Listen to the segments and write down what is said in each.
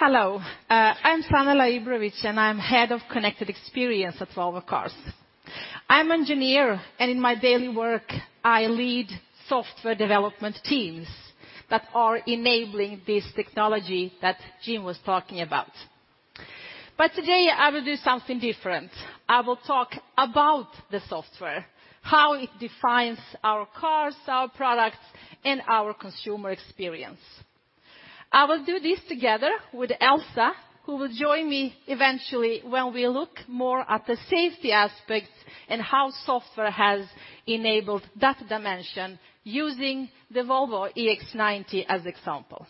Hello. I'm Sanela Ibrovic, and I'm Head of Connected Experience at Volvo Cars. I'm engineer, and in my daily work, I lead software development teams that are enabling this technology that Jim was talking about. Today, I will do something different. I will talk about the software, how it defines our cars, our products, and our consumer experience. I will do this together with Elsa, who will join me eventually when we look more at the safety aspects and how software has enabled that dimension using the Volvo EX90 as example.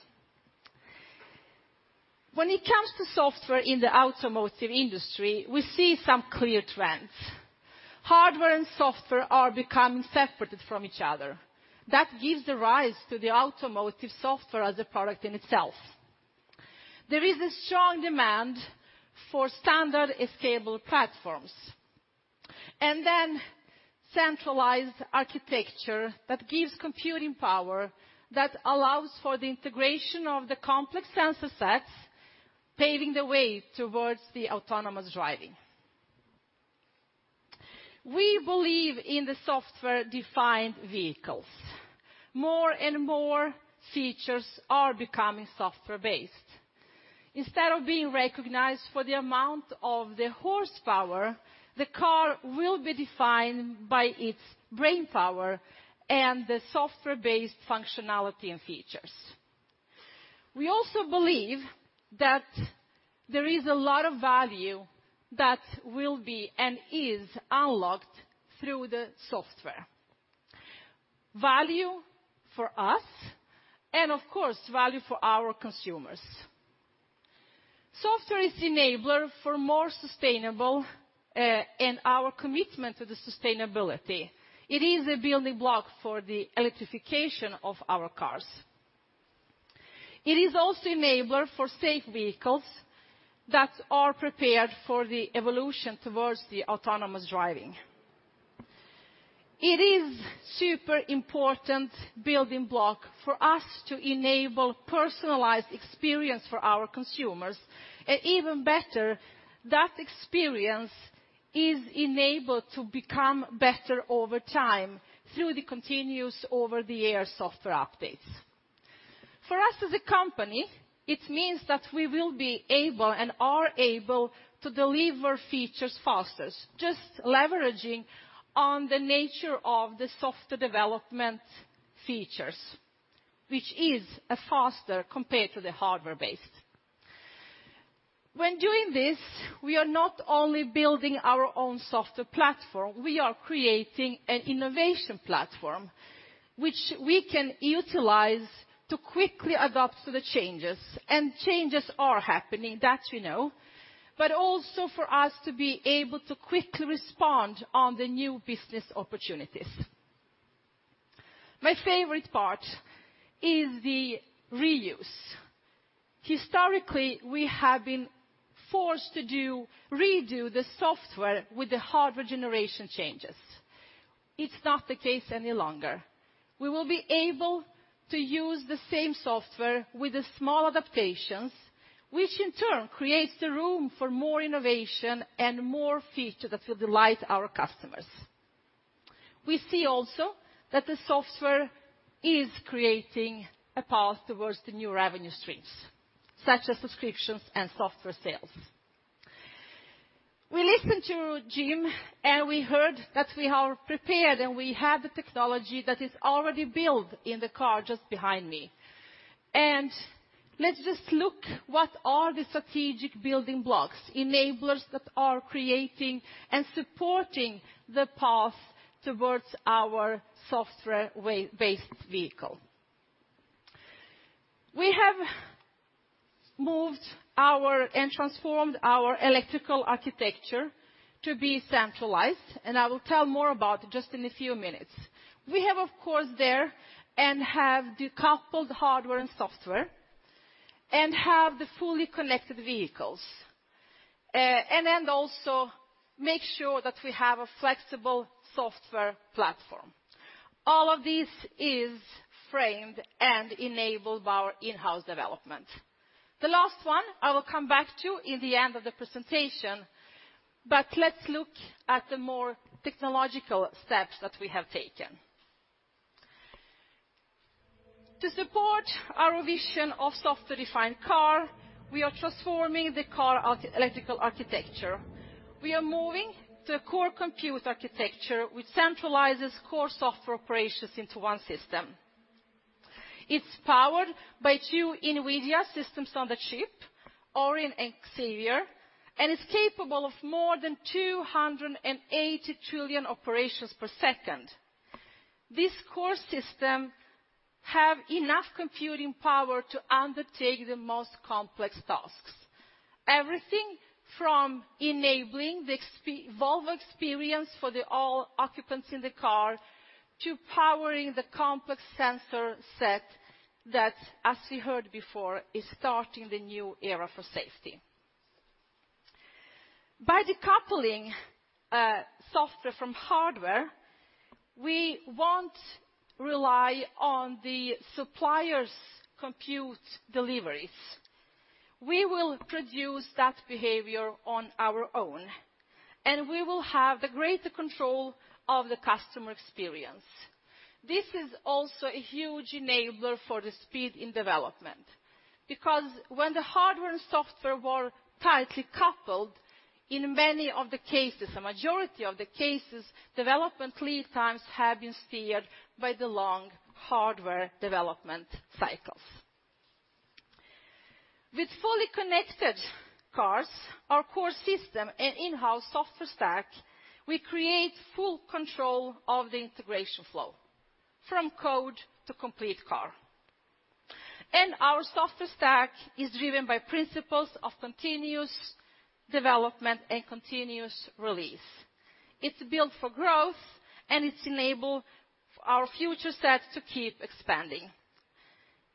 When it comes to software in the automotive industry, we see some clear trends. Hardware and software are becoming separated from each other. That gives the rise to the automotive software as a product in itself. There is a strong demand for standard scalable platforms, and then centralized architecture that gives computing power that allows for the integration of the complex sensor sets, paving the way towards the autonomous driving. We believe in the software-defined vehicles. More and more features are becoming software-based. Instead of being recognized for the amount of the horsepower, the car will be defined by its brainpower and the software-based functionality and features. We also believe that there is a lot of value that will be and is unlocked through the software. Value for us and of course, value for our consumers. Software is enabler for more sustainable, and our commitment to the sustainability. It is a building block for the electrification of our cars. It is also enabler for safe vehicles that are prepared for the evolution towards the autonomous driving. It is super important building block for us to enable personalized experience for our consumers. Even better, that experience is enabled to become better over time through the continuous over-the-air software updates. For us as a company, it means that we will be able and are able to deliver features fastest. Just leveraging on the nature of the software development features, which is a faster compared to the hardware-based. When doing this, we are not only building our own software platform, we are creating an innovation platform, which we can utilize to quickly adapt to the changes, and changes are happening. That, we know. Also for us to be able to quickly respond on the new business opportunities. My favorite part is the reuse. Historically, we have been forced to redo the software with the hardware generation changes. It's not the case any longer. We will be able to use the same software with the small adaptations, which in turn creates the room for more innovation and more features that will delight our customers. We see also that the software is creating a path towards the new revenue streams, such as subscriptions and software sales. We listened to Jim, and we heard that we are prepared, and we have the technology that is already built in the car just behind me. Let's just look what are the strategic building blocks, enablers that are creating and supporting the path towards our software-based vehicle. We have moved and transformed our electrical architecture to be centralized, and I will tell more about it just in a few minutes. We have, of course, there, and have decoupled hardware and software and have the fully connected vehicles. Also make sure that we have a flexible software platform. All of this is framed and enabled by our in-house development. The last one, I will come back to in the end of the presentation, but let's look at the more technological steps that we have taken. To support our vision of software-defined car, we are transforming the electrical architecture. We are moving to a core compute architecture which centralizes core software operations into one system. It's powered by two NVIDIA system-on-a-chip, Orin and Xavier, and is capable of more than 280 trillion operations per second. This core system have enough computing power to undertake the most complex tasks. Everything from enabling the Volvo experience for all the occupants in the car to powering the complex sensor set that, as we heard before, is starting the new era for safety. By decoupling software from hardware, we won't rely on the supplier's compute deliveries. We will produce that behavior on our own, and we will have greater control of the customer experience. This is also a huge enabler for the speed in development. Because when the hardware and software were tightly coupled, in many of the cases, a majority of the cases, development lead times have been steered by the long hardware development cycles. With fully connected cars, our core system and in-house software stack, we create full control of the integration flow from code to complete car. Our software stack is driven by principles of continuous development and continuous release. It's built for growth, and it's enabled our future sets to keep expanding.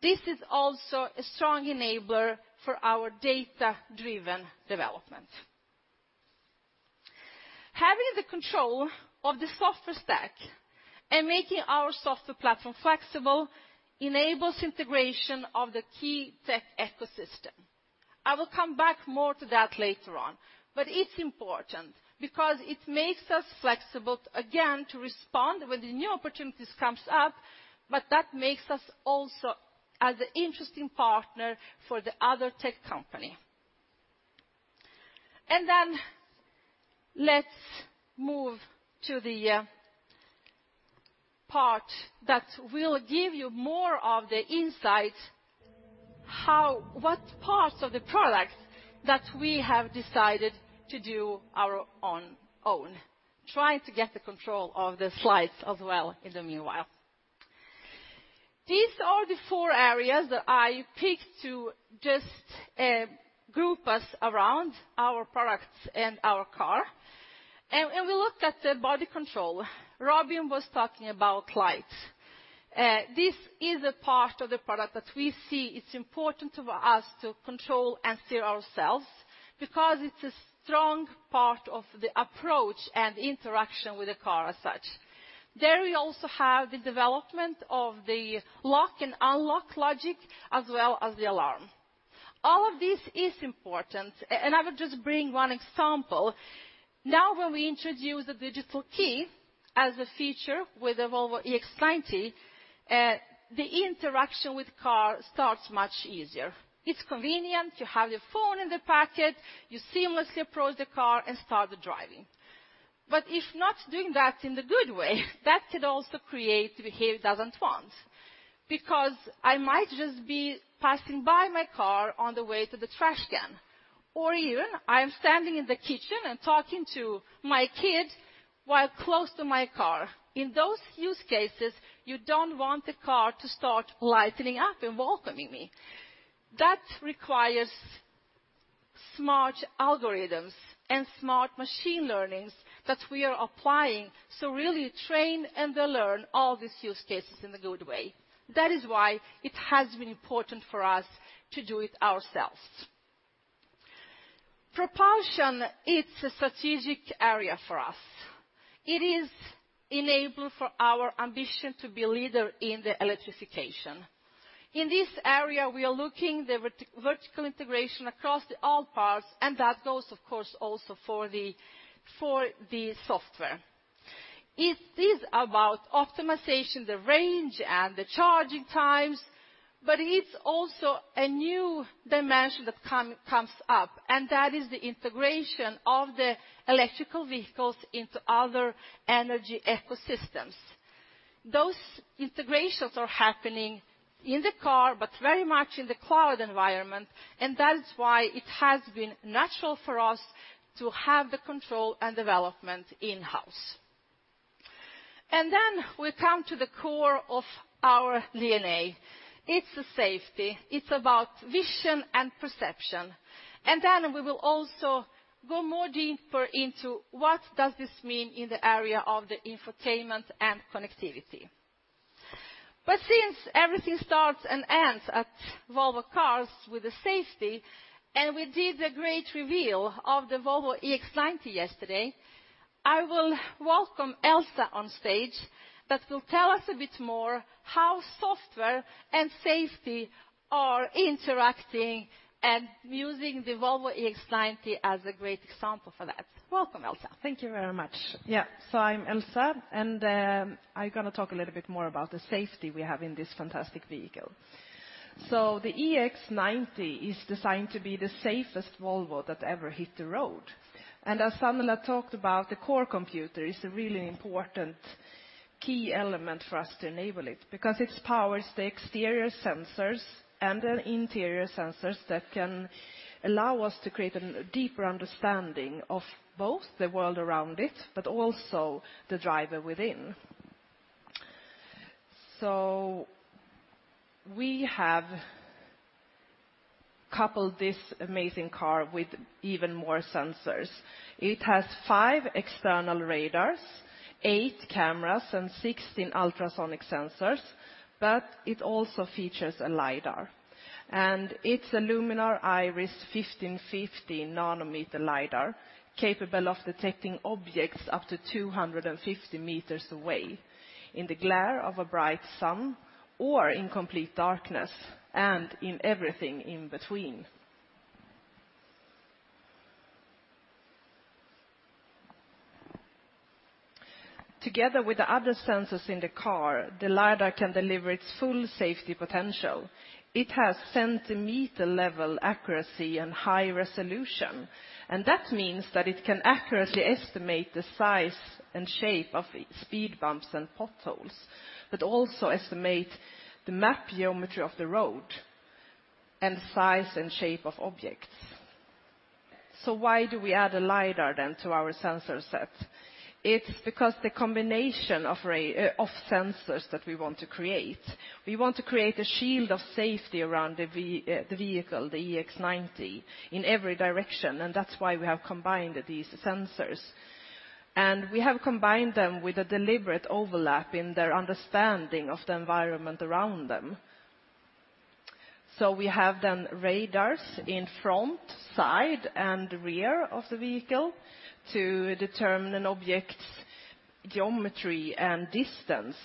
This is also a strong enabler for our data-driven development. Having the control of the software stack and making our software platform flexible enables integration of the key tech ecosystem. I will come back more to that later on, but it's important because it makes us flexible, again, to respond when the new opportunities comes up, but that makes us also as an interesting partner for the other tech company. Let's move to the part that will give you more of the insight what parts of the product that we have decided to do our own. Trying to get the control of the slides as well in the meanwhile. These are the four areas that I picked to just group us around our products and our car. We look at the body control. Robin was talking about light. This is a part of the product that we see it's important to us to control and steer ourselves because it's a strong part of the approach and interaction with the car as such. There we also have the development of the lock and unlock logic, as well as the alarm. All of this is important. I would just bring one example. Now when we introduce the Digital Key as a feature with the Volvo EX90, the interaction with car starts much easier. It's convenient. You have your phone in the pocket. You seamlessly approach the car and start the driving. If not doing that in the good way, that could also create behavior it doesn't want. Because I might just be passing by my car on the way to the trash can, or even I'm standing in the kitchen and talking to my kids while close to my car. In those use cases, you don't want the car to start lighting up and welcoming me. That requires smart algorithms and smart machine learnings that we are applying to really train and learn all these use cases in a good way. That is why it has been important for us to do it ourselves. Propulsion, it's a strategic area for us. It is enabler for our ambition to be leader in the electrification. In this area, we are looking at vertical integration across all parts, and that goes, of course, also for the software. It is about optimization, the range and the charging times, but it's also a new dimension that comes up, and that is the integration of the electric vehicles into other energy ecosystems. Those integrations are happening in the car, but very much in the cloud environment, and that's why it has been natural for us to have the control and development in-house. Then we come to the core of our DNA. It's the safety. It's about vision and perception. Then we will also go more deeper into what does this mean in the area of the infotainment and connectivity. Since everything starts and ends at Volvo Cars with the safety, and we did the great reveal of the Volvo EX90 yesterday, I will welcome Elsa on stage, that will tell us a bit more how software and safety are interacting and using the Volvo EX90 as a great example for that. Welcome, Elsa. Thank you very much. Yeah. I'm Elsa, and I'm gonna talk a little bit more about the safety we have in this fantastic vehicle. The EX90 is designed to be the safest Volvo that ever hit the road. As Sanela talked about, the core computer is a really important key element for us to enable it because it powers the exterior sensors and the interior sensors that can allow us to create a deeper understanding of both the world around it, but also the driver within. Couple this amazing car with even more sensors. It has five external radars, eight cameras, and 16 ultrasonic sensors, but it also features a lidar. It's a Luminar Iris 1,550 nm lidar capable of detecting objects up to 250 m away in the glare of a bright sun or in complete darkness, and in everything in between. Together with the other sensors in the car, the lidar can deliver its full safety potential. It has centimeter-level accuracy and high resolution, and that means that it can accurately estimate the size and shape of speed bumps and potholes, but also estimate the map geometry of the road and size and shape of objects. Why do we add a lidar then to our sensor set? It's because the combination of sensors that we want to create a shield of safety around the vehicle, the EX90, in every direction, and that's why we have combined these sensors. We have combined them with a deliberate overlap in their understanding of the environment around them. We have then radars in front, side, and rear of the vehicle to determine an object's geometry and distance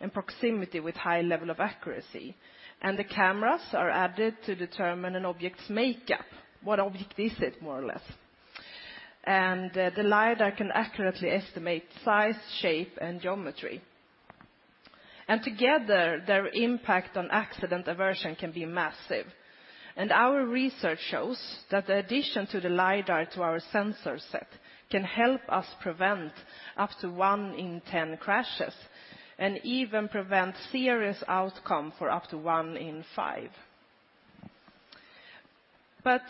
and proximity with high level of accuracy. The cameras are added to determine an object's makeup, what object is it, more or less. The lidar can accurately estimate size, shape, and geometry. Together, their impact on accident aversion can be massive. Our research shows that the addition to the lidar to our sensor set can help us prevent up to one in ten crashes, and even prevent serious outcome for up to one in five.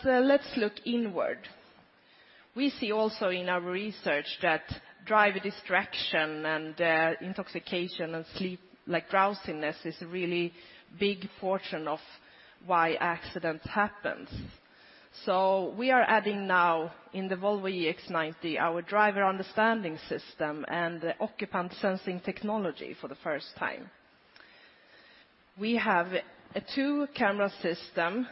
Let's look inward. We see also in our research that driver distraction and, intoxication and sleep, like drowsiness, is a really big portion of why accidents happens. We are adding now in the Volvo EX90 our driver understanding system and the occupant sensing technology for the first time. We have a two-camera system.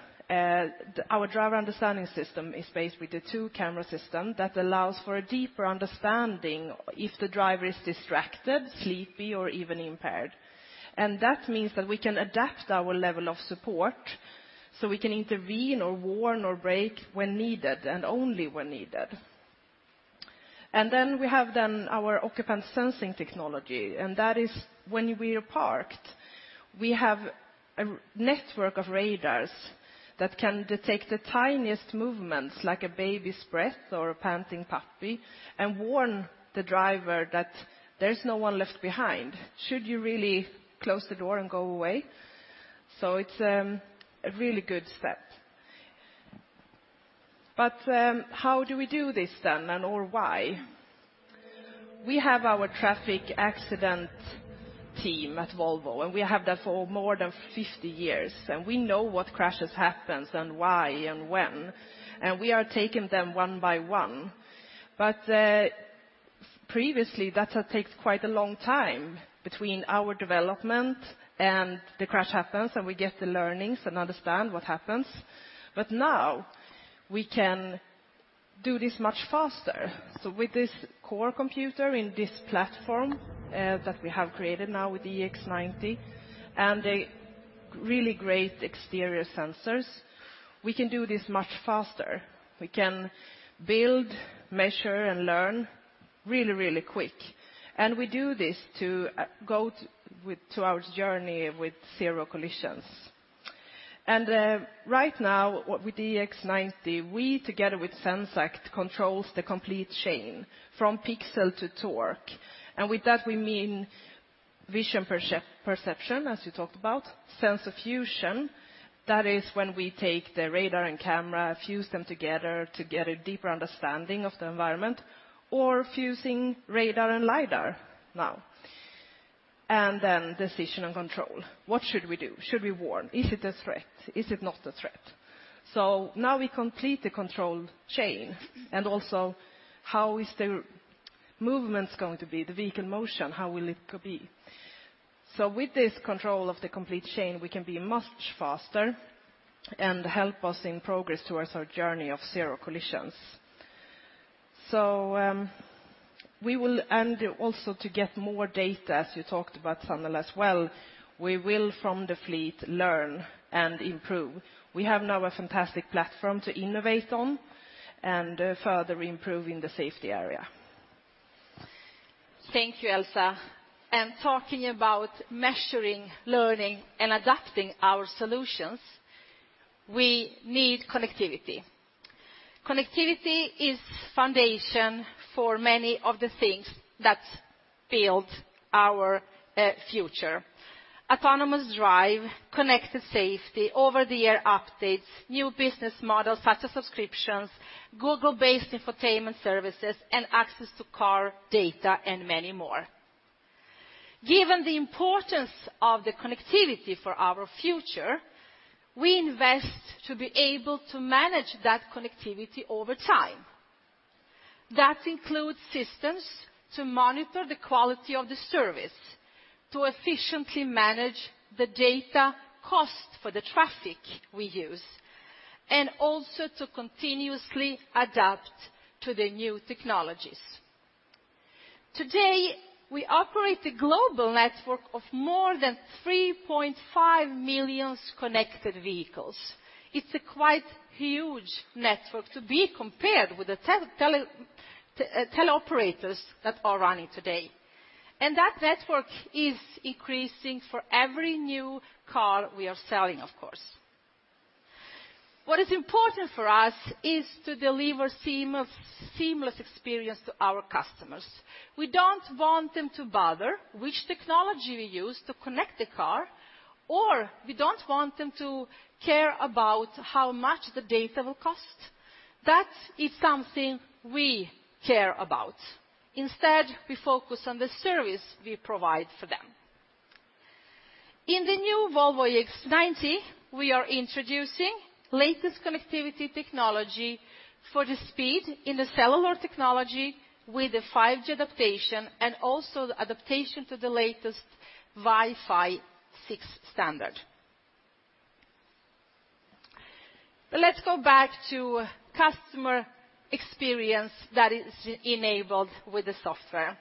Our driver understanding system is based with a two-camera system that allows for a deeper understanding if the driver is distracted, sleepy, or even impaired. That means that we can adapt our level of support, so we can intervene or warn or brake when needed, and only when needed. We have our occupant sensing technology, and that is when we're parked, we have a network of radars that can detect the tiniest movements, like a baby's breath or a panting puppy, and warn the driver that there's no one left behind, should you really close the door and go away. It's a really good step. How do we do this then and/or why? We have our Traffic Accident Research Team at Volvo, and we have that for more than 50 years, and we know what crashes happens and why and when, and we are taking them one by one. Previously, that takes quite a long time between our development and the crash happens, and we get the learnings and understand what happens. Now we can do this much faster. With this core computer in this platform, that we have created now with EX90 and the really great exterior sensors, we can do this much faster. We can build, measure, and learn really, really quick. We do this to go to our journey with zero collisions. Right now with EX90, we together with Zenseact controls the complete chain from pixel to torque. With that we mean vision perception, as you talked about, sensor fusion, that is when we take the radar and camera, fuse them together to get a deeper understanding of the environment, or fusing radar and lidar now. Decision and control. What should we do? Should we warn? Is it a threat? Is it not a threat? We complete the controlled chain and also how is the movements going to be, the vehicle motion, how will it be? With this control of the complete chain, we can be much faster and help us in progress towards our journey of zero collisions. To get more data, as you talked about, Sanela, as well, we will from the fleet learn and improve. We have now a fantastic platform to innovate on and further improve in the safety area. Thank you, Elsa. Talking about measuring, learning, and adapting our solutions, we need connectivity. Connectivity is foundation for many of the things that build our future. Autonomous drive, connected safety, over-the-air updates, new business models such as subscriptions, Google-based infotainment services, and access to car data, and many more. Given the importance of the connectivity for our future, we invest to be able to manage that connectivity over time. That includes systems to monitor the quality of the service, to efficiently manage the data cost for the traffic we use, and also to continuously adapt to the new technologies. Today, we operate a global network of more than 3.5 million connected vehicles. It's a quite huge network to be compared with the teleoperators that are running today. That network is increasing for every new car we are selling, of course. What is important for us is to deliver a seamless experience to our customers. We don't want them to bother with which technology we use to connect the car, or we don't want them to care about how much the data will cost. That is something we care about. Instead, we focus on the service we provide for them. In the new Volvo EX90, we are introducing latest connectivity technology for the speed in the cellular technology with the 5G adaptation and also the adaptation to the latest Wi-Fi 6 standard. Let's go back to customer experience that is enabled with the software.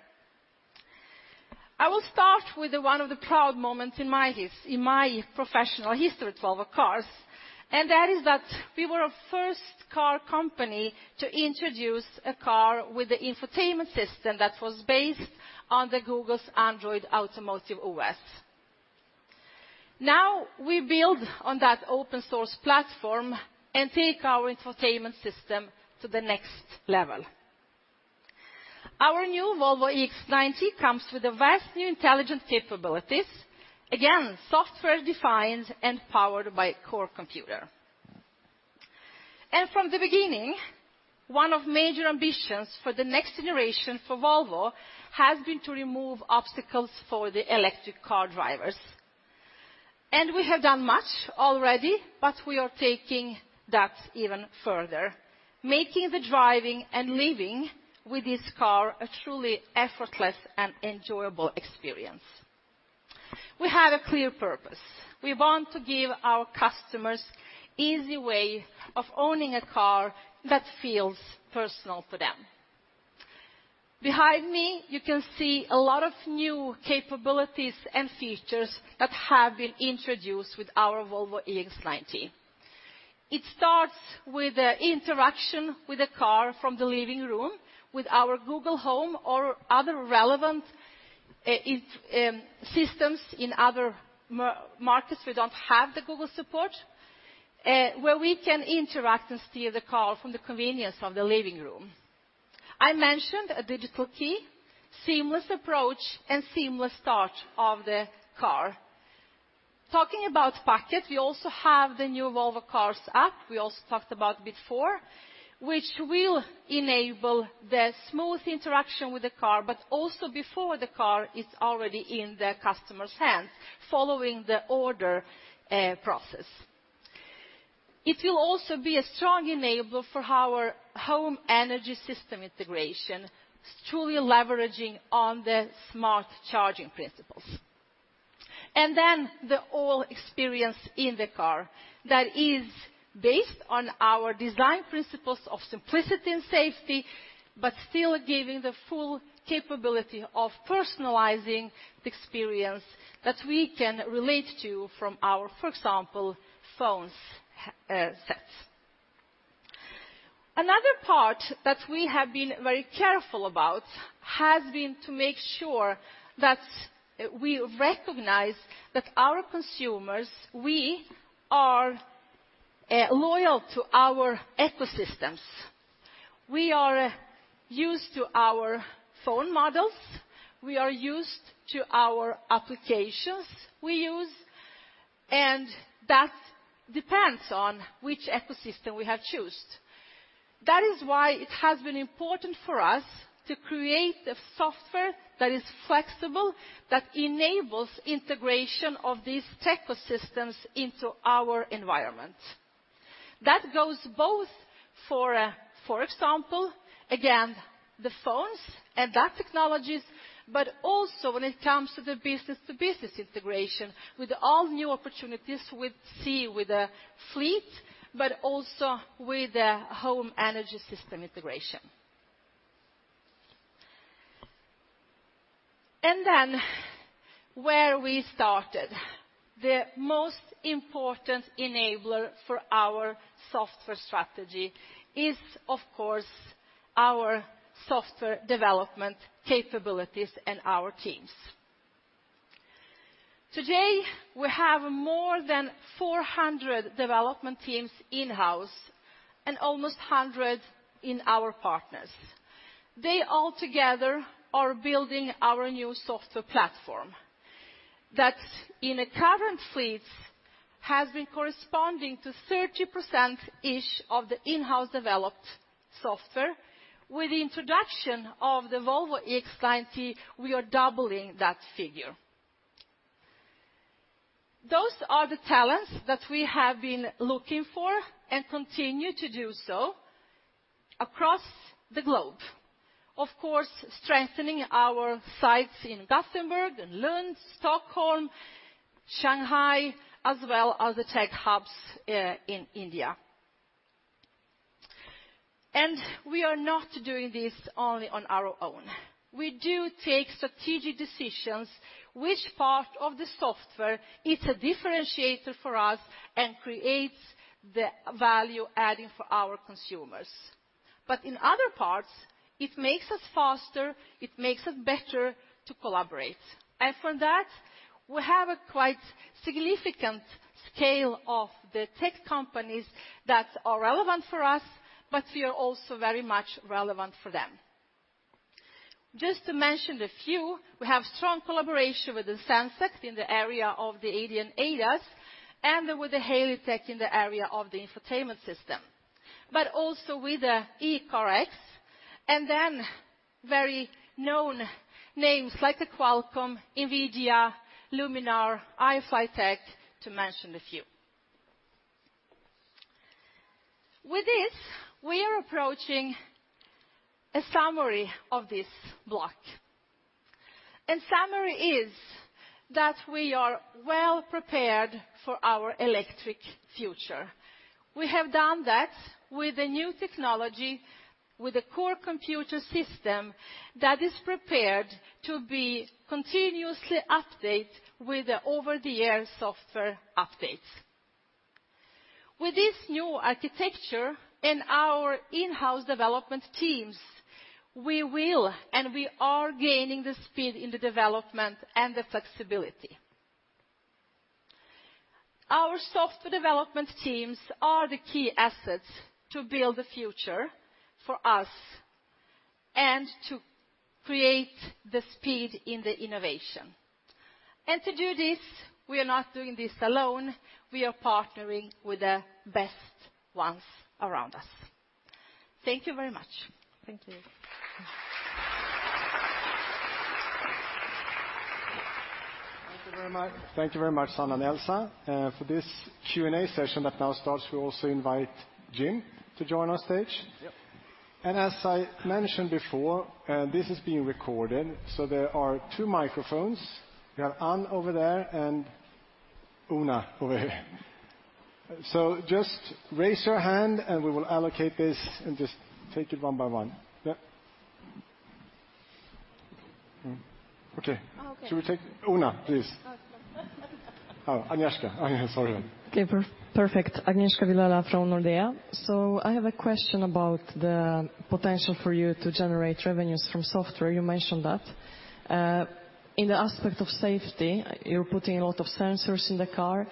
I will start with one of the proud moments in my professional history at Volvo Cars, and that is that we were the first car company to introduce a car with the infotainment system that was based on Google's Android Automotive OS. Now, we build on that open source platform and take our infotainment system to the next level. Our new Volvo EX90 comes with a vast new intelligence capabilities, again, software-defined and powered by a core computer. From the beginning, one of major ambitions for the next generation for Volvo has been to remove obstacles for the electric car drivers. We have done much already, but we are taking that even further, making the driving and living with this car a truly effortless and enjoyable experience. We have a clear purpose. We want to give our customers easy way of owning a car that feels personal for them. Behind me, you can see a lot of new capabilities and features that have been introduced with our Volvo EX90. It starts with the interaction with the car from the living room with our Google Home or other relevant systems. In other markets, we don't have the Google support where we can interact and steer the car from the convenience of the living room. I mentioned a Digital Key, seamless approach, and seamless start of the car. Talking about the app, we also have the new Volvo Cars app we also talked about before, which will enable the smooth interaction with the car, but also before the car is already in the customer's hands following the order process. It will also be a strong enabler for our home energy system integration, truly leveraging on the smart charging principles. The overall experience in the car that is based on our design principles of simplicity and safety, but still giving the full capability of personalizing the experience that we can relate to from our, for example, phones, sets. Another part that we have been very careful about has been to make sure that we recognize that our consumers are loyal to our ecosystems. We are used to our phone models. We are used to our applications we use, and that depends on which ecosystem we have chosen. That is why it has been important for us to create a software that is flexible, that enables integration of these ecosystems into our environment. That goes both for example, again, the phones and those technologies, but also when it comes to the business-to-business integration with all new opportunities we'd see with the fleet, but also with the home energy system integration. Where we started. The most important enabler for our software strategy is, of course, our software development capabilities and our teams. Today, we have more than 400 development teams in-house and almost 100 in our partners. They all together are building our new software platform that in a current fleet has been corresponding to 30%-ish of the in-house developed software. With the introduction of the Volvo EX90, we are doubling that figure. Those are the talents that we have been looking for and continue to do so across the globe. Of course, strengthening our sites in Gothenburg and Lund, Stockholm, Shanghai, as well as the tech hubs in India. We are not doing this only on our own. We do take strategic decisions which part of the software is a differentiator for us and creates the value adding for our consumers. In other parts, it makes us faster, it makes us better to collaborate. For that, we have a quite significant scale of the tech companies that are relevant for us, but we are also very much relevant for them. Just to mention a few, we have strong collaboration with the Zenseact in the area of the AD and ADAS, and with the HaleyTek in the area of the infotainment system. Also with the ECARX, and then very known names like the Qualcomm, NVIDIA, Luminar, iFlytek, to mention a few. With this, we are approaching a summary of this block. Summary is that we are well prepared for our electric future. We have done that with the new technology, with the core computer system that is prepared to be continuously update with the over-the-air software updates. With this new architecture and our in-house development teams, we will and we are gaining the speed in the development and the flexibility. Our software development teams are the key assets to build the future for us and to create the speed in the innovation. To do this, we are not doing this alone. We are partnering with the best ones around us. Thank you very much. Thank you. Thank you very much. Thank you very much, Sanela and Elsa. For this Q&A session that now starts, we also invite Jim to join our stage. Yep. As I mentioned before, this is being recorded, so there are two microphones. We have Anne over there and Una over here. Just raise your hand and we will allocate this and just take it one by one. Yep. Okay. Oh, okay. Should we take Una, please? Oh, sorry. Oh, Agnieszka. Sorry. Okay, perfect. Agnieszka Vilela from Nordea. I have a question about the potential for you to generate revenues from software, you mentioned that. In the aspect of safety, you're putting a lot of sensors in the car,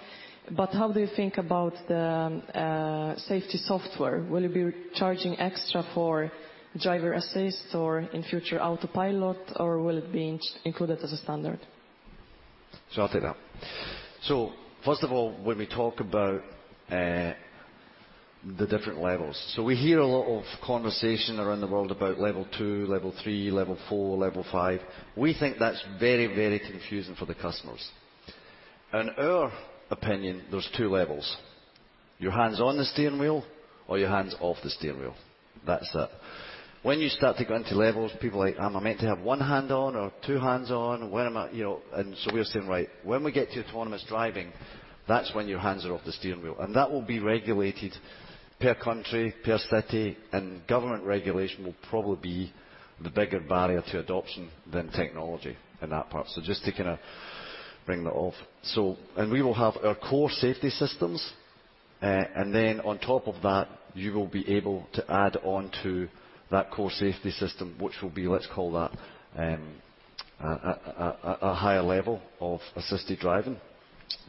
but how do you think about the safety software? Will you be charging extra for driver assist or in future autopilot, or will it be included as a standard? I'll take that. First of all, when we talk about the different levels. We hear a lot of conversation around the world about Level 2, Level 3, Level 4, Level 5. We think that's very, very confusing for the customers. In our opinion, there's two levels. Your hand's on the steering wheel or your hand's off the steering wheel. That's. When you start to go into levels, people are like, "Am I meant to have one hand on or two hands on? Where am I..." You know? We're saying, right, when we get to autonomous driving, that's when your hands are off the steering wheel. That will be regulated per country, per city, and government regulation will probably be the bigger barrier to adoption than technology in that part. Just to kinda bring that off. We will have our core safety systems, and then on top of that, you will be able to add on to that core safety system, which will be, let's call that, a higher level of assisted driving.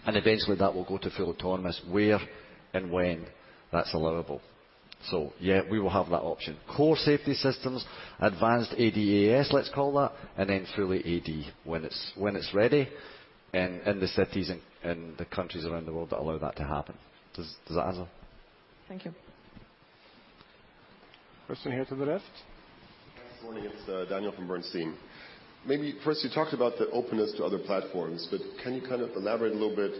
Eventually that will go to full autonomous where and when that's allowable. Yeah, we will have that option. Core safety systems, advanced ADAS, let's call that, and then fully AD when it's ready in the cities and the countries around the world that allow that to happen. Does that answer? Thank you. Person here to the left. Yes. Morning. It's Daniel from Bernstein. Maybe first, you talked about the openness to other platforms, but can you kind of elaborate a little bit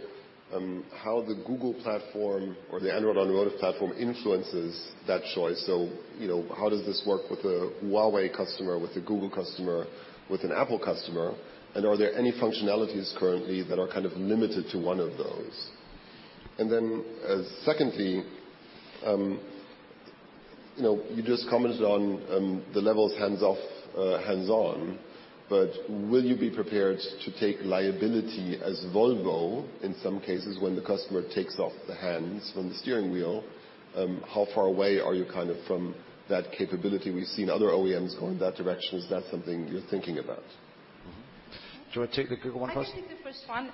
on how the Google platform or the Android automotive platform influences that choice? So, you know, how does this work with a Huawei customer, with a Google customer, with an Apple customer? And are there any functionalities currently that are kind of limited to one of those? And then, secondly, you know, you just commented on the levels hands off, hands-on, but will you be prepared to take liability as Volvo in some cases when the customer takes the hands off the steering wheel? How far away are you kind of from that capability? We've seen other OEMs go in that direction. Is that something you're thinking about? Mm-hmm. Do you want to take the Google one first? I can take the first one.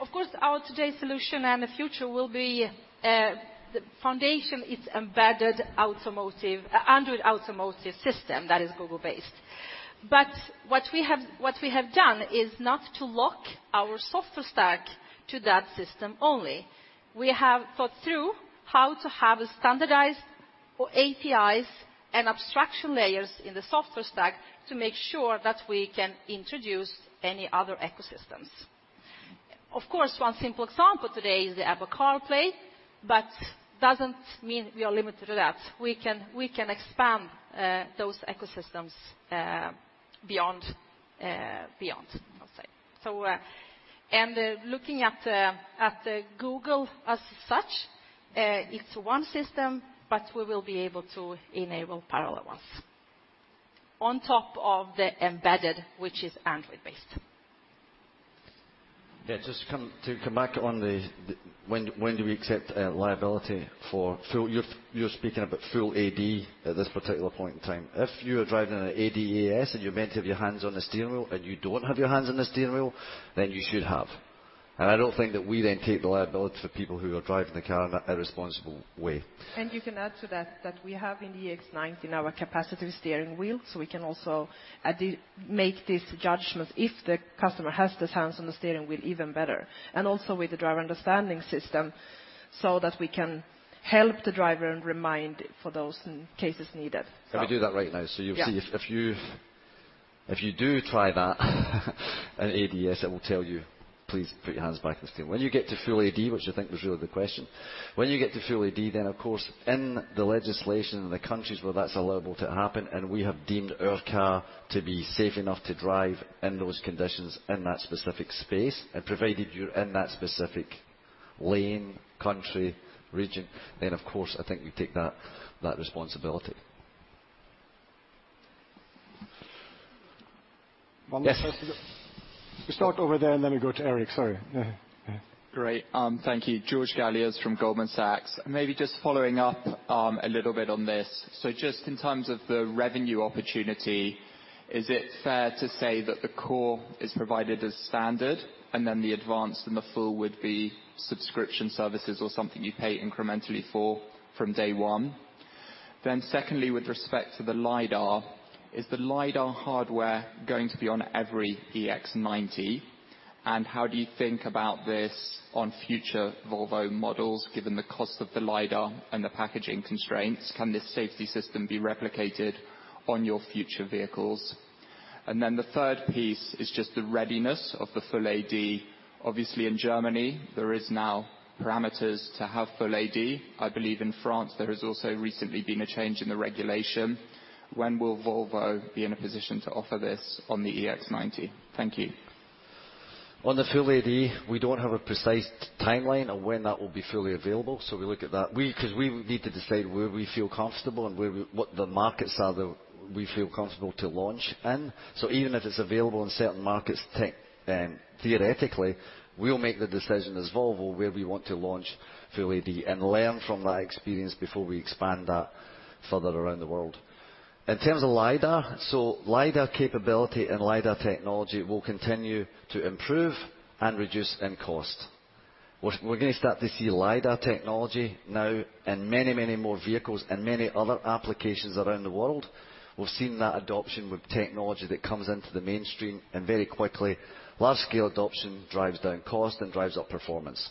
Of course, our today solution and the future will be, the foundation is embedded Android Automotive system that is Google-based. What we have done is not to lock our software stack to that system only. We have thought through how to have standardized APIs and abstraction layers in the software stack to make sure that we can introduce any other ecosystems. Of course, one simple example today is the Apple CarPlay, but doesn't mean we are limited to that. We can expand those ecosystems beyond, I'll say. Looking at Google as such, it's one system, but we will be able to enable parallel ones on top of the embedded, which is Android-based. Yeah. Just to come back on when do we accept liability for full. You're speaking about full AD at this particular point in time. If you are driving in ADAS, and you're meant to have your hands on the steering wheel, and you don't have your hands on the steering wheel, then you should have. I don't think that we then take the liability for people who are driving the car in an irresponsible way. You can add to that we have in the EX90 now a capacitive steering wheel, so we can also make these judgments if the customer has his hands on the steering wheel even better, and also with the driver understanding system, so that we can help the driver and remind for those cases needed. We do that right now. Yeah. You'll see if you do try that in ADS, it will tell you, "Please put your hands back on the steering." When you get to full AD, which I think was really the question, when you get to full AD, then, of course, in the legislation and the countries where that's allowable to happen, and we have deemed our car to be safe enough to drive in those conditions in that specific space, and provided you're in that specific lane, country, region, then, of course, I think we take that responsibility. We start over there, and then we go to Erik. Sorry. Yeah. Yeah. Great. Thank you. George Galliers from Goldman Sachs. Maybe just following up a little bit on this. So just in terms of the revenue opportunity, is it fair to say that the Core is provided as standard, and then the Advanced and the Full would be subscription services or something you pay incrementally for from day one? Then secondly, with respect to the lidar, is the lidar hardware going to be on every EX90? And how do you think about this on future Volvo models, given the cost of the lidar and the packaging constraints? Can this safety system be replicated on your future vehicles? And then the third piece is just the readiness of the full AD. Obviously, in Germany, there is now parameters to have full AD. I believe in France, there has also recently been a change in the regulation. When will Volvo be in a position to offer this on the EX90? Thank you. On the full AD, we don't have a precise timeline of when that will be fully available, so we look at that. 'Cause we need to decide what the markets are that we feel comfortable to launch in. Even if it's available in certain markets then theoretically, we'll make the decision as Volvo where we want to launch full AD and learn from that experience before we expand that further around the world. In terms of lidar capability and lidar technology will continue to improve and reduce in cost. We're gonna start to see lidar technology now in many, many more vehicles and many other applications around the world. We've seen that adoption with technology that comes into the mainstream, and very quickly, large-scale adoption drives down cost and drives up performance.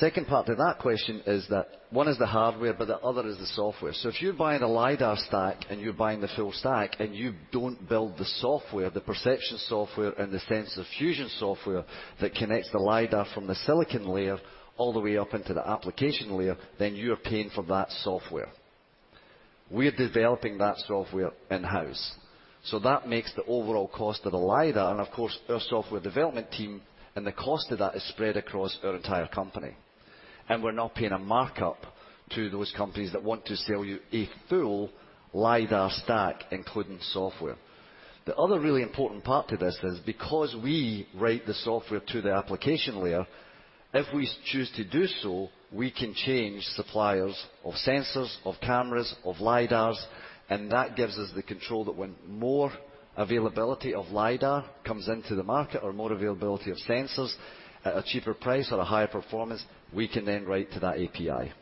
Second part to that question is that one is the hardware, but the other is the software. If you're buying a lidar stack and you're buying the full stack and you don't build the software, the perception software and the sensor fusion software that connects the lidar from the silicon layer all the way up into the application layer, then you are paying for that software. We're developing that software in-house, so that makes the overall cost of the lidar and, of course, our software development team, and the cost of that is spread across our entire company. We're not paying a markup to those companies that want to sell you a full lidar stack, including software. The other really important part to this is because we write the software to the application layer, if we choose to do so, we can change suppliers of sensors, of cameras, of lidars, and that gives us the control that when more availability of lidar comes into the market or more availability of sensors at a cheaper price or a higher performance, we can then write to that API.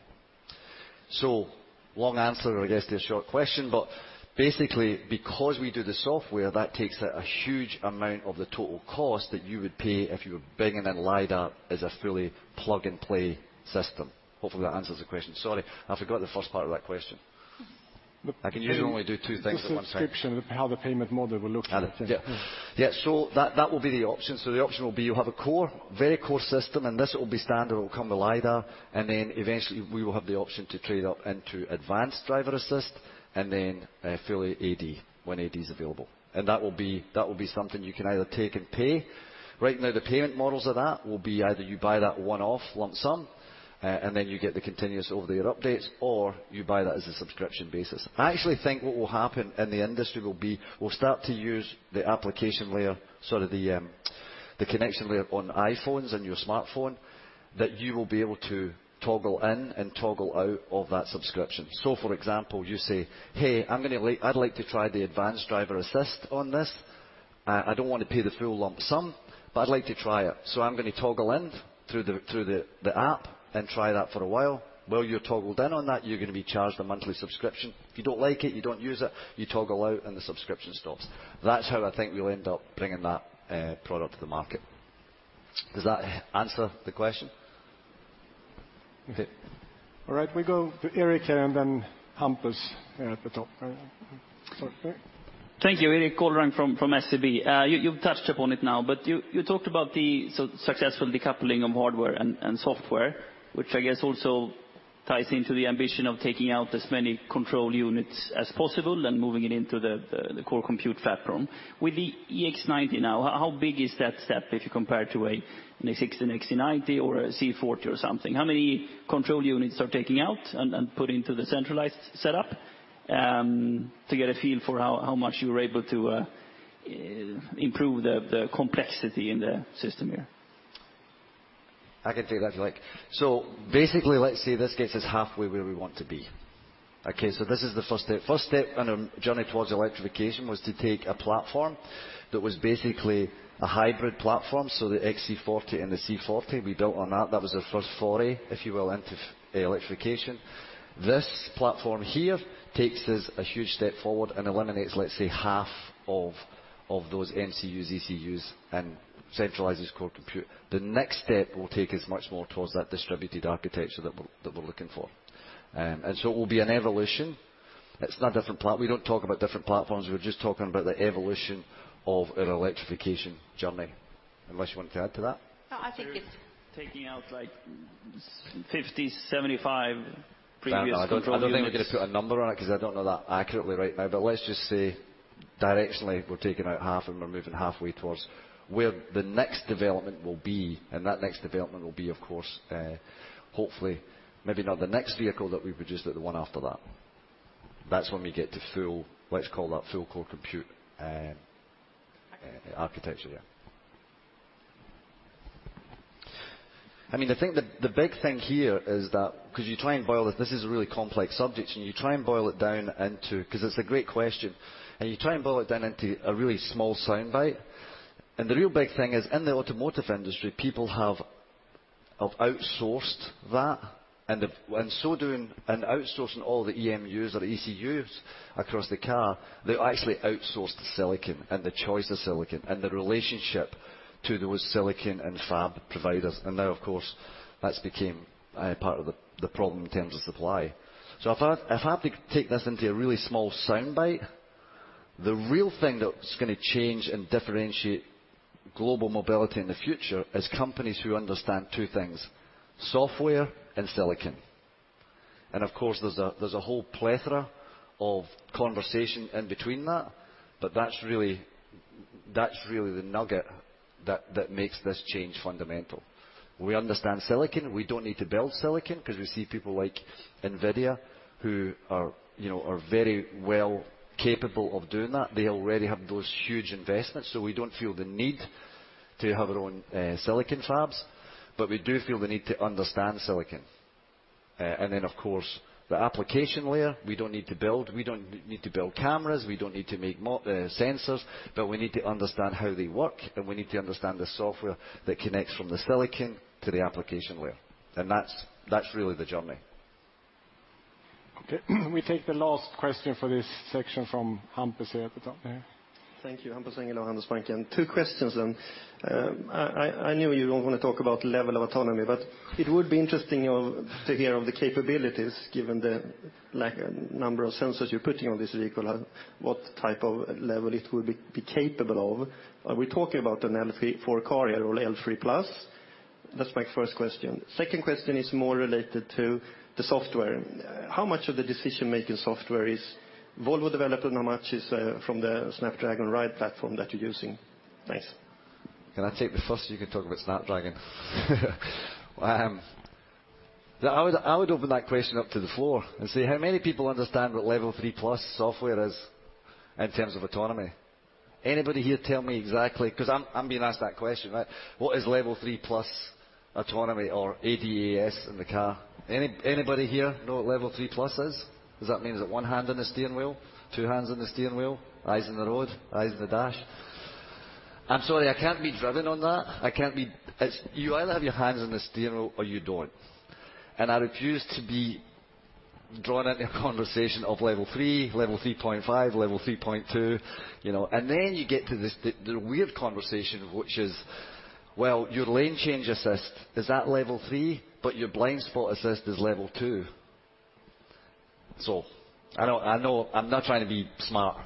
Long answer, I guess, to a short question, but basically, because we do the software, that takes a huge amount of the total cost that you would pay if you were bringing in lidar as a fully plug-and-play system. Hopefully, that answers the question. Sorry, I forgot the first part of that question I can usually only do two things at one time. The subscription, how the payment model will look. Got it. Yeah. The option will be you have a core, very core system, and this will be standard. It will come with lidar, and then eventually we will have the option to trade up into Advanced Driver Assist and then a fully AD when AD is available. That will be something you can either take and pay. Right now, the payment models of that will be either you buy that one-off lump sum, and then you get the continuous over-the-air updates, or you buy that as a subscription basis. I actually think what will happen in the industry will be we'll start to use the application layer, sort of the connection layer on iPhones and your smartphone, that you will be able to toggle in and toggle out of that subscription. For example, you say, "Hey, I'd like to try the Advanced Driver Assistance on this." I don't wanna pay the full lump sum, but I'd like to try it, so I'm gonna toggle in through the app and try that for a while. While you're toggled in on that, you're gonna be charged a monthly subscription. If you don't like it, you don't use it, you toggle out, and the subscription stops. That's how I think we'll end up bringing that product to the market. Does that answer the question? Okay. All right, we go to Erik here and then Hampus here at the top. Sorry. Erik? Thank you. Erik Golrang from SEB. You've touched upon it now, but you talked about the successful decoupling of hardware and software, which I guess also ties into the ambition of taking out as many control units as possible and moving it into the core compute platform. With the EX90 now, how big is that step if you compare it to an XC60, XC90 or a C40 or something? How many control units are you taking out and putting to the centralized setup, to get a feel for how much you were able to improve the complexity in the system here? I can take that if you like. Basically, let's say this gets us halfway where we want to be. Okay? This is the first step. First step on our journey towards electrification was to take a platform that was basically a hybrid platform, so the XC40 and the C40, we built on that. That was our first foray, if you will, into electrification. This platform here takes us a huge step forward and eliminates, let's say, half of those ECUs and centralizes core compute. The next step will take us much more towards that distributed architecture that we're looking for. It will be an evolution. It's not a different. We don't talk about different platforms. We're just talking about the evolution of an electrification journey. Unless you wanted to add to that? No, I think it's. You're taking out, like, 50, 75 previous control units. No, I don't think we're gonna put a number on it, 'cause I don't know that accurately right now. Let's just say, directionally, we're taking out half and we're moving halfway towards where the next development will be, and that next development will be, of course, hopefully, maybe not the next vehicle that we produce, but the one after that. That's when we get to full, let's call that full core compute. Architecture.... architecture, yeah. I mean, I think the big thing here is that this is a really complex subject. It's a great question, and you try and boil it down into a really small soundbite. The real big thing is, in the automotive industry, people have outsourced that, and in so doing, outsourcing all the ECUs across the car, they actually outsource the silicon and the choice of silicon and the relationship to those silicon and fab providers. Now, of course, that's became a part of the problem in terms of supply. If I had to take this into a really small soundbite, the real thing that's gonna change and differentiate global mobility in the future is companies who understand two things, software and silicon. Of course, there's a whole plethora of conversation in between that, but that's really the nugget that makes this change fundamental. We understand silicon. We don't need to build silicon, 'cause we see people like NVIDIA who are very well capable of doing that. They already have those huge investments, so we don't feel the need to have our own silicon fabs. We do feel the need to understand silicon. Of course, the application layer, we don't need to build. We don't need to build cameras. We don't need to make sensors, but we need to understand how they work, and we need to understand the software that connects from the silicon to the application layer. That's really the journey. Okay. We take the last question for this section from Hampus here at the top here. Thank you. Hampus Engellau, Handelsbanken. Two questions. I know you don't wanna talk about level of autonomy, but it would be interesting to hear about the capabilities given the large number of sensors you're putting on this vehicle and what type of level it will be capable of. Are we talking about an L3 for a car here or L3+? That's my first question. Second question is more related to the software. How much of the decision-making software is Volvo developed and how much is from the Snapdragon Ride Platform that you're using? Thanks. Can I take the first so you can talk about Snapdragon? I would open that question up to the floor and say how many people understand what Level 3+ software is in terms of autonomy? Anybody here tell me exactly? 'Cause I'm being asked that question, right? What is Level 3+ autonomy or ADAS in the car? Anybody here know what Level 3+ is? Does that mean is it one hand on the steering wheel? Two hands on the steering wheel? Eyes on the road? Eyes on the dash? I'm sorry, I can't be driven on that. It's you either have your hands on the steering wheel or you don't, and I refuse to be drawn into a conversation of level three, level three point five, level three point two, you know? You get to this, the weird conversation, which is, well, your lane change assist is at Level 3, but your blind spot assist is Level 2. I know I'm not trying to be smart,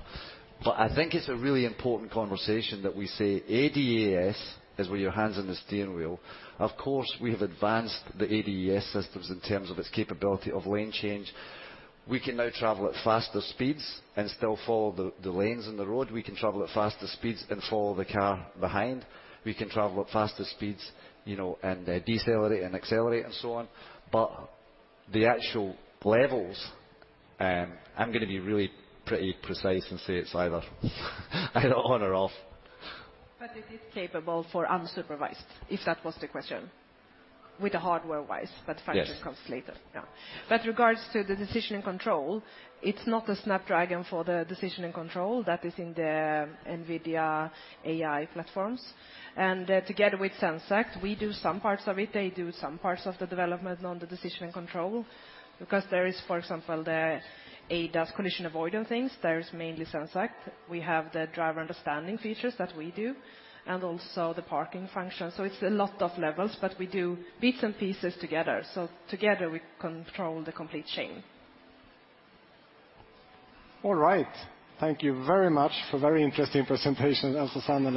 but I think it's a really important conversation that we say ADAS is with your hands on the steering wheel. Of course, we have advanced the ADAS systems in terms of its capability of lane change. We can now travel at faster speeds and still follow the lanes in the road. We can travel at faster speeds and follow the car behind. We can travel at faster speeds, you know, and decelerate and accelerate and so on. The actual levels, I'm gonna be really pretty precise and say it's either on or off. It is capable of unsupervised, if that was the question. With the hardware wise- Yes. -function comes later. Yeah. With regard to the decision and control, it's not a Snapdragon for the decision and control. That is in the NVIDIA AI platforms. Together with Zenseact, we do some parts of it, they do some parts of the development on the decision and control. Because there is, for example, the ADAS collision avoid and things, there is mainly Zenseact. We have the Driver Understanding features that we do, and also the parking function. It's a lot of levels, but we do bits and pieces together. Together we control the complete chain. All right. Thank you very much for a very interesting presentation, Elsa and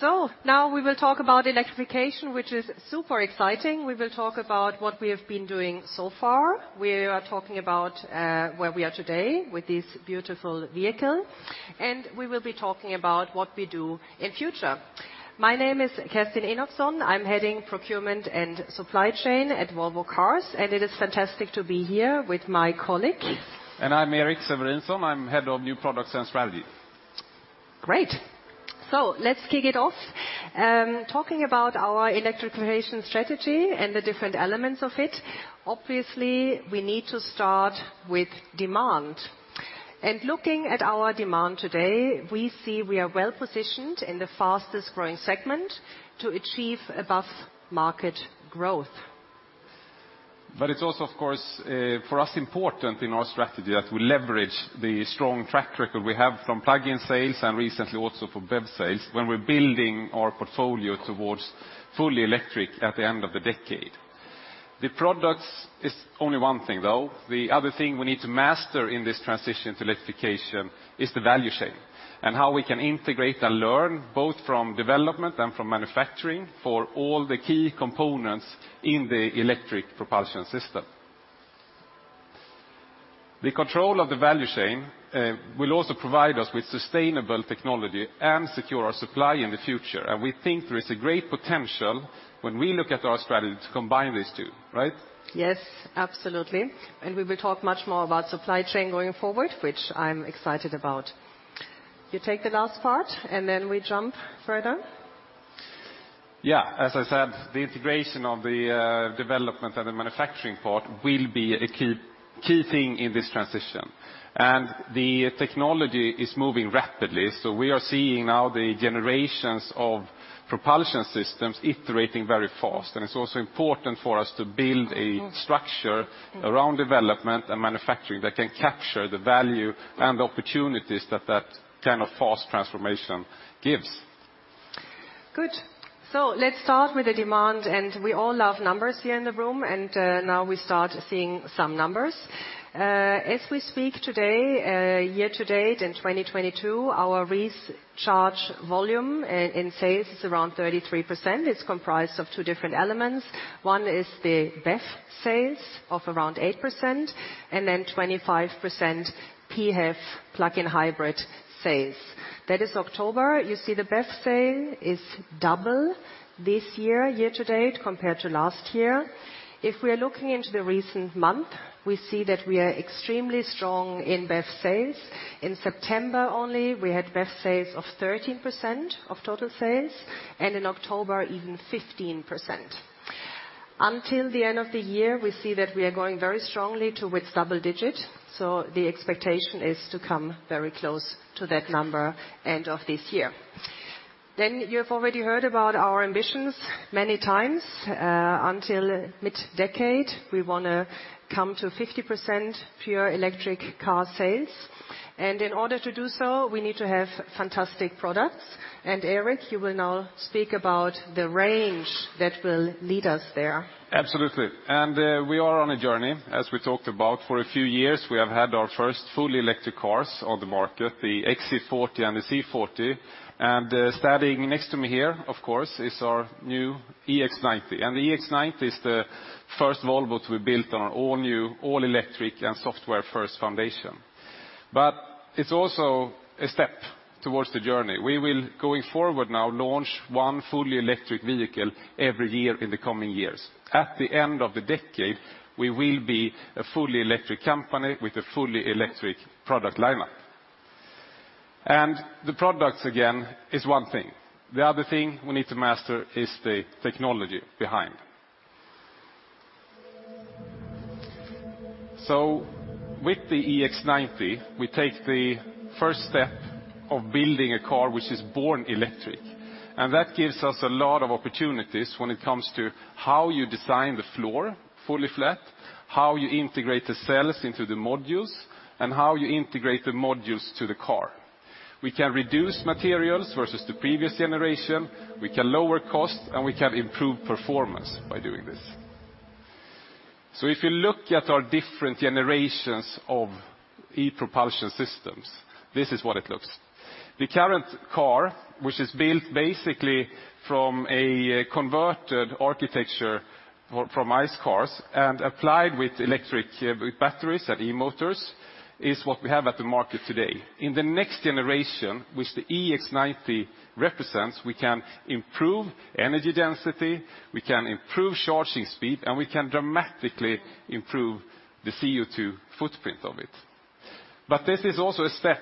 Sanela. Now we will talk about electrification, which is super exciting. We will talk about what we have been doing so far. We are talking about where we are today with this beautiful vehicle, and we will be talking about what we do in future. My name is Kerstin Enochsson. I'm heading Procurement and Supply Chain at Volvo Cars, and it is fantastic to be here with my colleague. I'm Erik Severinson. I'm Head of New Products and Strategy. Great. Let's kick it off. Talking about our electrification strategy and the different elements of it, obviously we need to start with demand. Looking at our demand today, we see we are well-positioned in the fastest-growing segment to achieve above market growth. It's also, of course, for us important in our strategy that we leverage the strong track record we have from plug-in sales and recently also from BEV sales when we're building our portfolio towards fully electric at the end of the decade. The products is only one thing, though. The other thing we need to master in this transition to electrification is the value chain and how we can integrate and learn, both from development and from manufacturing, for all the key components in the electric propulsion system. The control of the value chain will also provide us with sustainable technology and secure our supply in the future, and we think there is a great potential when we look at our strategy to combine these two, right? Yes, absolutely. We will talk much more about supply chain going forward, which I'm excited about. You take the last part, and then we jump further. Yeah. As I said, the integration of the development and the manufacturing part will be a key thing in this transition. The technology is moving rapidly, so we are seeing now the generations of propulsion systems iterating very fast. It's also important for us to build a structure around development and manufacturing that can capture the value and the opportunities that that kind of fast transformation gives. Good. Let's start with the demand. We all love numbers here in the room, and now we start seeing some numbers. As we speak today, year-to-date in 2022, our recharge volume in sales is around 33%. It's comprised of two different elements. One is the BEV sales of around 8%, and then 25% PHEV plug-in hybrid sales. That is October. You see the BEV sale is double this year-to-date compared to last year. If we are looking into the recent month, we see that we are extremely strong in BEV sales. In September only, we had BEV sales of 13% of total sales, and in October even 15%. Until the end of the year, we see that we are going very strongly towards double digit, so the expectation is to come very close to that number end of this year. You have already heard about our ambitions many times. Until mid-decade, we wanna come to 50% pure electric car sales. In order to do so, we need to have fantastic products. Erik, you will now speak about the range that will lead us there. Absolutely. We are on a journey, as we talked about. For a few years, we have had our first fully electric cars on the market, the XC40 and the C40. Standing next to me here, of course, is our new EX90. The EX90 is the first Volvo to be built on an all new, all electric and software-first foundation. It's also a step towards the journey. We will, going forward now, launch one fully electric vehicle every year in the coming years. At the end of the decade, we will be a fully electric company with a fully electric product lineup. The products, again, is one thing. The other thing we need to master is the technology behind. With the EX90, we take the first step of building a car which is born electric, and that gives us a lot of opportunities when it comes to how you design the floor, fully flat, how you integrate the cells into the modules, and how you integrate the modules to the car. We can reduce materials versus the previous generation, we can lower cost, and we can improve performance by doing this. If you look at our different generations of E-propulsion systems, this is what it looks. The current car, which is built basically from a converted architecture or from ICE cars and applied with electric, with batteries and E-motors, is what we have at the market today. In the next generation, which the EX90 represents, we can improve energy density, we can improve charging speed, and we can dramatically improve the CO2 footprint of it. This is also a step.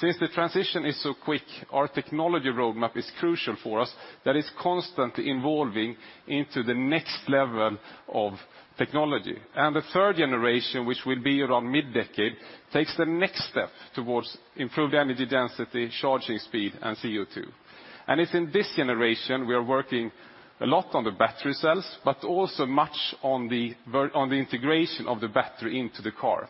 Since the transition is so quick, our technology roadmap is crucial for us that is constantly evolving into the next level of technology. The third generation, which will be around mid-decade, takes the next step towards improved energy density, charging speed, and CO2. It's in this generation, we are working a lot on the battery cells, but also much on the integration of the battery into the car.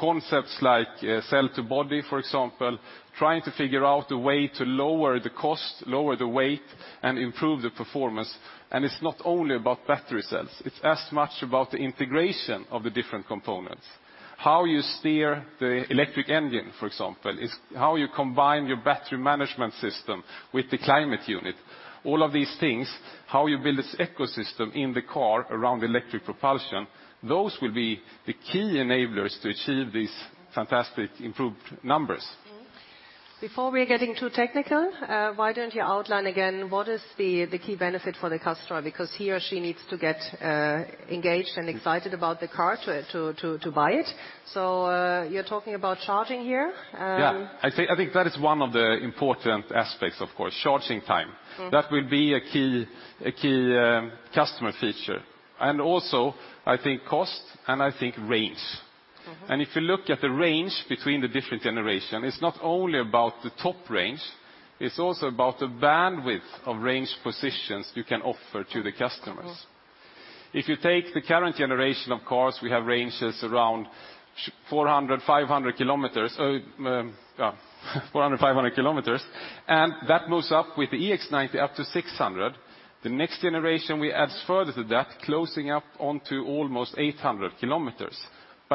Concepts like cell-to-body, for example, trying to figure out a way to lower the cost, lower the weight, and improve the performance. It's not only about battery cells, it's as much about the integration of the different components. How you steer the electric engine, for example, is how you combine your battery management system with the climate unit. All of these things, how you build this ecosystem in the car around electric propulsion, those will be the key enablers to achieve these fantastic improved numbers. Before we are getting too technical, why don't you outline again what is the key benefit for the customer? Because he or she needs to get engaged and excited about the car to buy it. You're talking about charging here, Yeah. I think that is one of the important aspects, of course, charging time. That will be a key customer feature. Also I think cost, and I think range. If you look at the range between the different generation, it's not only about the top range, it's also about the bandwidth of range positions you can offer to the customers. If you take the current generation of cars, we have ranges around 400-500 km, and that moves up with the EX90 up to 600 km. The next generation we add further to that, closing up onto almost 800 km.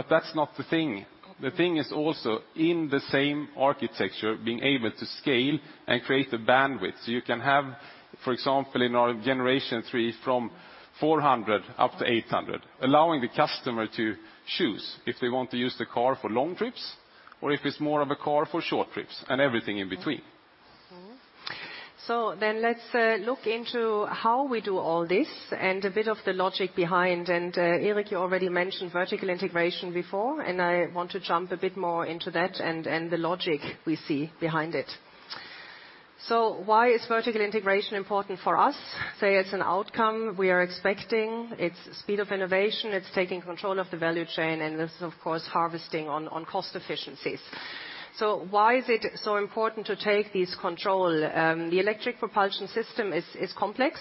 That's not the thing. The thing is also in the same architecture, being able to scale and create the bandwidth. You can have, for example, in our Generation 3 from 400 km up to 800 km, allowing the customer to choose if they want to use the car for long trips or if it's more of a car for short trips, and everything in between. Let's look into how we do all this and a bit of the logic behind. Erik, you already mentioned vertical integration before, and I want to jump a bit more into that and the logic we see behind it. Why is vertical integration important for us? Say it's an outcome we are expecting. It's speed of innovation. It's taking control of the value chain, and this is of course harnessing of cost efficiencies. Why is it so important to take this control? The electric propulsion system is complex.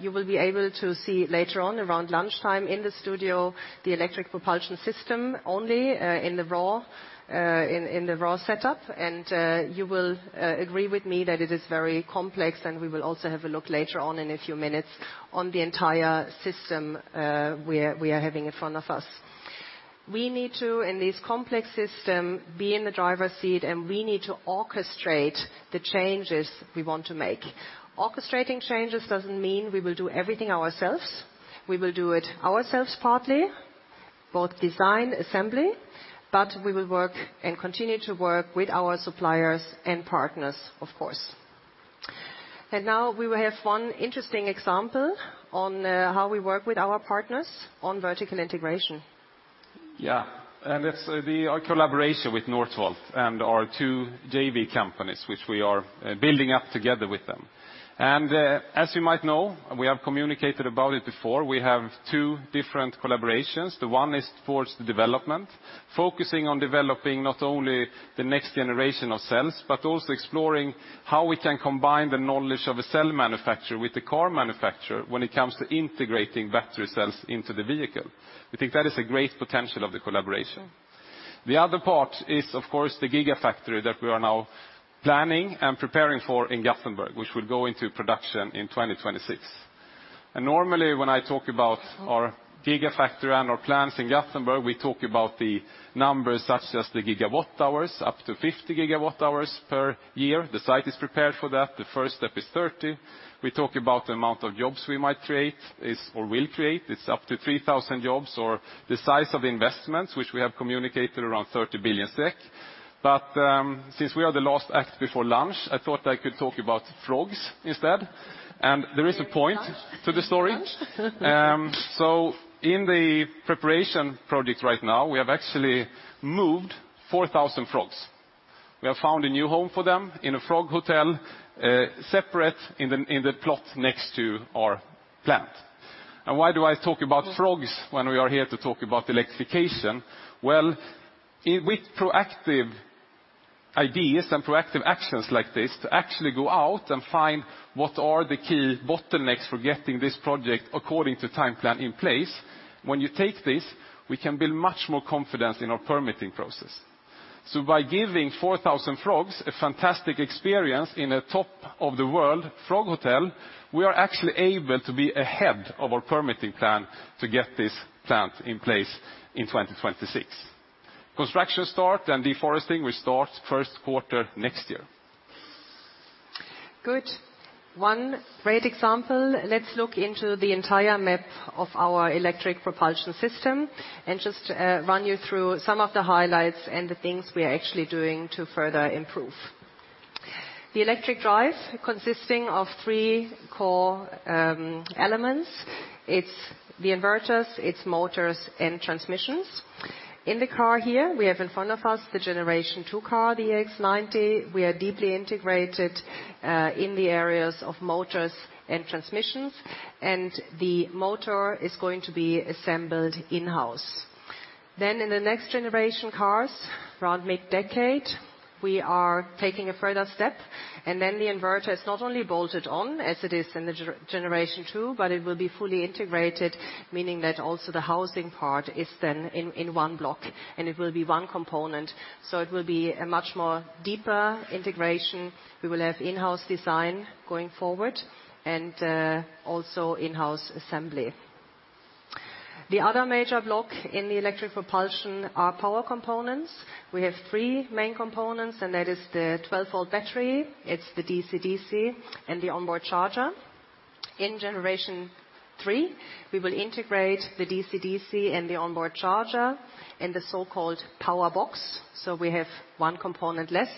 You will be able to see later on around lunchtime in the studio, the electric propulsion system only in the raw setup. You will agree with me that it is very complex, and we will also have a look later on in a few minutes on the entire system we are having in front of us. We need to, in this complex system, be in the driver's seat, and we need to orchestrate the changes we want to make. Orchestrating changes doesn't mean we will do everything ourselves. We will do it ourselves partly, both design, assembly, but we will work and continue to work with our suppliers and partners, of course. Now we will have one interesting example on how we work with our partners on vertical integration. Yeah. It's our collaboration with Northvolt and our two JV companies, which we are building up together with them. As you might know, and we have communicated about it before, we have two different collaborations. The one is towards the development, focusing on developing not only the next generation of cells, but also exploring how we can combine the knowledge of a cell manufacturer with the car manufacturer when it comes to integrating battery cells into the vehicle. We think that is a great potential of the collaboration. The other part is, of course, the gigafactory that we are now planning and preparing for in Gothenburg, which will go into production in 2026. Normally, when I talk about our gigafactory and our plants in Gothenburg, we talk about the numbers such as the gigawatt hours, up to 50 GW hours per year. The site is prepared for that. The first step is 30. We talk about the amount of jobs we might create or will create. It's up to 3,000 jobs, or the size of investments which we have communicated around 30 billion SEK. Since we are the last act before lunch, I thought I could talk about frogs instead. There is a point to the story. In the preparation project right now, we have actually moved 4,000 frogs. We have found a new home for them in a frog hotel, separate in the plot next to our plant. Why do I talk about frogs when we are here to talk about electrification? Well, with proactive ideas and proactive actions like this to actually go out and find what are the key bottlenecks for getting this project according to time plan in place, when you take this, we can build much more confidence in our permitting process. By giving 4,000 frogs a fantastic experience in a top of the world frog hotel, we are actually able to be ahead of our permitting plan to get this plant in place in 2026. Construction start and deforesting will start first quarter next year. Good. One great example. Let's look into the entire map of our electric propulsion system and just run you through some of the highlights and the things we are actually doing to further improve. The electric drive consisting of three core elements. It's the inverters, it's motors and transmissions. In the car here, we have in front of us the generation two car, the EX90. We are deeply integrated in the areas of motors and transmissions, and the motor is going to be assembled in-house. Then in the next generation cars, around mid-decade, we are taking a further step, and then the inverter is not only bolted on as it is in the generation two, but it will be fully integrated, meaning that also the housing part is then in one block, and it will be one component. It will be a much more deeper integration. We will have in-house design going forward and also in-house assembly. The other major block in the electric propulsion are power components. We have three main components, and that is the 12 V battery, it's the DCDC, and the onboard charger. In Generation 3, we will integrate the DCDC and the onboard charger in the so-called power box, so we have 1 component less,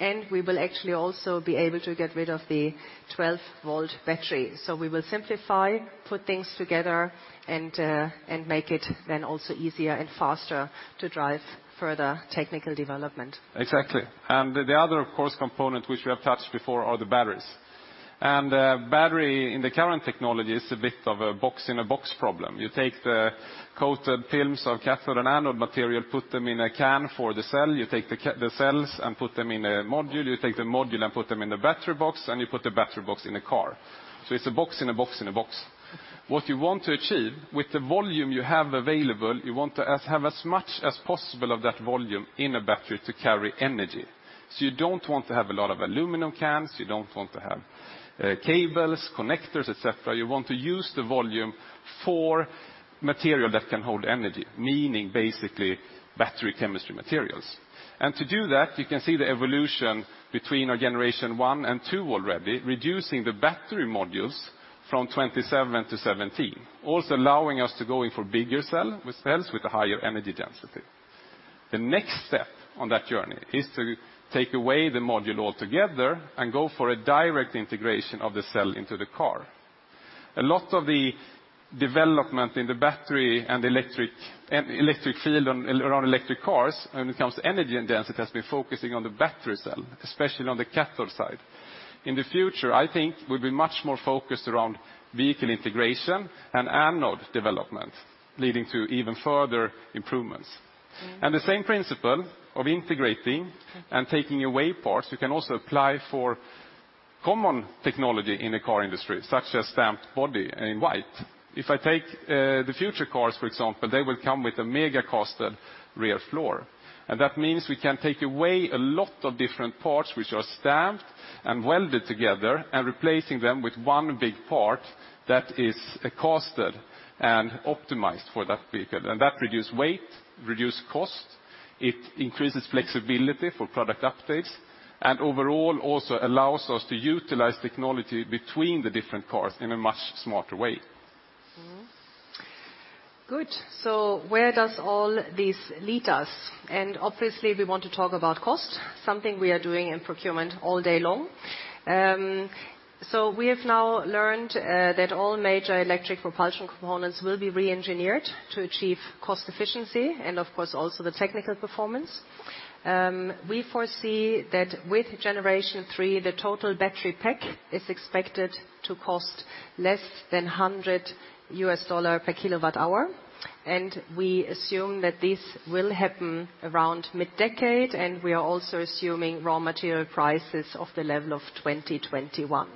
and we will actually also be able to get rid of the 12 V battery. We will simplify, put things together and make it then also easier and faster to drive further technical development. Exactly. The other, of course, component which we have touched before are the batteries. Battery in the current technology is a bit of a box-in-a-box problem. You take the coated films of cathode and anode material, put them in a can for the cell. You take the cells and put them in a module. You take the module and put them in a battery box, and you put the battery box in a car. It's a box, in a box, in a box. What you want to achieve with the volume you have available, you want to have as much as possible of that volume in a battery to carry energy. You don't want to have a lot of aluminum cans, you don't want to have cables, connectors, et cetera. You want to use the volume for material that can hold energy, meaning basically battery chemistry materials. To do that, you can see the evolution between our Generation 1 and 2 already, reducing the battery modules from 27 to 17, also allowing us to go in for bigger cells with a higher energy density. The next step on that journey is to take away the module altogether and go for a direct integration of the cell into the car. A lot of the development in the battery and electric field around electric cars when it comes to energy and density has been focusing on the battery cell, especially on the cathode side. In the future, I think we'll be much more focused around vehicle integration and anode development, leading to even further improvements. The same principle of integrating and taking away parts, we can also apply for common technology in the car industry such as stamped body-in-white. If I take the future cars, for example, they will come with a megacasting rear floor, and that means we can take away a lot of different parts which are stamped and welded together and replacing them with one big part that is casted and optimized for that vehicle. That reduce weight, reduce cost, it increases flexibility for product updates, and overall also allows us to utilize technology between the different cars in a much smarter way. Good. Where does all this lead us? Obviously we want to talk about cost, something we are doing in procurement all day long. We have now learned that all major electric propulsion components will be re-engineered to achieve cost efficiency and of course also the technical performance. We foresee that with generation three, the total battery pack is expected to cost less than $100 per kWh, and we assume that this will happen around mid-decade, and we are also assuming raw material prices of the level of 2021.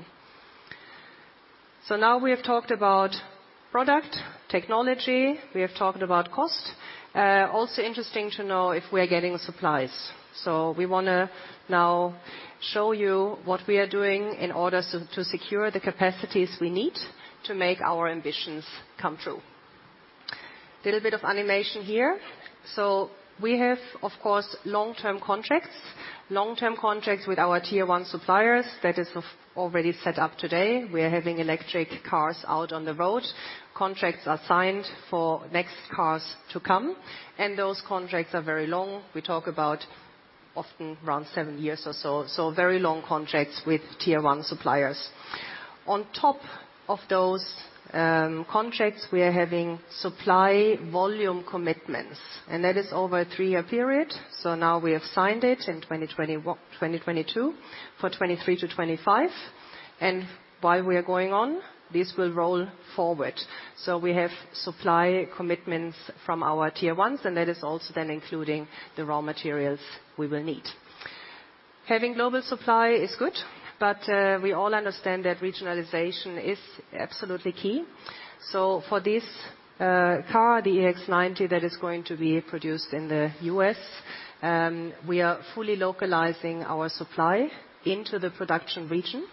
Now we have talked about product, technology, we have talked about cost. Also interesting to know if we are getting supplies. We want to now show you what we are doing in order to secure the capacities we need to make our ambitions come true. Little bit of animation here. We have of course long-term contracts. Long-term contracts with our tier one suppliers that is already set up today. We are having electric cars out on the road. Contracts are signed for next cars to come, and those contracts are very long. We talk about often around seven years or so, very long contracts with tier one suppliers. On top of those contracts, we are having supply volume commitments, and that is over a three-year period. Now we have signed it in 2022 for 2023 to 2025. While we are going on, this will roll forward. We have supply commitments from our tier ones, and that is also then including the raw materials we will need. Having global supply is good, but we all understand that regionalization is absolutely key. For this car, the EX90, that is going to be produced in the U.S., we are fully localizing our supply into the production region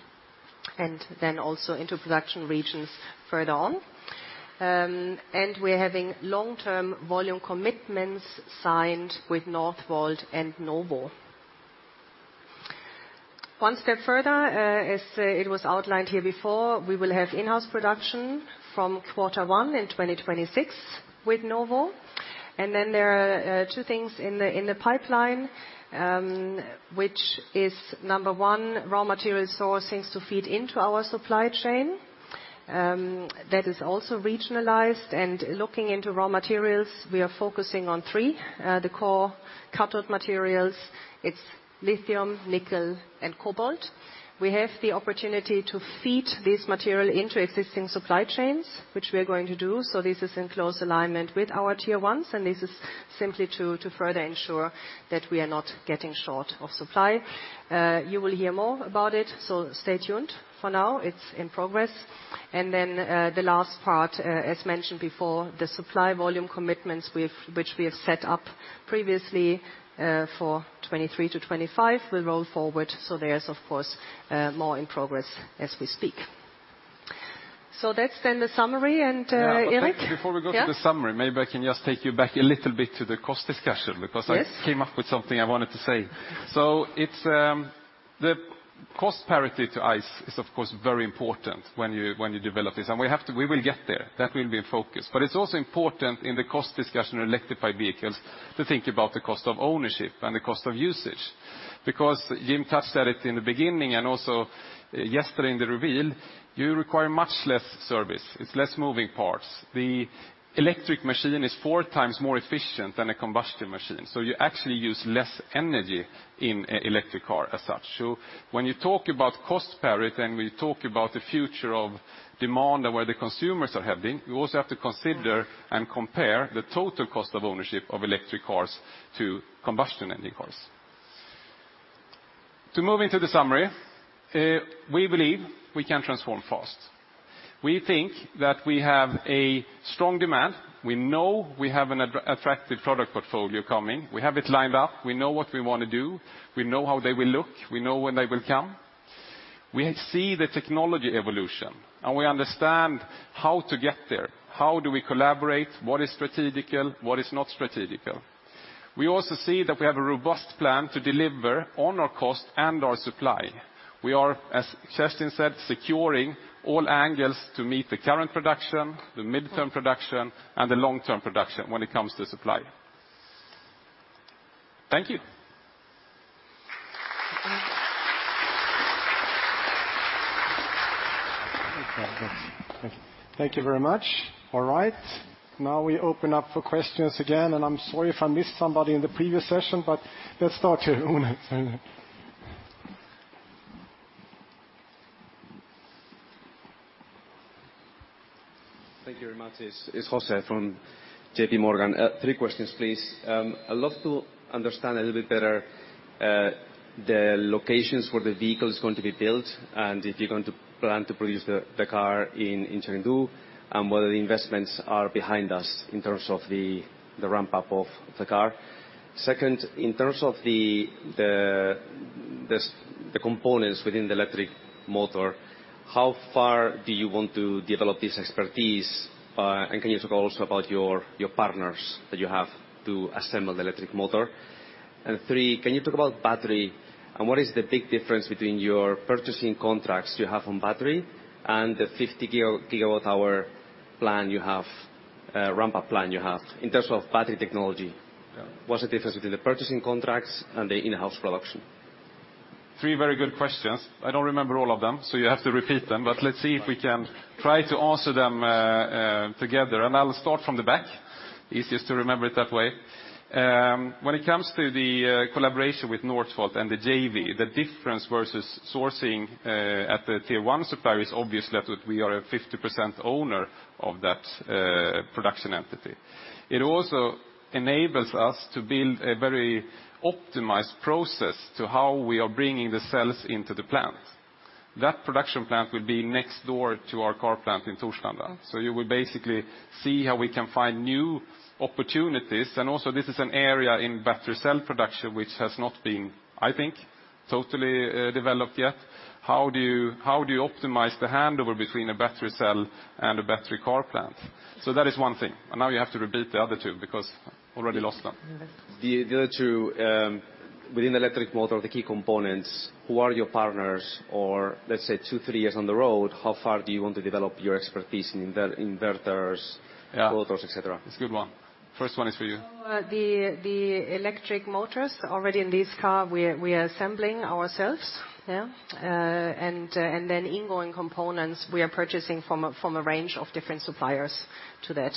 and then also into production regions further on. We are having long-term volume commitments signed with Northvolt and NOVO. One step further, as it was outlined here before, we will have in-house production from quarter one 2026 with NOVO. Then there are two things in the pipeline, which is number one, raw material sourcing to feed into our supply chain, that is also regionalized. Looking into raw materials, we are focusing on three, the core cathode materials. It's lithium, nickel, and cobalt. We have the opportunity to feed this material into existing supply chains, which we are going to do. This is in close alignment with our tier ones, and this is simply to further ensure that we are not getting short of supply. You will hear more about it, so stay tuned. For now, it's in progress. The last part, as mentioned before, the supply volume commitments which we have set up previously, for 2023 to 2025 will roll forward. There's of course more in progress as we speak. That's then the summary and Erik? Yeah, okay. Before we go to the summary. Yeah. Maybe I can just take you back a little bit to the cost discussion because came up with something I wanted to say. It's the cost parity to ICE is of course very important when you develop this. We will get there. That will be in focus. It's also important in the cost discussion of electrified vehicles to think about the cost of ownership and the cost of usage. Because Jim touched at it in the beginning and also yesterday in the reveal, you require much less service. It's less moving parts. The electric machine is four times more efficient than a combustion machine, so you actually use less energy in a electric car as such. When you talk about cost parity, and we talk about the future of demand and where the consumers are heading, you also have to consider and compare the total cost of ownership of electric cars to combustion engine cars. To move into the summary, we believe we can transform fast. We think that we have a strong demand. We know we have an attractive product portfolio coming. We have it lined up. We know what we wanna do. We know how they will look. We know when they will come. We see the technology evolution, and we understand how to get there. How do we collaborate? What is strategic? What is not strategic? We also see that we have a robust plan to deliver on our cost and our supply. We are, as Kerstin said, securing all angles to meet the current production, the midterm production, and the long-term production when it comes to supply. Thank you. Thank you. Thank you very much. All right, now we open up for questions again. I'm sorry if I missed somebody in the previous session, but let's start here. Una, go ahead. Thank you very much. It's Jose from JPMorgan. Three questions, please. I'd love to understand a little bit better the locations where the vehicle is going to be built and if you're going to plan to produce the car in Chengdu, and whether the investments are behind us in terms of the ramp up of the car. Second, in terms of the components within the electric motor, how far do you want to develop this expertise? And can you talk also about your partners that you have to assemble the electric motor? And three, can you talk about battery, and what is the big difference between your purchasing contracts you have on battery and the 50 GWh ramp up plan you have in terms of battery technology? What's the difference between the purchasing contracts and the in-house production? Three very good questions. I don't remember all of them, so you have to repeat them. Let's see if we can try to answer them together. I'll start from the back. Easiest to remember it that way. When it comes to the collaboration with Northvolt and the JV, the difference versus sourcing at the tier one supplier is obviously that we are a 50% owner of that production entity. It also enables us to build a very optimized process to how we are bringing the cells into the plant. That production plant will be next door to our car plant in Torslanda. You will basically see how we can find new opportunities. Also this is an area in battery cell production which has not been, I think, totally veloped yet. How do you optimize the handover between a battery cell and a battery car plant? That is one thing, and now you have to repeat the other two because already lost them. The other two within the electric motor, the key components, who are your partners? Or let's say two, three years down the road, how far do you want to develop your expertise in inverters? Motors, et cetera? That's a good one. First one is for you. The electric motors already in this car we are assembling ourselves. Incoming components we are purchasing from a range of different suppliers to that.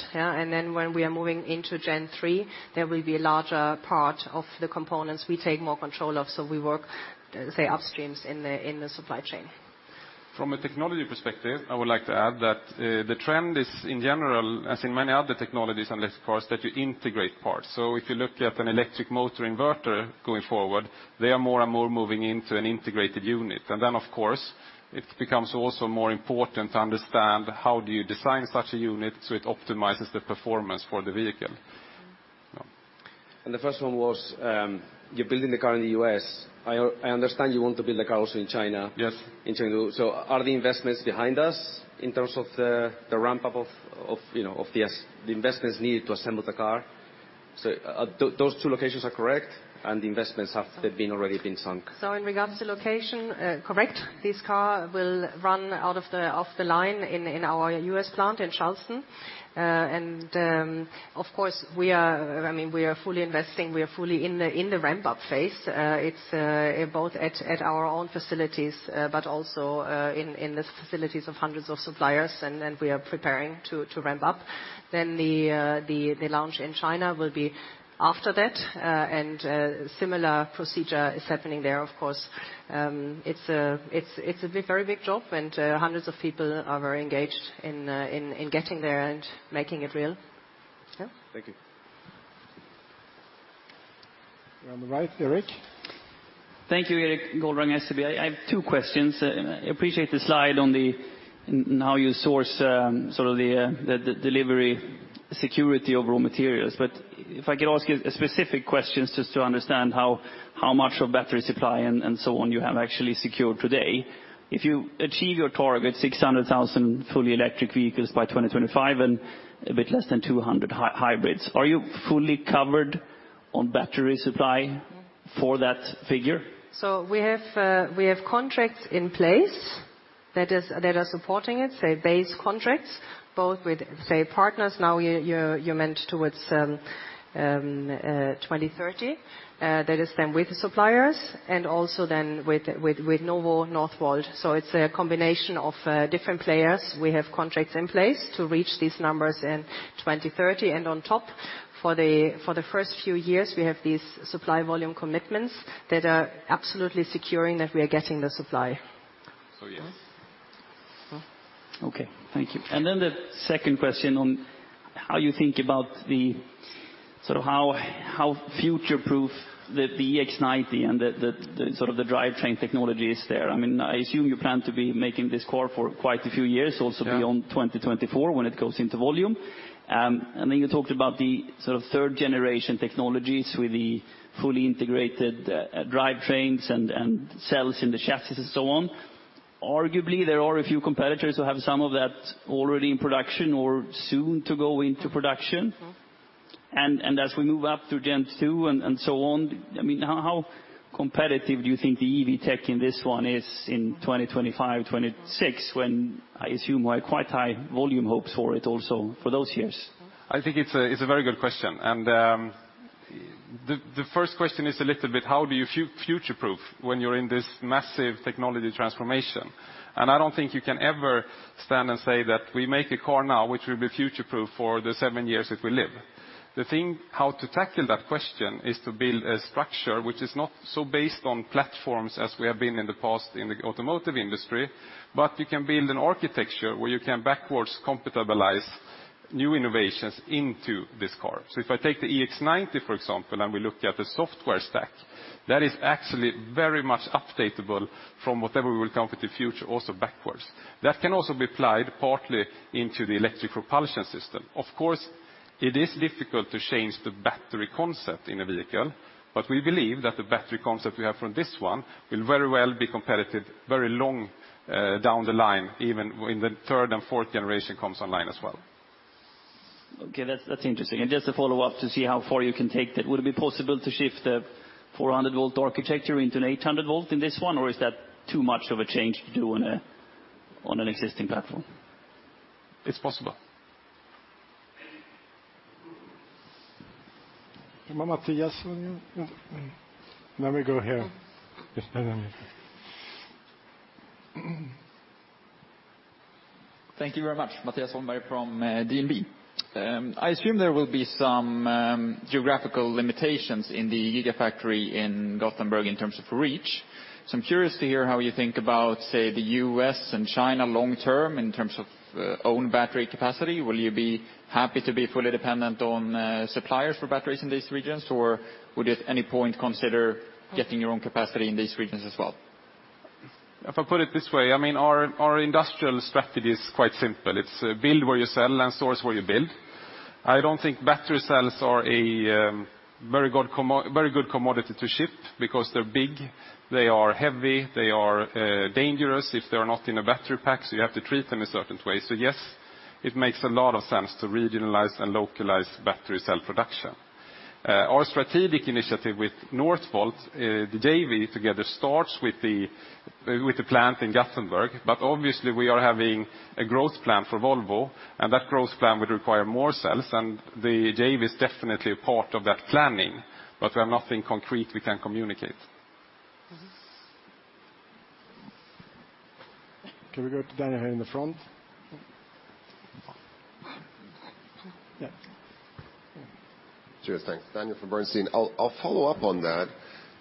When we are moving into gen three, there will be a larger part of the components we take more control of. We work, say, upstream in the supply chain. From a technology perspective, I would like to add that the trend is in general, as in many other technologies and electric cars, that you integrate parts. If you look at an electric motor inverter going forward, they are more and more moving into an integrated unit. Of course it becomes also more important to understand how do you design such a unit so it optimizes the performance for the vehicle. The first one was, you're building the car in the U.S. I understand you want to build the car also in China. Yes. In Chengdu. Are the investments behind us in terms of the ramp up of, you know, the investments needed to assemble the car? Those two locations are correct and the investments have already been sunk. In regards to location, correct. This car will roll off the line in our U.S. plant in Charleston. Of course, I mean, we are fully investing, we are fully in the ramp-up phase. It's both at our own facilities but also in the facilities of hundreds of suppliers, and we are preparing to ramp up. The launch in China will be after that. Similar procedure is happening there, of course. It's a big, very big job, and hundreds of people are very engaged in getting there and making it real. Yeah. Thank you. On the right, Erik. Thank you, Erik Golrang, SEB. I have two questions. I appreciate the slide on how you source sort of the delivery security of raw materials. If I could ask you a specific question just to understand how much of battery supply and so on you have actually secured today. If you achieve your target 600,000 fully electric vehicles by 2025 and a bit less than 200 hybrids, are you fully covered on battery supply for that figure? We have contracts in place that are supporting it, base contracts, both with partners. Now you're aimed towards 2030, that is then with suppliers and also then with Northvolt. It's a combination of different players. We have contracts in place to reach these numbers in 2030. On top, for the first few years, we have these supply volume commitments that are absolutely securing that we are getting the supply. Yes. Okay. Thank you. The second question on how you think about the sort of how future-proof the EX90 and the sort of the drivetrain technology is there. I mean, I assume you plan to be making this car for quite a few years also. Yeah. Beyond 2024 when it goes into volume. You talked about the sort of third generation technologies with the fully integrated drivetrains and cells in the chassis and so on. Arguably, there are a few competitors who have some of that already in production or soon to go into production. As we move up to gen two and so on, I mean, how competitive do you think the EV tech in this one is in 2025, 2026, when I assume quite high volume hopes for it also for those years? I think it's a very good question. The first question is a little bit how do you future-proof when you're in this massive technology transformation? I don't think you can ever stand and say that we make a car now which will be future-proof for the seven years that we live. The thing how to tackle that question is to build a structure which is not so based on platforms as we have been in the past in the automotive industry, but you can build an architecture where you can backwards compatibilize new innovations into this car. If I take the EX90, for example, and we look at the software stack, that is actually very much updatable from whatever we will come with the future also backwards. That can also be applied partly into the electric propulsion system. Of course, it is difficult to change the battery concept in a vehicle, but we believe that the battery concept we have from this one will very well be competitive very long down the line, even when the third and fourth generation comes online as well. Okay, that's interesting. Just to follow up to see how far you can take that, would it be possible to shift the 400 V architecture into an 800 V in this one? Or is that too much of a change to do on an existing platform? It's possible. Mattias. We go here. Thank you very much. Mattias Holmberg from DNB. I assume there will be some geographical limitations in the gigafactory in Gothenburg in terms of reach. I'm curious to hear how you think about, say, the U.S. and China long term in terms of own battery capacity. Will you be happy to be fully dependent on suppliers for batteries in these regions, or would you at any point consider getting your own capacity in these regions as well? If I put it this way, I mean, our industrial strategy is quite simple. It's build where you sell and source where you build. I don't think battery cells are a very good commodity to ship because they're big, they are heavy, they are dangerous if they are not in a battery pack, so you have to treat them a certain way. Yes, it makes a lot of sense to regionalize and localize battery cell production. Our strategic initiative with Northvolt, the JV together starts with the plant in Gothenburg, but obviously we are having a growth plan for Volvo, and that growth plan would require more cells. The JV is definitely a part of that planning, but we have nothing concrete we can communicate. Can we go to Daniel here in the front? Yeah. Cheers. Thanks. Daniel from Bernstein. I'll follow up on that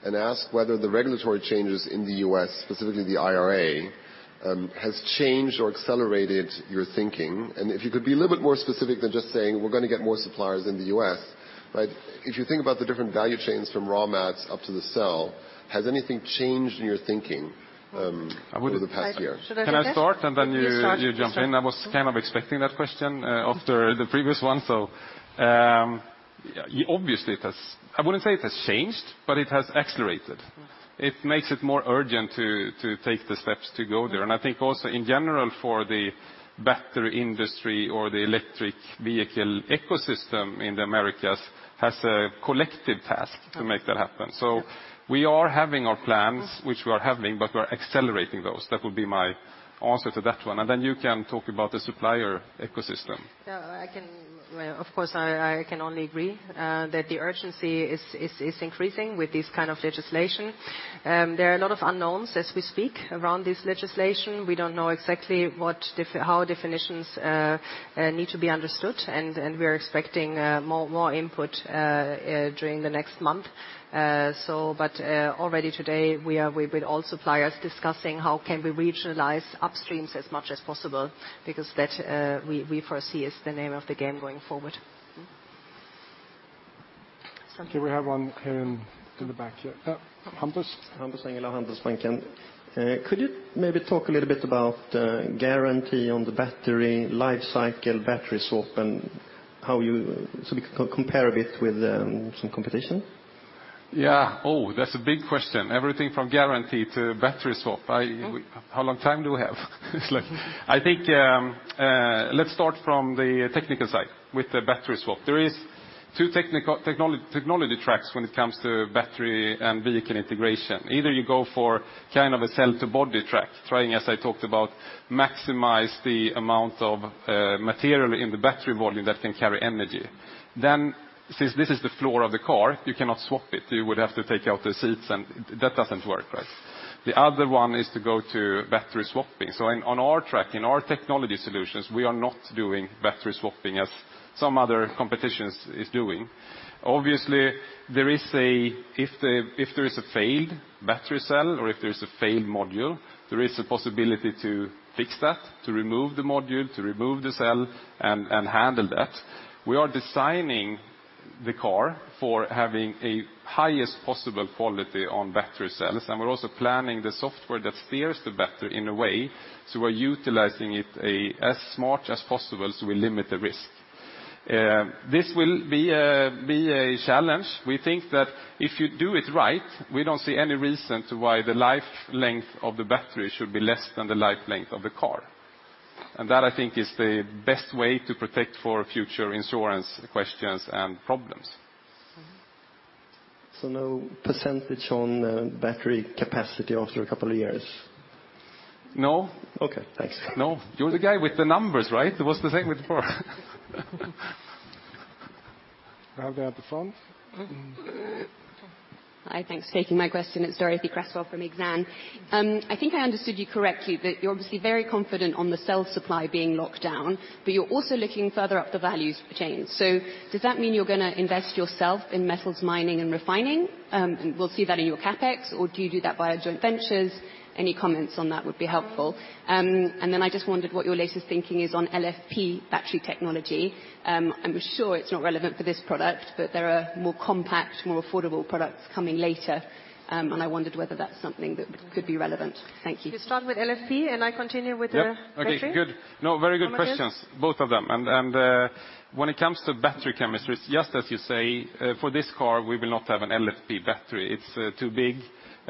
and ask whether the regulatory changes in the U.S., specifically the IRA, has changed or accelerated your thinking. If you could be a little bit more specific than just saying we're gonna get more suppliers in the U.S., right? If you think about the different value chains from raw materials up to the cell, has anything changed in your thinking over the past year? Should I begin? Can I start and then you You start. You jump in? I was kind of expecting that question after the previous one. Yeah, obviously it has. I wouldn't say it has changed, but it has accelerated. It makes it more urgent to take the steps to go there. I think also in general for the battery industry or the electric vehicle ecosystem in the Americas has a collective task to make that happen. We are having our plans, but we are accelerating those. That would be my answer to that one. You can talk about the supplier ecosystem. Yeah, I can. Well, of course, I can only agree that the urgency is increasing with this kind of legislation. There are a lot of unknowns as we speak around this legislation. We don't know exactly how definitions need to be understood, and we are expecting more input during the next month. Already today, we are with all suppliers discussing how we can regionalize upstreams as much as possible because that we foresee is the name of the game going forward. Okay. We have one, in the back here. Oh, Hampus. Hampus Engellau, Handelsbanken. Could you maybe talk a little bit about guarantee on the battery life cycle, battery swap so we can compare a bit with some competition? Yeah. Oh, that's a big question. Everything from guarantee to battery swap. ow long time do we have? It's like I think, let's start from the technical side with the battery swap. There is two technology tracks when it comes to battery and vehicle integration. Either you go for kind of a cell-to-body track, trying, as I talked about, maximize the amount of material in the battery volume that can carry energy. Since this is the floor of the car, you cannot swap it. You would have to take out the seats, and that doesn't work right. The other one is to go to battery swapping. On our track, in our technology solutions, we are not doing battery swapping as some other competitions is doing. Obviously, if there is a failed battery cell or if there is a failed module, there is a possibility to fix that, to remove the module, to remove the cell and handle that. We are designing the car for having a highest possible quality on battery cells, and we're also planning the software that steers the battery in a way, so we're utilizing it as smart as possible, so we limit the risk. This will be a challenge. We think that if you do it right, we don't see any reason to why the life length of the battery should be less than the life length of the car. That, I think, is the best way to protect for future insurance questions and problems. No percentage on battery capacity after a couple of years? No. Okay, thanks. No. You're the guy with the numbers, right? It was the same with before. We have there at the front. Hi. Thanks for taking my question. It's Dorothee Cresswell from Exane. I think I understood you correctly that you're obviously very confident on the cell supply being locked down, but you're also looking further up the value chain. Does that mean you're gonna invest yourself in metals mining and refining? We'll see that in your CapEx, or do you do that via joint ventures? Any comments on that would be helpful. And then I just wondered what your latest thinking is on LFP battery technology. I'm sure it's not relevant for this product, but there are more compact, more affordable products coming later. And I wondered whether that's something that could be relevant. Thank you. We start with LFP, and I continue with the battery. Yep. Okay, good. No, very good questions. Both of them. When it comes to battery chemistries, just as you say, for this car, we will not have an LFP battery. It's too big,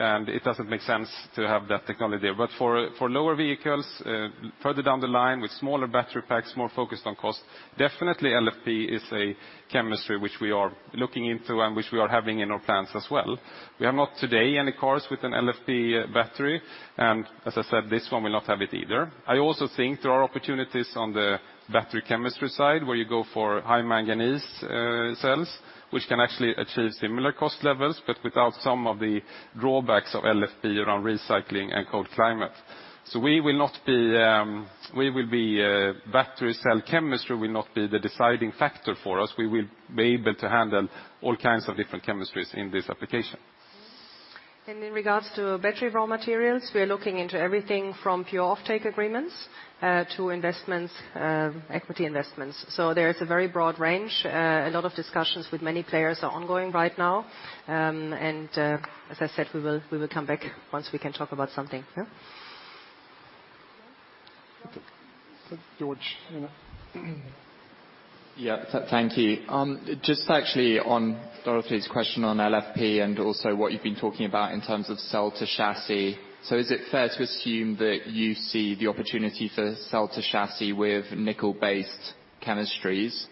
and it doesn't make sense to have that technology. For lower vehicles, further down the line with smaller battery packs, more focused on cost, definitely LFP is a chemistry which we are looking into and which we are having in our plans as well. We have not today any cars with an LFP battery, and as I said, this one will not have it either. I also think there are opportunities on the battery chemistry side where you go for high-manganese cells, which can actually achieve similar cost levels, but without some of the drawbacks of LFP around recycling and cold climate. Battery cell chemistry will not be the deciding factor for us. We will be able to handle all kinds of different chemistries in this application. In regards to battery raw materials, we are looking into everything from pure offtake agreements to investments, equity investments. There is a very broad range. A lot of discussions with many players are ongoing right now. As I said, we will come back once we can talk about something. Yeah. George, you know. Thank you. Just actually on Dorothee's question on LFP and also what you've been talking about in terms of cell to chassis. Is it fair to assume that you see the opportunity for cell to chassis with nickel-based chemistries?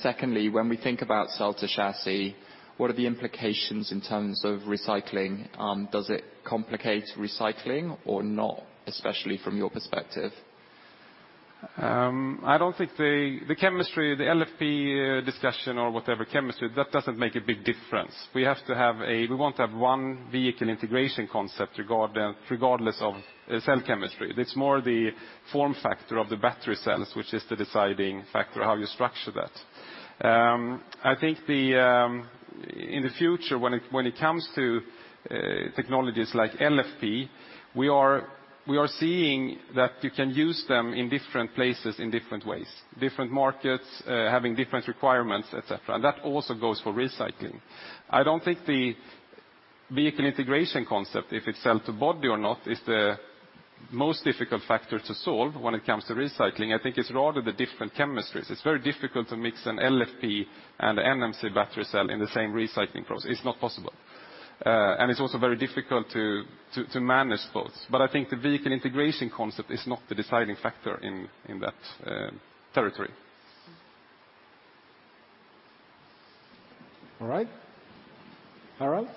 Secondly, when we think about cell to chassis, what are the implications in terms of recycling? Does it complicate recycling or not, especially from your perspective? I don't think the chemistry, the LFP discussion or whatever chemistry, that doesn't make a big difference. We want to have one vehicle integration concept regardless of cell chemistry. It's more the form factor of the battery cells, which is the deciding factor, how you structure that. I think in the future when it comes to technologies like LFP, we are seeing that you can use them in different places in different ways, different markets, having different requirements, et cetera. That also goes for recycling. I don't think the vehicle integration concept, if it's cell-to-body or not, is the most difficult factor to solve when it comes to recycling. I think it's rather the different chemistries. It's very difficult to mix an LFP and an NMC battery cell in the same recycling process. It's not possible. It's also very difficult to manage those. I think the vehicle integration concept is not the deciding factor in that territory. All right. Harald?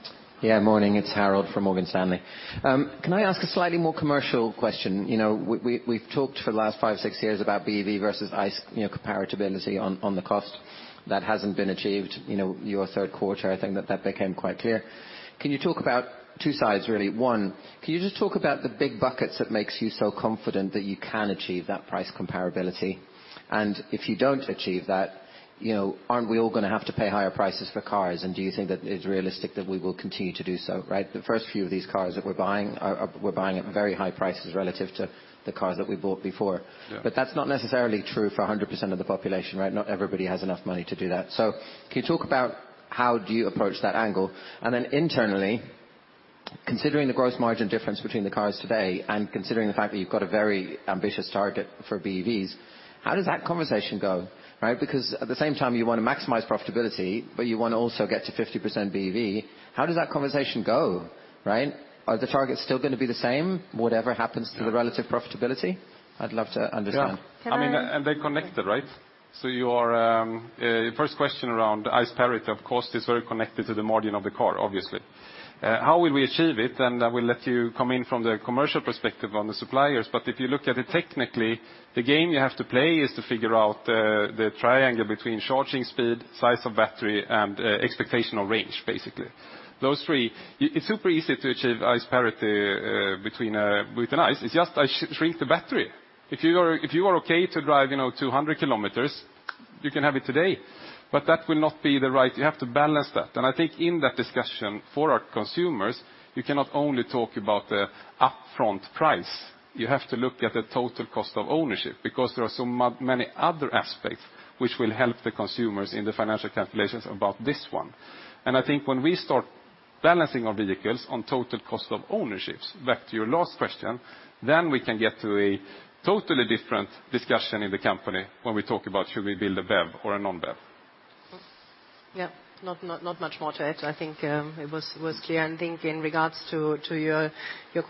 Yeah. Morning, it's Harald from Morgan Stanley. Can I ask a slightly more commercial question? You know, we've talked for the last five, six years about BEV versus ICE, you know, comparability on the cost. That hasn't been achieved. You know, your third quarter, I think that became quite clear. Can you talk about two sides, really? One, can you just talk about the big buckets that makes you so confident that you can achieve that price comparability? If you don't achieve that, you know, aren't we all gonna have to pay higher prices for cars, and do you think that it's realistic that we will continue to do so, right? The first few of these cars that we're buying are. We're buying at very high prices relative to the cars that we bought before. Yeah. That's not necessarily true for 100% of the population, right? Not everybody has enough money to do that. Can you talk about how do you approach that angle? Then internally, considering the gross margin difference between the cars today and considering the fact that you've got a very ambitious target for BEVs, how does that conversation go, right? Because at the same time you wanna maximize profitability, but you wanna also get to 50% BEV. How does that conversation go, right? Are the targets still gonna be the same, whatever happens? Yeah. To the relative profitability? I'd love to understand. Yeah. Can I- I mean, they're connected, right? Your first question around ICE parity of cost is very connected to the margin of the car, obviously. How will we achieve it, and I will let you come in from the commercial perspective on the suppliers, but if you look at it technically, the game you have to play is to figure out the triangle between charging speed, size of battery, and expectation of range, basically. Those three. It's super easy to achieve ICE parity between with an ICE. It's just I shrink the battery. If you are okay to drive, you know, 200 km, you can have it today. But that will not be the right. You have to balance that. I think in that discussion for our consumers, you cannot only talk about the upfront price. You have to look at the total cost of ownership, because there are so many other aspects which will help the consumers in the financial calculations about this one. I think when we start balancing our vehicles on total cost of ownerships, back to your last question, then we can get to a totally different discussion in the company when we talk about should we build a BEV or a non-BEV. Yeah. Not much more to add. I think it was clear. I think in regards to your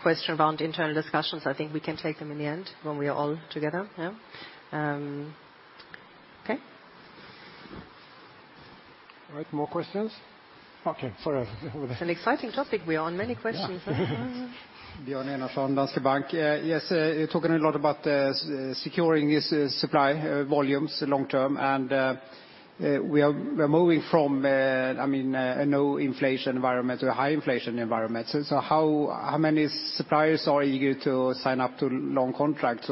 question around internal discussions, I think we can take them in the end when we are all together, yeah? Okay. All right. More questions? Okay. Sorry. Over there. It's an exciting topic. We are on many questions, huh? Yes, you're talking a lot about securing this supply volumes long term, and we are moving from, I mean, a low inflation environment to a high inflation environment. How many suppliers are eager to sign up to long contracts,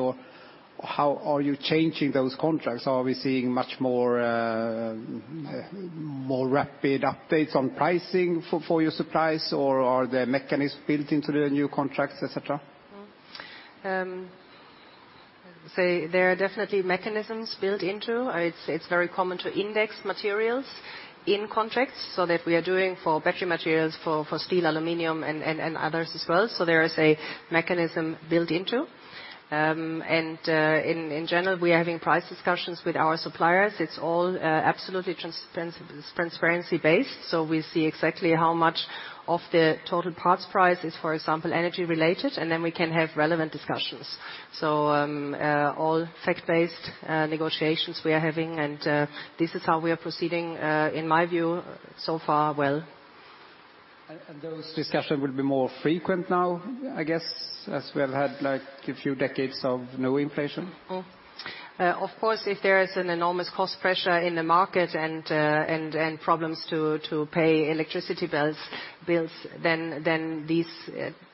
or how are you changing those contracts? Are we seeing much more rapid updates on pricing for your suppliers, or are there mechanisms built into the new contracts, et cetera? There are definitely mechanisms built into. It's very common to index materials in contracts, so that we are doing for battery materials, for steel, aluminum, and others as well. There is a mechanism built into. In general, we are having price discussions with our suppliers. It's all absolutely transparency based, so we see exactly how much of the total parts price is, for example, energy related, and then we can have relevant discussions. All fact-based negotiations we are having, and this is how we are proceeding, in my view so far well. Those discussions will be more frequent now, I guess, as we have had like a few decades of no inflation. Of course, if there is an enormous cost pressure in the market and problems to pay electricity bills, then these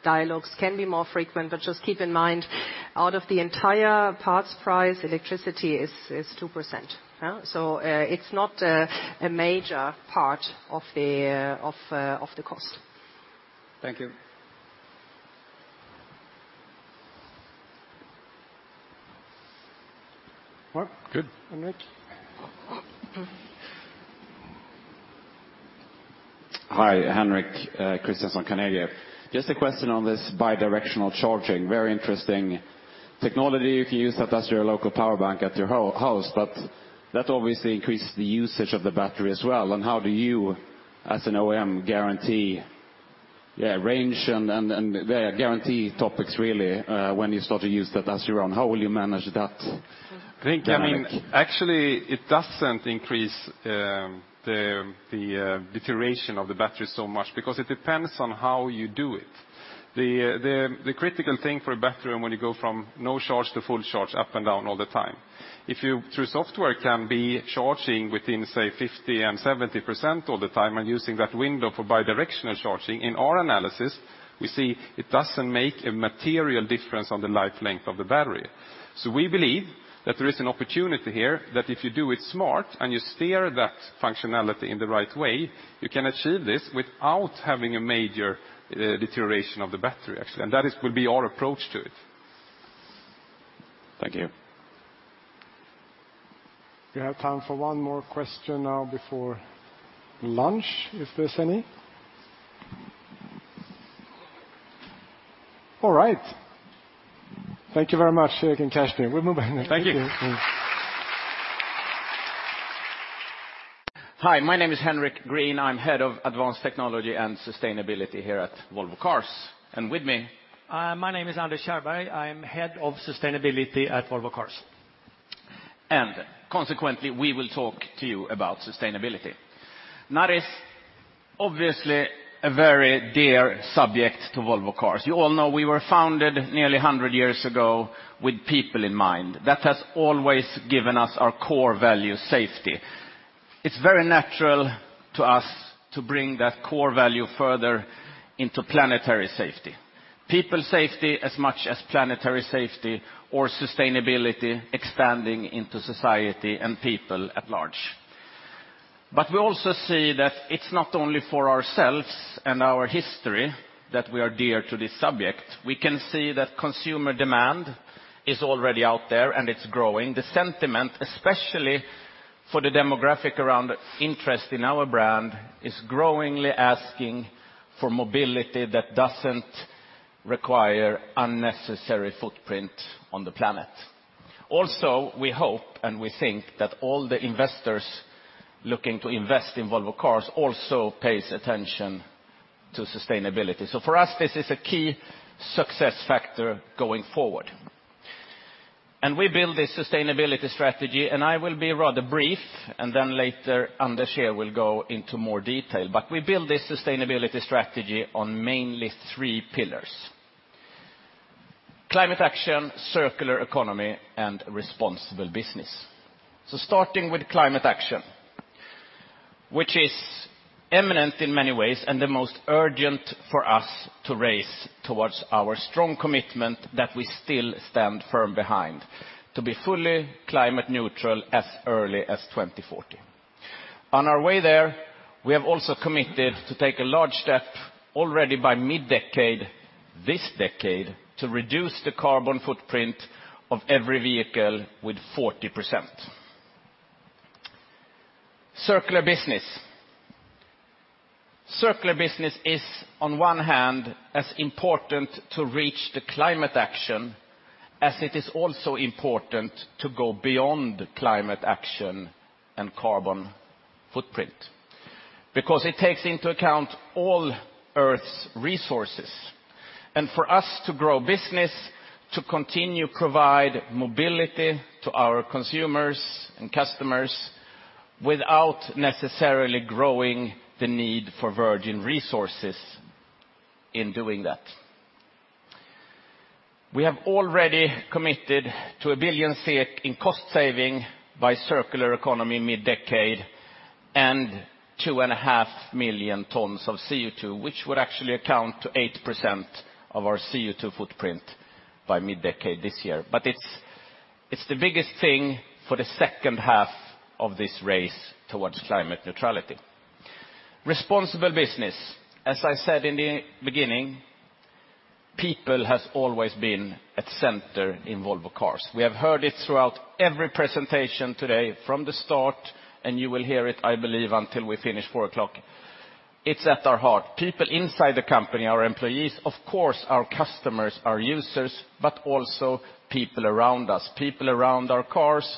dialogues can be more frequent. Just keep in mind, out of the entire parts price, electricity is 2%. It's not a major part of the cost. Thank you. Well, good. Henrik. Hi. Henrik Christiansson, Carnegie. Just a question on this bidirectional charging. Very interesting technology. You can use that as your local power bank at your house, but that obviously increases the usage of the battery as well, and how do you as an OEM guarantee range and guarantee topics really when you start to use that as your own? How will you manage that dynamic? I think, I mean, actually it doesn't increase the deterioration of the battery so much because it depends on how you do it. The critical thing for a battery when you go from no charge to full charge up and down all the time, if you through software can be charging within, say, 50% and 70% all the time and using that window for bi-directional charging, in our analysis we see it doesn't make a material difference on the life length of the battery. We believe that there is an opportunity here that if you do it smart and you steer that functionality in the right way, you can achieve this without having a major deterioration of the battery, actually, and that will be our approach to it. Thank you. We have time for one more question now before lunch, if there's any. All right. Thank you very much, Erik and Kerstin. We'll move on. Thank you. Hi, my name is Henrik Green. I'm Head of Advanced Technology and Sustainability here at Volvo Cars. With me- My name is Anders Kärrberg. I'm Head of Sustainability at Volvo Cars. Consequently, we will talk to you about sustainability. That is obviously a very dear subject to Volvo Cars. You all know we were founded nearly 100 years ago with people in mind. That has always given us our core value, safety. It's very natural to us to bring that core value further into planetary safety. People safety as much as planetary safety or sustainability expanding into society and people at large. We also see that it's not only for ourselves and our history that we are dear to this subject. We can see that consumer demand is already out there, and it's growing. The sentiment, especially for the demographic around interest in our brand, is growingly asking for mobility that doesn't require unnecessary footprint on the planet. We hope and we think that all the investors looking to invest in Volvo Cars also pays attention to sustainability. For us, this is a key success factor going forward. We build this sustainability strategy, and I will be rather brief, and then later, Anders here will go into more detail. We build this sustainability strategy on mainly three pillars, climate action, circular economy, and responsible business. Starting with climate action, which is imminent in many ways and the most urgent for us to race towards our strong commitment that we still stand firm behind, to be fully climate neutral as early as 2040. On our way there, we have also committed to take a large step already by mid-decade, this decade, to reduce the carbon footprint of every vehicle with 40%. Circular business. Circular business is, on one hand, as important to reach the climate action as it is also important to go beyond climate action and carbon footprint because it takes into account all Earth's resources, and for us to grow business, to continue to provide mobility to our consumers and customers without necessarily growing the need for virgin resources in doing that. We have already committed to 1 billion in cost saving by circular economy mid-decade and 2.5 million tons of CO2, which would actually account to 8% of our CO2 footprint by mid-decade this year. It's the biggest thing for the second half of this race towards climate neutrality. Responsible business. As I said in the beginning, people has always been at center in Volvo Cars. We have heard it throughout every presentation today from the start, and you will hear it, I believe, until we finish four o'clock. It's at our heart. People inside the company, our employees, of course, our customers, our users, but also people around us, people around our cars,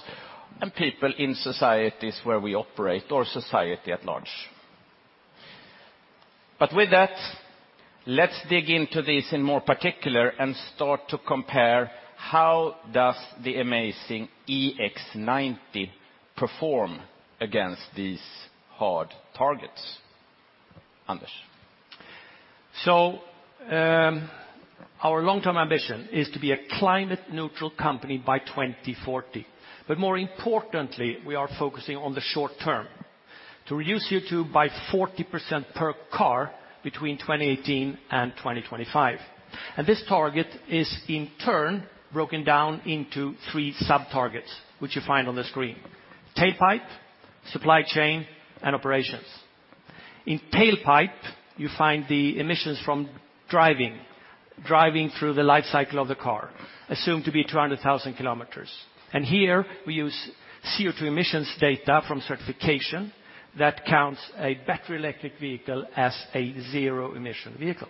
and people in societies where we operate or society at large. With that, let's dig into this in more particular and start to compare how does the amazing EX90 perform against these hard targets. Anders. Our long-term ambition is to be a climate neutral company by 2040. More importantly, we are focusing on the short term, to reduce CO2 by 40% per car between 2018 and 2025. This target is in turn broken down into three sub-targets, which you find on the screen, tailpipe, supply chain, and operations. In tailpipe, you find the emissions from driving through the life cycle of the car, assumed to be 200,000 km. Here we use CO2 emissions data from certification that counts a battery electric vehicle as a zero-emission vehicle.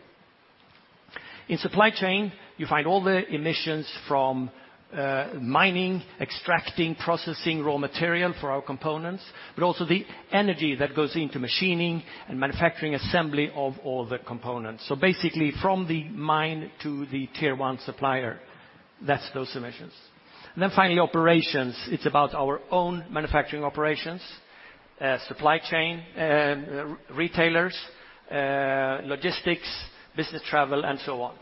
In supply chain, you find all the emissions from mining, extracting, processing raw material for our components, but also the energy that goes into machining and manufacturing assembly of all the components. Basically, from the mine to the tier one supplier, that's those emissions. Finally, operations. It's about our own manufacturing operations, supply chain, retailers, logistics, business travel, and so on.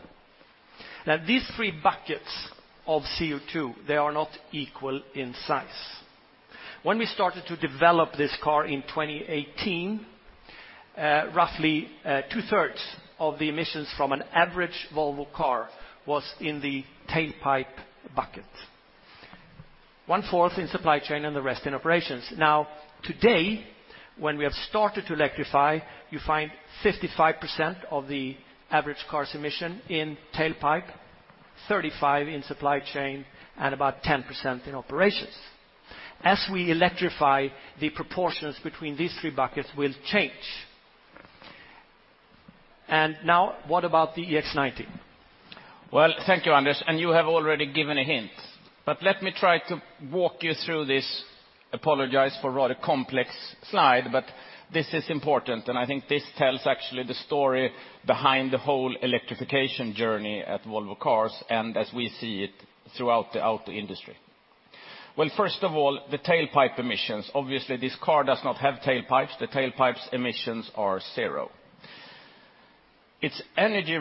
Now, these three buckets of CO2, they are not equal in size. When we started to develop this car in 2018, roughly, 2/3 of the emissions from an average Volvo car was in the tailpipe bucket. One-fourth in supply chain and the rest in operations. Now, today, when we have started to electrify, you find 55% of the average car's emissions in tailpipe. 35% in supply chain and about 10% in operations. As we electrify, the proportions between these three buckets will change. Now what about the EX90? Well, thank you, Anders, and you have already given a hint. Let me try to walk you through this. Apologize for rather complex slide, but this is important. I think this tells actually the story behind the whole electrification journey at Volvo Cars, and as we see it throughout the auto industry. Well, first of all, the tailpipe emissions. Obviously, this car does not have tailpipes. The tailpipe emissions are zero. It's CO2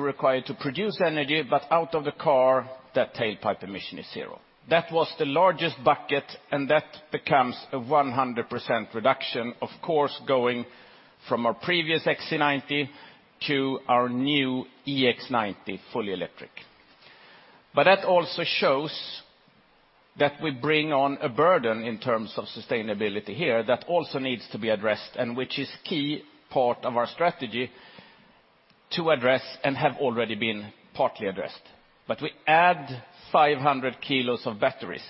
required to produce energy, but out of the car, that tailpipe emission is zero. That was the largest bucket, and that becomes a 100% reduction, of course, going from our previous XC90 to our new EX90 fully electric. That also shows that we bring on a burden in terms of sustainability here that also needs to be addressed, and which is key part of our strategy to address and have already been partly addressed. We add 500 kilos of batteries.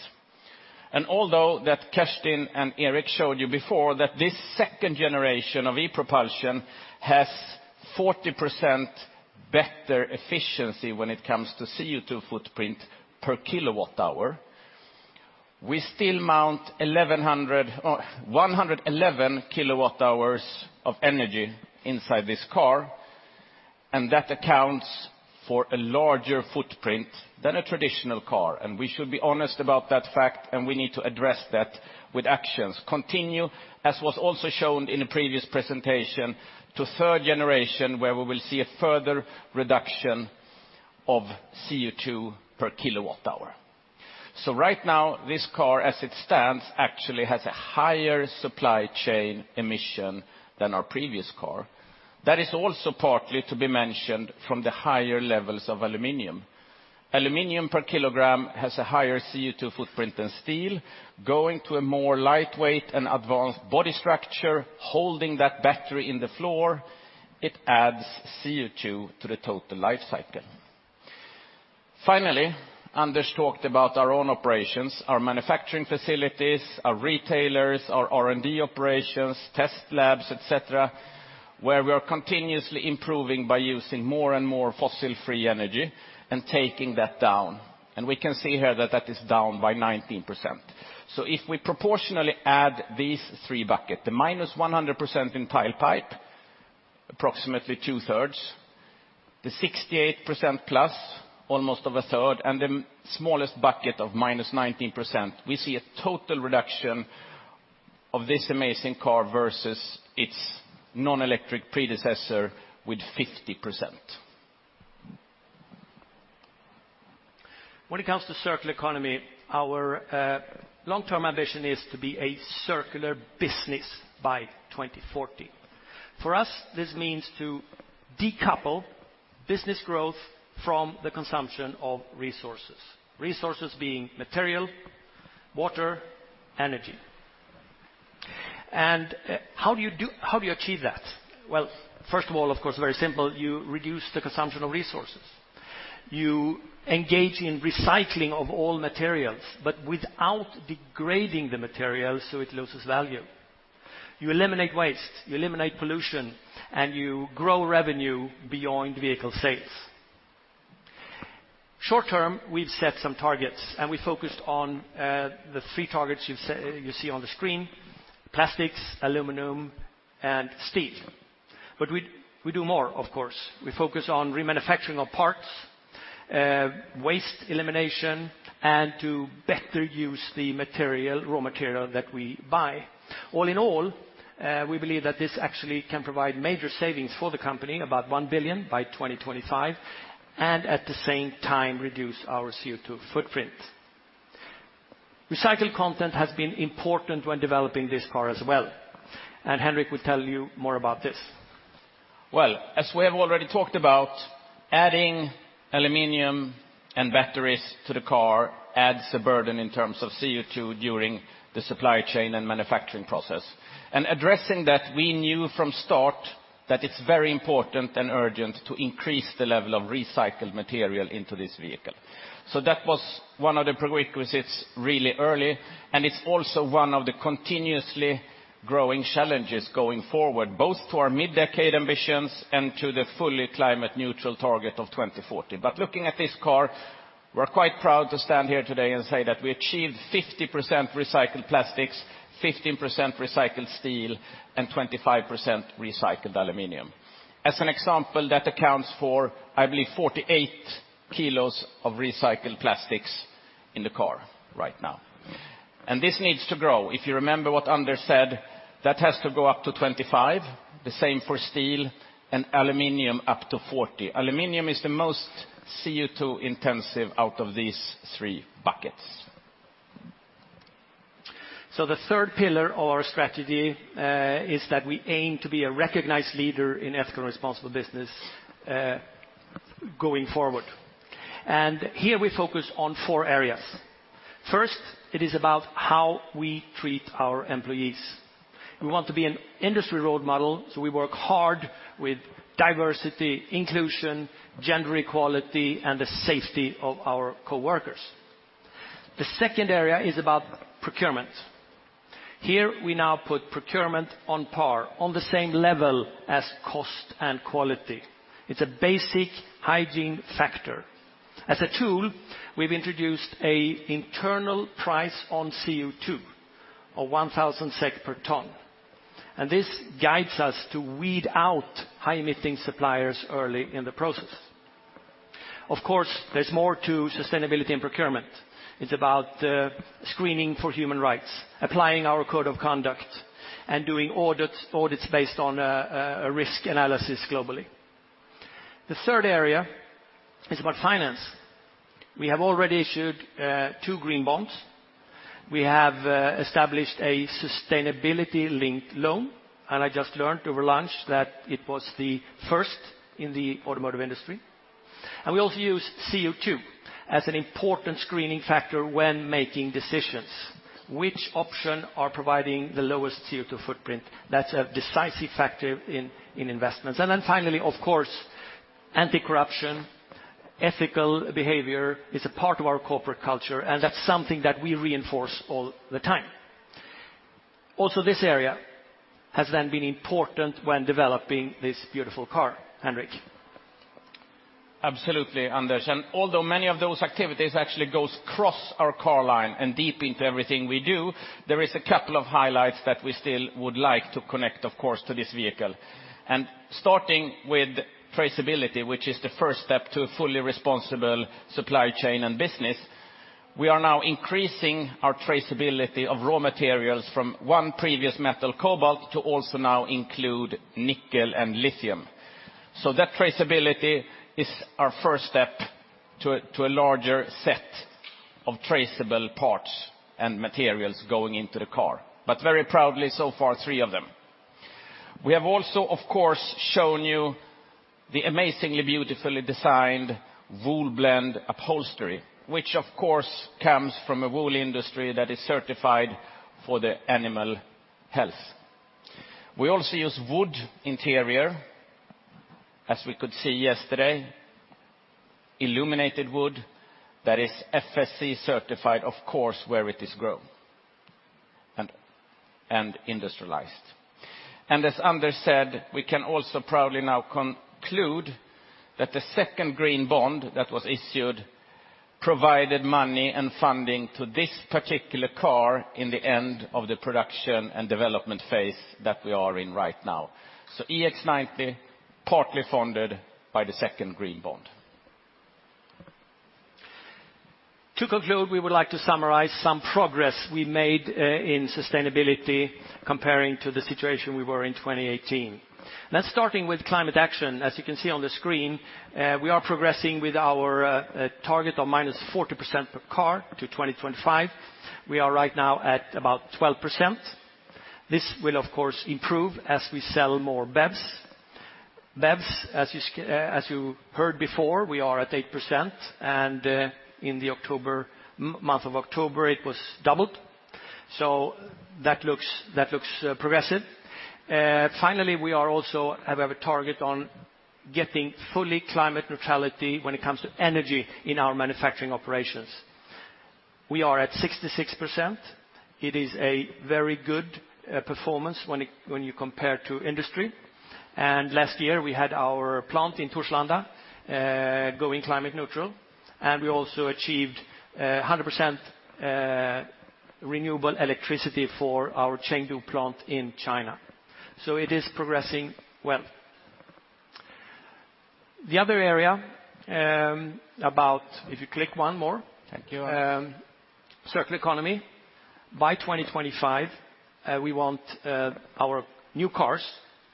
Although that Kerstin and Erik showed you before that this second generation of E-propulsion has 40% better efficiency when it comes to CO2 footprint per kilowatt-hour, we still mount 1,100 or 111 kWh of energy inside this car, and that accounts for a larger footprint than a traditional car. We should be honest about that fact, and we need to address that with actions. Continue, as was also shown in a previous presentation, to third generation, where we will see a further reduction of CO2 er kWh. Right now, this car, as it stands, actually has a higher supply chain emission than our previous car. That is also partly to be mentioned from the higher levels of aluminum. Aluminum per kilogram has a higher CO2 footprint than steel. Going to a more lightweight and advanced body structure, holding that battery in the floor, it adds CO2 to the total life cycle. Finally, Anders talked about our own operations, our manufacturing facilities, our retailers, our R&D operations, test labs, et cetera, where we are continuously improving by using more and more fossil-free energy and taking that down. We can see here that that is down by 19%. If we proportionally add these three buckets, the -100% in tailpipe, approximately two-thirds, the 68% plus almost of a third, and the smallest bucket of -19%, we see a total reduction of this amazing car versus its non-electric predecessor with 50%. When it comes to circular economy, our long-term ambition is to be a circular business by 2040. For us, this means to decouple business growth from the consumption of resources being material, water, energy. How do you achieve that? Well, first of all, of course, very simple, you reduce the consumption of resources. You engage in recycling of all materials, but without degrading the material so it loses value. You eliminate waste, you eliminate pollution, and you grow revenue beyond vehicle sales. Short-term, we've set some targets, and we focused on the three targets you see on the screen: plastics, aluminum, and steel. We do more, of course. We focus on remanufacturing of parts, waste elimination, and to better use the material, raw material that we buy. All in all, we believe that this actually can provide major savings for the company, about 1 billion by 2025, and at the same time reduce our CO2 footprint. Recycled content has been important when developing this car as well, and Henrik will tell you more about this. Well, as we have already talked about, adding aluminum and batteries to the car adds a burden in terms of CO2 during the supply chain and manufacturing process. Addressing that, we knew from start that it's very important and urgent to increase the level of recycled material into this vehicle. That was one of the prerequisites really early, and it's also one of the continuously growing challenges going forward, both to our mid-decade ambitions and to the fully climate-neutral target of 2040. Looking at this car, we're quite proud to stand here today and say that we achieved 50% recycled plastics, 15% recycled steel, and 25% recycled aluminum. As an example, that accounts for, I believe, 48 kilos of recycled plastics in the car right now. This needs to grow. If you remember what Anders said, that has to go up to 25, the same for steel and aluminum up to 40. Aluminum is the most CO2-intensive out of these three buckets. The third pillar of our strategy is that we aim to be a recognized leader in ethical, responsible business going forward. Here we focus on four areas. First, it is about how we treat our employees. We want to be an industry role model, so we work hard with diversity, inclusion, gender equality, and the safety of our coworkers. The second area is about procurement. Here, we now put procurement on par on the same level as cost and quality. It's a basic hygiene factor. As a tool, we've introduced an internal price on CO2 of 1,000 SEK per ton, and this guides us to weed out high-emitting suppliers early in the process. Of course, there's more to sustainability and procurement. It's about screening for human rights, applying our code of conduct, and doing audits based on a risk analysis globally. The third area is about finance. We have already issued two green bonds. We have established a sustainability-linked loan, and I just learned over lunch that it was the first in the automotive industry. We also use CO2 as an important screening factor when making decisions. Which option are providing the lowest CO2 footprint? That's a decisive factor in investments. Finally, of course, anti-corruption, ethical behavior is a part of our corporate culture, and that's something that we reinforce all the time. Also, this area has then been important when developing this beautiful car. Henrik. Absolutely, Anders. Although many of those activities actually goes cross our car line and deep into everything we do, there is a couple of highlights that we still would like to connect, of course, to this vehicle. Starting with traceability, which is the first step to a fully responsible supply chain and business, we are now increasing our traceability of raw materials from one previous metal, cobalt, to also now include nickel and lithium. That traceability is our first step to a larger set of traceable parts and materials going into the car. Very proudly, so far, three of them. We have also, of course, shown you the amazingly beautifully designed wool blend upholstery, which of course comes from a wool industry that is certified for the animal health. We also use wood interior. As we could see yesterday, illuminated wood that is FSC-certified, of course, where it is grown and industrialized. As Anders said, we can also proudly now conclude that the second green bond that was issued provided money and funding to this particular car in the end of the production and development phase that we are in right now. EX90 partly funded by the second green bond. To conclude, we would like to summarize some progress we made in sustainability compared to the situation we were in 2018. Let's start with climate action. As you can see on the screen, we are progressing with our target of -40% per car to 2025. We are right now at about 12%. This will of course improve as we sell more BEVs. BEVs, as you heard before, we are at 8%, and in October it was doubled. That looks progressive. Finally, we also have a target on getting to full climate neutrality when it comes to energy in our manufacturing operations. We are at 66%. It is a very good performance when you compare to industry. Last year, we had our plant in Torslanda going climate neutral, and we also achieved 100% renewable electricity for our Chengdu plant in China. It is progressing well. The other area. If you click one more. Thank you. Circular economy. By 2025, we want our new cars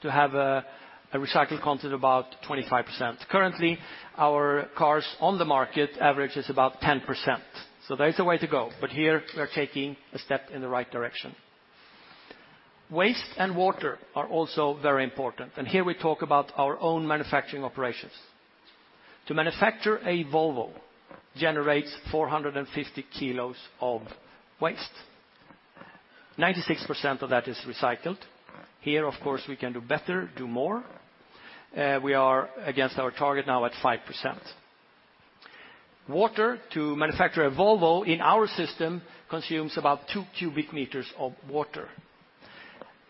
to have a recycled content about 25%. Currently, our cars on the market average is about 10%, so there's a way to go. Here we're taking a step in the right direction. Waste and water are also very important, and here we talk about our own manufacturing operations. To manufacture a Volvo generates 450 kg of waste. 96% of that is recycled. Here, of course, we can do better, do more. We are ahead of our target now at 5%. Water to manufacture a Volvo in our system consumes about 2 cubic m of water.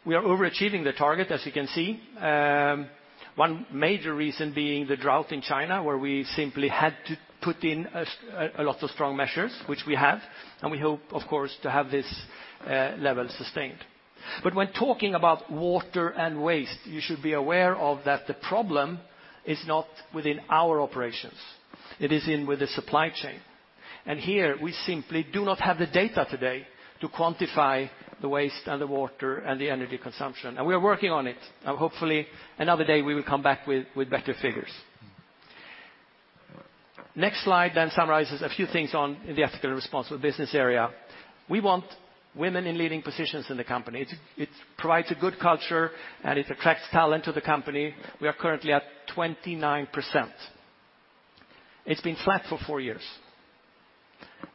We are overachieving the target, as you can see. One major reason being the drought in China, where we simply had to put in a lot of strong measures, which we have, and we hope, of course, to have this level sustained. When talking about water and waste, you should be aware of that the problem is not within our operations. It is within the supply chain. Here we simply do not have the data today to quantify the waste and the water and the energy consumption. We are working on it. Hopefully another day we will come back with better figures. Next slide then summarizes a few things on the ethical and responsible business area. We want women in leading positions in the company. It provides a good culture, and it attracts talent to the company. We are currently at 29%. It's been flat for four years.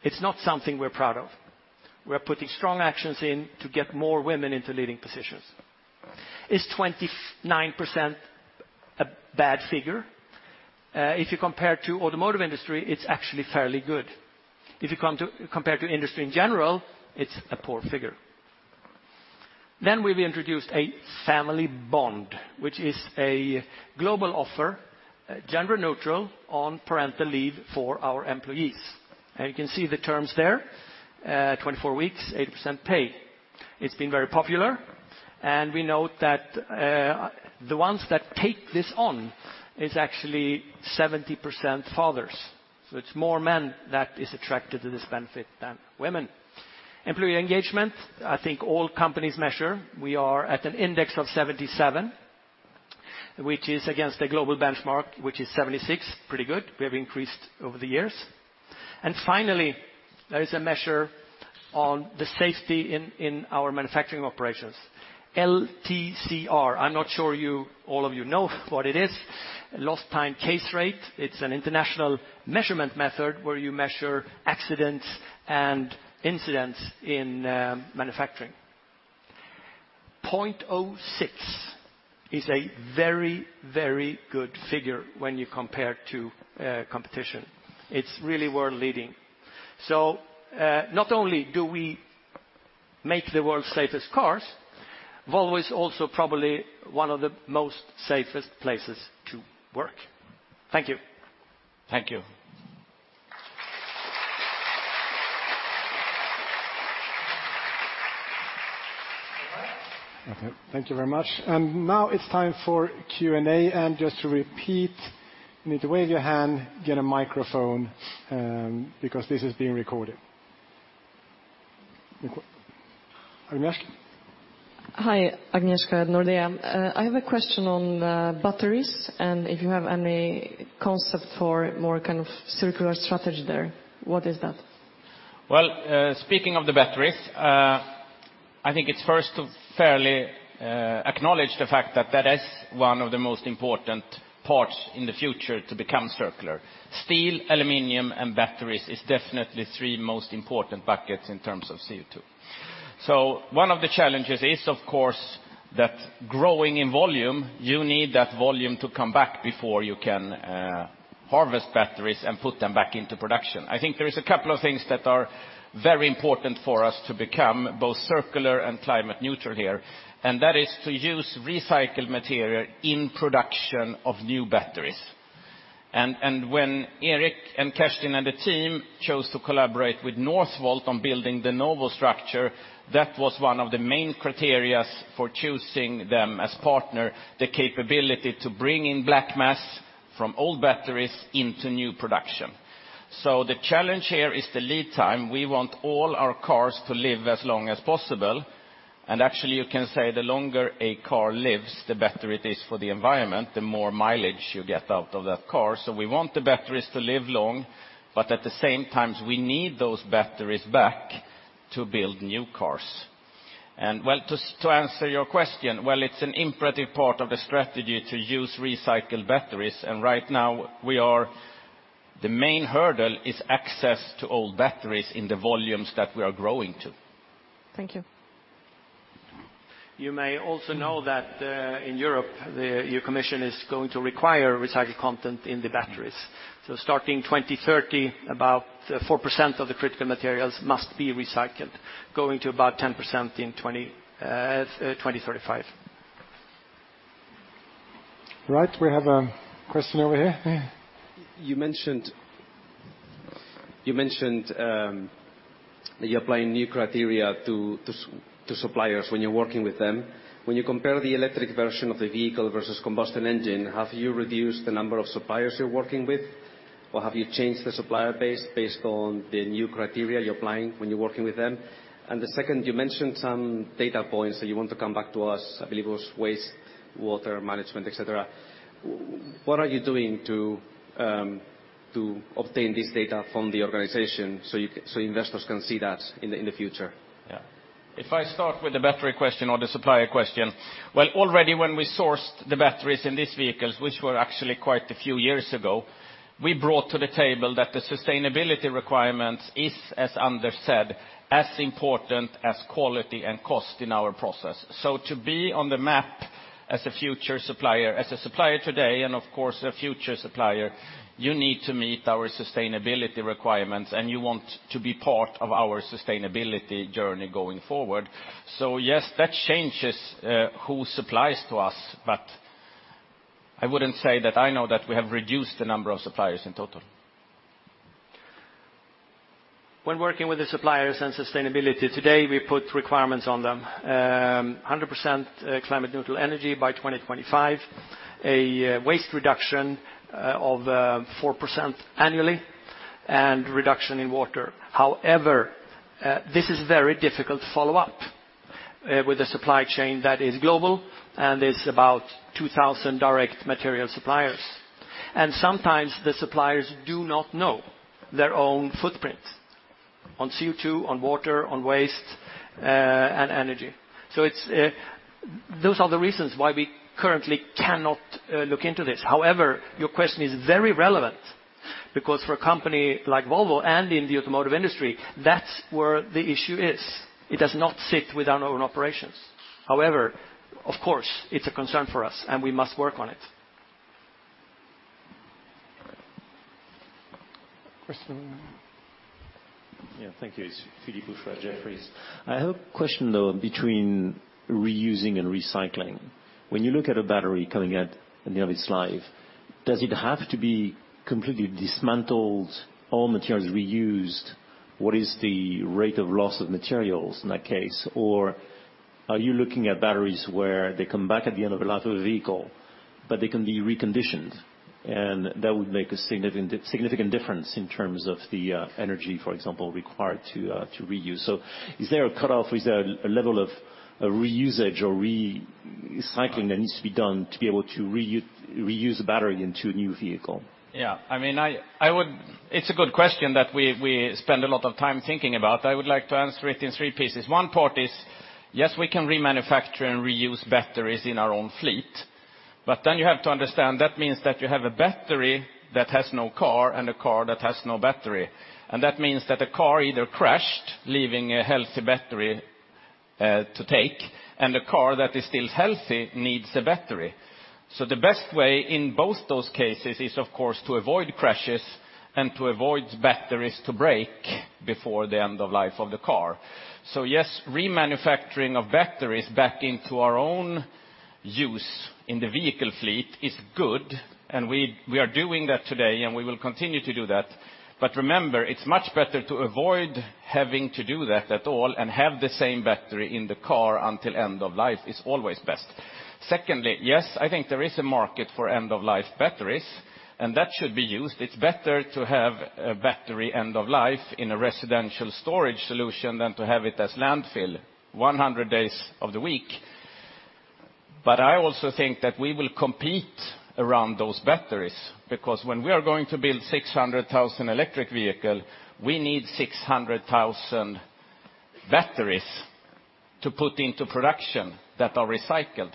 It's not something we're proud of. We are putting strong actions in to get more women into leading positions. Is 29% a bad figure? If you compare to automotive industry, it's actually fairly good. If you compare to industry in general, it's a poor figure. We've introduced a Family Bond, which is a global offer, gender-neutral on parental leave for our employees. You can see the terms there, 24 weeks, 80% pay. It's been very popular, and we know that the ones that take this on is actually 70% fathers. It's more men that is attracted to this benefit than women. Employee engagement, I think all companies measure. We are at an index of 77, which is against a global benchmark, which is 76. Pretty good. We have increased over the years. Finally, there is a measure on the safety in our manufacturing operations. LTCR, I'm not sure you all know what it is. Lost time case rate, it's an international measurement method where you measure accidents and incidents in manufacturing. 0.06 is a very, very good figure when you compare to competition. It's really world-leading. Not only do we make the world's safest cars, Volvo is also probably one of the most safest places to work. Thank you. Thank you. Thank you. Thank you very much. Now it's time for Q&A. Just to repeat, you need to wave your hand, get a microphone, because this is being recorded. Agnies? Hi, Agnieszka from Nordea. I have a question on batteries, and if you have any concept for more kind of circular strategy there, what is that? Well, speaking of the batteries, I think it's fair to acknowledge the fact that is one of the most important parts in the future to become circular. Steel, aluminum, and batteries is definitely three most important buckets in terms of CO2. One of the challenges is, of course, that growing in volume, you need that volume to come back before you can harvest batteries and put them back into production. I think there is a couple of things that are very important for us to become both circular and climate neutral here, and that is to use recycled material in production of new batteries. When Erik and Kerstin and the team chose to collaborate with Northvolt on building the NOVO structure, that was one of the main criteria for choosing them as partner, the capability to bring in black mass from old batteries into new production. The challenge here is the lead time. We want all our cars to live as long as possible. Actually, you can say the longer a car lives, the better it is for the environment, the more mileage you get out of that car. We want the batteries to live long, but at the same time, we need those batteries back to build new cars. Well, to answer your question, well, it's an imperative part of the strategy to use recycled batteries. Right now, the main hurdle is access to old batteries in the volumes that we are growing to. Thank you. You may also know that, in Europe, the European Commission is going to require recycled content in the batteries. Starting 2030, about 4% of the critical materials must be recycled, going to about 10% in 2035. Right. We have a question over here. Yeah. You mentioned that you're applying new criteria to suppliers when you're working with them. When you compare the electric version of the vehicle versus combustion engine, have you reduced the number of suppliers you're working with, or have you changed the supplier base based on the new criteria you're applying when you're working with them? The second, you mentioned some data points that you want to come back to us, I believe it was waste, water management, et cetera. What are you doing to obtain this data from the organization so investors can see that in the future? Yeah. If I start with the battery question or the supplier question, well, already when we sourced the batteries in these vehicles, which were actually quite a few years ago, we brought to the table that the sustainability requirement is, as Anders said, as important as quality and cost in our process. To be on the map as a future supplier, as a supplier today, and of course, a future supplier, you need to meet our sustainability requirements, and you want to be part of our sustainability journey going forward. Yes, that changes who supplies to us, but I wouldn't say that I know that we have reduced the number of suppliers in total. When working with the suppliers and sustainability, today, we put requirements on them. 100% climate neutral energy by 2025, a waste reduction of 4% annually, and reduction in water. However, this is very difficult to follow up. With a supply chain that is global and is about 2,000 direct material suppliers. Sometimes the suppliers do not know their own footprint on CO2, on water, on waste, and energy. It's those are the reasons why we currently cannot look into this. However, your question is very relevant because for a company like Volvo and in the automotive industry, that's where the issue is. It does not sit with our own operations. However, of course, it's a concern for us, and we must work on it. Yeah, thank you. It's Philippe Houchois, Jefferies. I have a question, though, between reusing and recycling. When you look at a battery coming at the end of its life, does it have to be completely dismantled, all materials reused? What is the rate of loss of materials in that case? Or are you looking at batteries where they come back at the end of a life of a vehicle, but they can be reconditioned, and that would make a significant difference in terms of the energy, for example, required to reuse. Is there a cutoff? Is there a level of reusage or recycling that needs to be done to be able to reuse a battery into a new vehicle? Yeah, I mean, I would. It's a good question that we spend a lot of time thinking about. I would like to answer it in three pieces. One part is, yes, we can remanufacture and reuse batteries in our own fleet. Then you have to understand that means that you have a battery that has no car and a car that has no battery. That means that a car either crashed, leaving a healthy battery, to take, and a car that is still healthy needs a battery. The best way in both those cases is, of course, to avoid crashes and to avoid batteries to break before the end of life of the car. Yes, remanufacturing of batteries back into our own use in the vehicle fleet is good, and we are doing that today, and we will continue to do that. Remember, it's much better to avoid having to do that at all and have the same battery in the car until end of life is always best. Secondly, yes, I think there is a market for end-of-life batteries, and that should be used. It's better to have a battery end of life in a residential storage solution than to have it as landfill 100 days of the week. I also think that we will compete around those batteries, because when we are going to build 600,000 electric vehicle, we need 600,000 batteries to put into production that are recycled.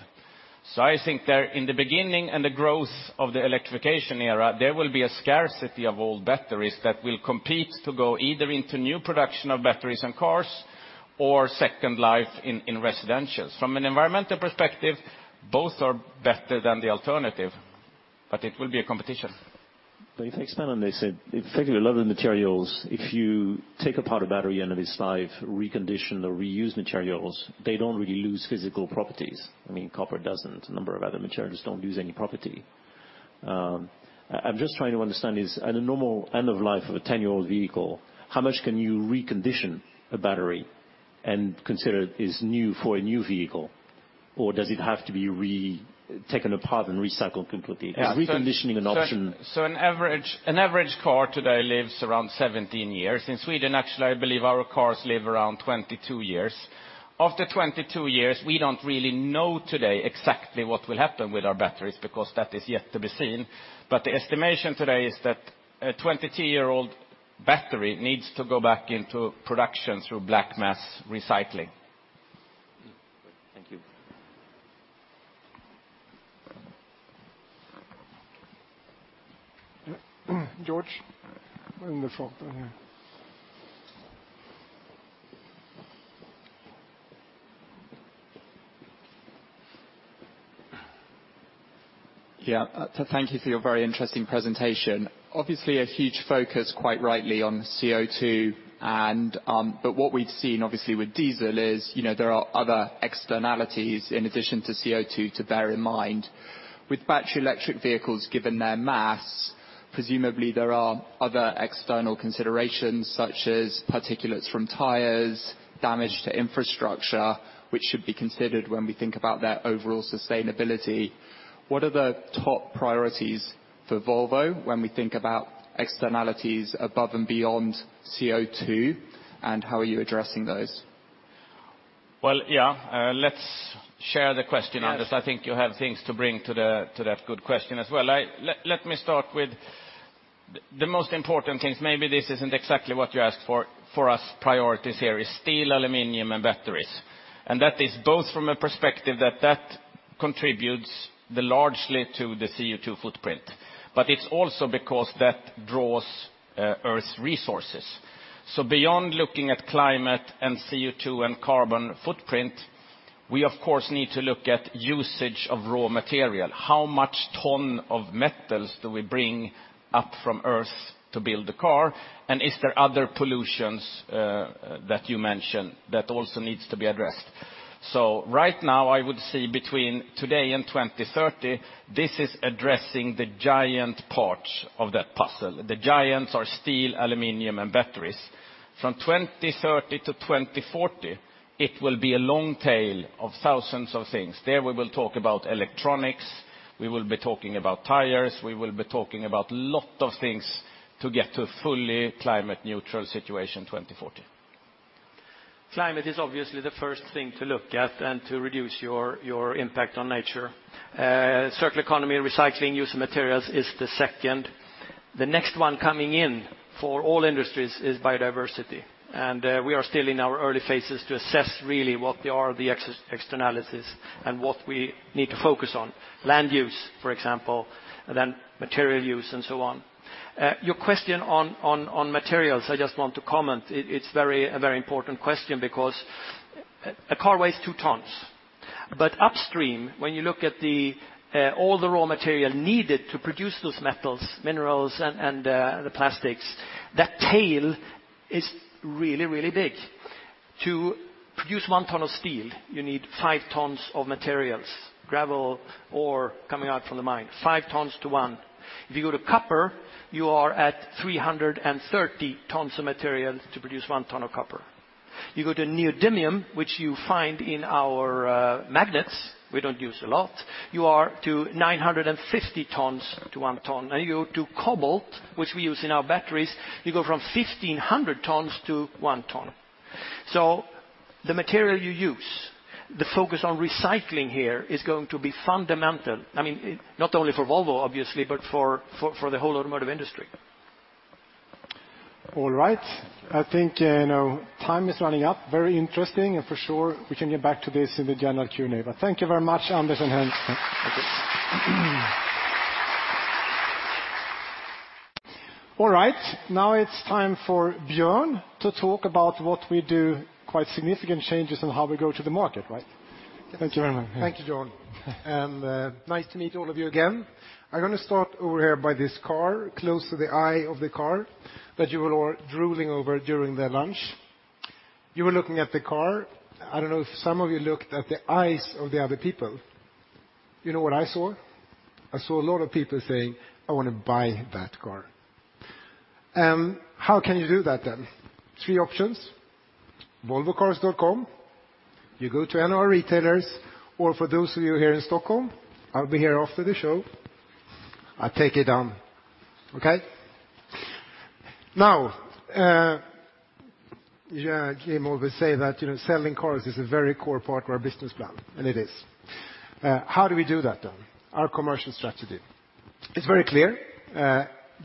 I think there, in the beginning and the growth of the electrification era, there will be a scarcity of old batteries that will compete to go either into new production of batteries and cars or second life in residential. From an environmental perspective, both are better than the alternative, but it will be a competition. If I expand on this, effectively, a lot of the materials, if you take apart a battery end of its life, recondition or reuse materials, they don't really lose physical properties. I mean, copper doesn't. A number of other materials don't lose any property. I'm just trying to understand, is at a normal end of life of a ten-year-old vehicle, how much can you recondition a battery and consider it is new for a new vehicle? Or does it have to be taken apart and recycled completely? Yeah. Is reconditioning an option? An average car today lives around 17 years. In Sweden, actually, I believe our cars live around 22 years. After 22 years, we don't really know today exactly what will happen with our batteries because that is yet to be seen. The estimation today is that a 22-year-old battery needs to go back into production through black mass recycling. Thank you. George, in the front there. Yeah. Thank you for your very interesting presentation. Obviously a huge focus, quite rightly, on CO2 and but what we've seen obviously with diesel is, you know, there are other externalities in addition to CO2 to bear in mind. With battery electric vehicles, given their mass, presumably there are other external considerations such as particulates from tires, damage to infrastructure, which should be considered when we think about their overall sustainability. What are the top priorities for Volvo when we think about externalities above and beyond CO2, and how are you addressing those? Well, yeah, let's share the question. Yes. Anders. I think you have things to bring to that good question as well. Let me start with the most important things, maybe this isn't exactly what you asked for, our priorities here is steel, aluminum, and batteries. That is both from a perspective that contributes largely to the CO2 footprint, but it's also because that draws Earth's resources. Beyond looking at climate and CO2 and carbon footprint, we of course need to look at usage of raw material. How much ton of metals do we bring up from Earth to build a car? And is there other pollutions that you mentioned that also needs to be addressed? Right now, I would say between today and 2030, this is addressing the giant part of that puzzle. The giants are steel, aluminum, and batteries. From 2030-2040, it will be a long tail of thousands of things. There, we will talk about electronics, we will be talking about tires, we will be talking about lot of things to get to a fully climate neutral situation, 2040. Climate is obviously the first thing to look at and to reduce your impact on nature. Circular economy and recycling used materials is the second. The next one coming in for all industries is biodiversity. We are still in our early phases to assess really what they are, the externalities and what we need to focus on. Land use, for example, then material use and so on. Your question on materials, I just want to comment. It's a very important question because a car weighs 2 tons. But upstream, when you look at all the raw material needed to produce those metals, minerals, and the plastics, that tail is really, really big. To produce 1 ton of steel, you need 5 tons of materials, gravel or coming out from the mine, 5 tons to one. If you go to copper, you are at 330 tons of material to produce 1 ton of copper. You go to neodymium, which you find in our magnets, we don't use a lot, you are to 950 tons to 1 ton. You go to cobalt, which we use in our batteries, you go from 1,500 tons to 1 ton. The material you use, the focus on recycling here is going to be fundamental. I mean, not only for Volvo, obviously, but for the whole automotive industry. All right. I think, you know, time is running up. Very interesting. For sure, we can get back to this in the general Q&A. Thank you very much, Anders and Hans. Thank you. All right. Now it's time for Björn to talk about what we do, quite significant changes on how we go to the market, right? Thank you very much. Thank you, John. Nice to meet all of you again. I'm gonna start over here by this car, close to the eye of the car that you were all drooling over during the lunch. You were looking at the car. I don't know if some of you looked at the eyes of the other people. You know what I saw? I saw a lot of people saying, "I wanna buy that car." How can you do that then? Three options. volvocars.com. You go to any of our retailers, or for those of you here in Stockholm, I'll be here after the show. I'll take it on. Okay? Now, yeah, Jim always say that, you know, selling cars is a very core part of our business plan, and it is. How do we do that, though? Our commercial strategy. It's very clear.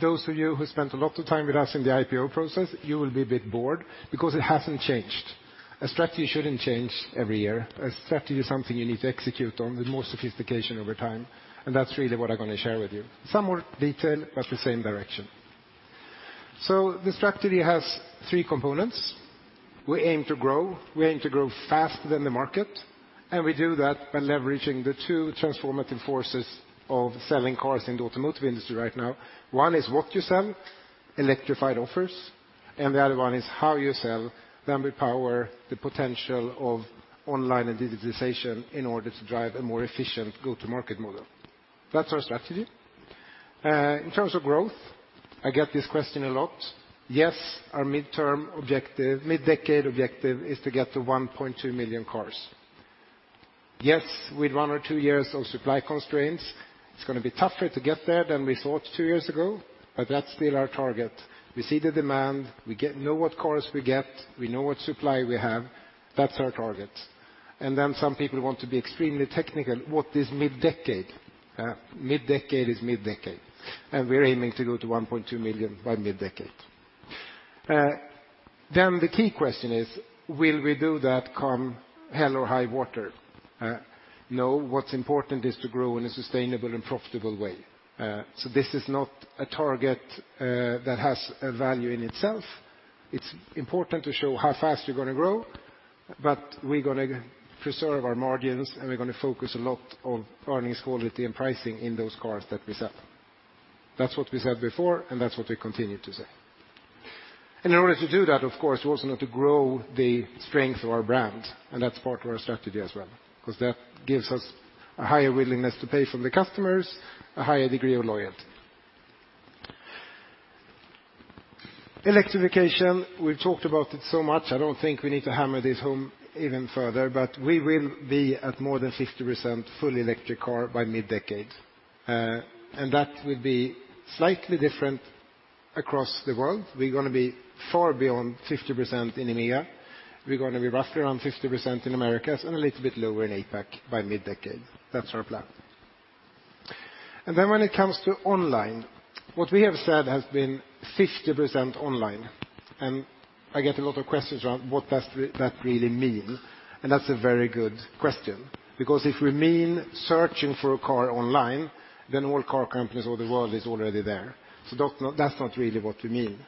Those of you who spent a lot of time with us in the IPO process, you will be a bit bored because it hasn't changed. A strategy shouldn't change every year. A strategy is something you need to execute on with more sophistication over time, and that's really what I'm gonna share with you. Some more detail, but the same direction. The strategy has three components. We aim to grow, we aim to grow faster than the market, and we do that by leveraging the two transformative forces of selling cars in the automotive industry right now. One is what you sell, electrified offers, and the other one is how you sell, then we power the potential of online and digitization in order to drive a more efficient go-to-market model. That's our strategy. In terms of growth, I get this question a lot. Yes, our mid-decade objective is to get to 1.2 million cars. Yes, with one or two years of supply constraints, it's gonna be tougher to get there than we thought two years ago, but that's still our target. We see the demand, we know what cars we get, we know what supply we have. That's our target. Then some people want to be extremely technical. What is mid-decade? Mid-decade is mid-decade. We're aiming to go to 1.2 million by mid-decade. The key question is, will we do that come hell or high water? No. What's important is to grow in a sustainable and profitable way. This is not a target that has a value in itself. It's important to show how fast you're gonna grow, but we're gonna preserve our margins, and we're gonna focus a lot on earnings quality and pricing in those cars that we sell. That's what we said before, and that's what we continue to say. In order to do that, of course, we also need to grow the strength of our brand, and that's part of our strategy as well 'cause that gives us a higher willingness to pay from the customers, a higher degree of loyalty. Electrification, we've talked about it so much. I don't think we need to hammer this home even further, but we will be at more than 50% full electric car by mid-decade. That will be slightly different across the world. We're gonna be far beyond 50% in EMEA. We're gonna be roughly around 50% in Americas and a little bit lower in APAC by mid-decade. That's our plan. When it comes to online, what we have said has been 50% online. I get a lot of questions around what does that really mean. That's a very good question because if we mean searching for a car online, then all car companies of the world is already there. That's not really what we mean.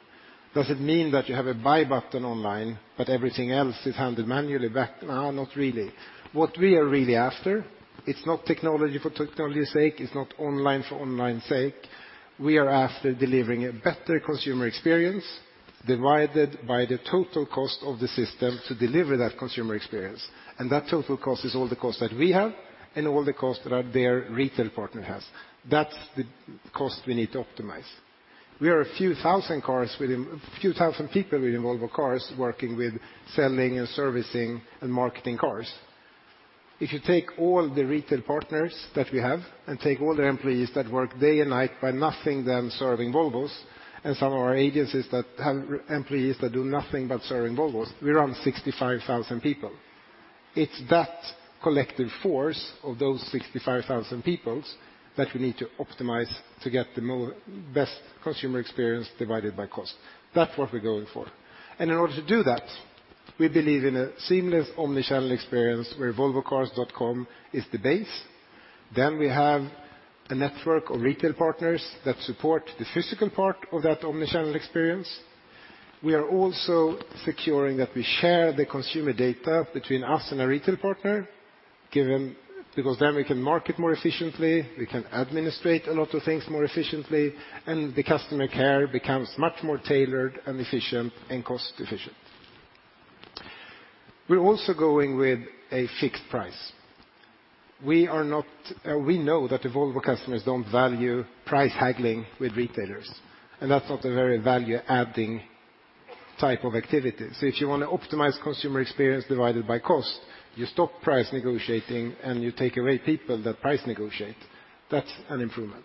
Does it mean that you have a buy button online, but everything else is handled manually back? No, not really. What we are really after, it's not technology for technology's sake, it's not online for online's sake. We are after delivering a better consumer experience divided by the total cost of the system to deliver that consumer experience. That total cost is all the costs that we have and all the costs that our dear retail partner has. That's the cost we need to optimize. We are a few thousand people within Volvo Cars working with selling and servicing and marketing cars. If you take all the retail partners that we have and take all their employees that work day and night but nothing but serving Volvos, and some of our agencies that have employees that do nothing but serving Volvos, we're around 65,000 people. It's that collective force of those 65,000 people that we need to optimize to get the best consumer experience divided by cost. That's what we're going for. In order to do that, we believe in a seamless omni-channel experience where volvocars.com is the base. We have a network of retail partners that support the physical part of that omni-channel experience. We are also securing that we share the consumer data between us and our retail partner, given because then we can market more efficiently, we can administrate a lot of things more efficiently, and the customer care becomes much more tailored and efficient and cost efficient. We're also going with a fixed price. We know that the Volvo customers don't value price haggling with retailers, and that's not a very value-adding type of activity. If you wanna optimize consumer experience divided by cost, you stop price negotiating, and you take away people that price negotiate. That's an improvement.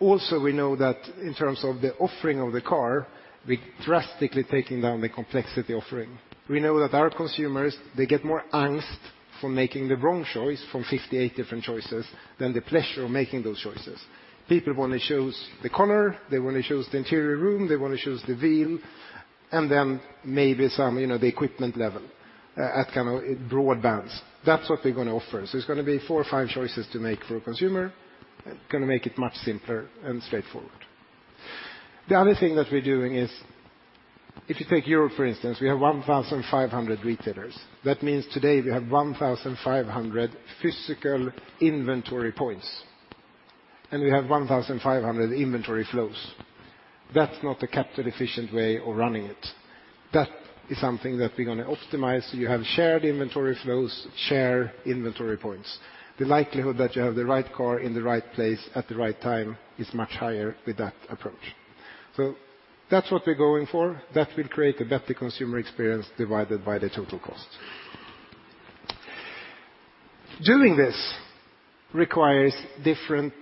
We know that in terms of the offering of the car, we're drastically taking down the complexity offering. We know that our consumers, they get more angst from making the wrong choice from 58 different choices than the pleasure of making those choices. People want to choose the color, they want to choose the interior room, they want to choose the wheel, and then maybe some, you know, the equipment level at kind of a broad bands. That's what we're gonna offer. It's gonna be four or five choices to make for a consumer. Gonna make it much simpler and straightforward. The other thing that we're doing is if you take Europe, for instance, we have 1,500 retailers. That means today we have 1,500 physical inventory points, and we have 1,500 inventory flows. That's not a capital efficient way of running it. That is something that we're gonna optimize, so you have shared inventory flows, shared inventory points. The likelihood that you have the right car in the right place at the right time is much higher with that approach. That's what we're going for. That will create a better consumer experience divided by the total cost. Doing this requires different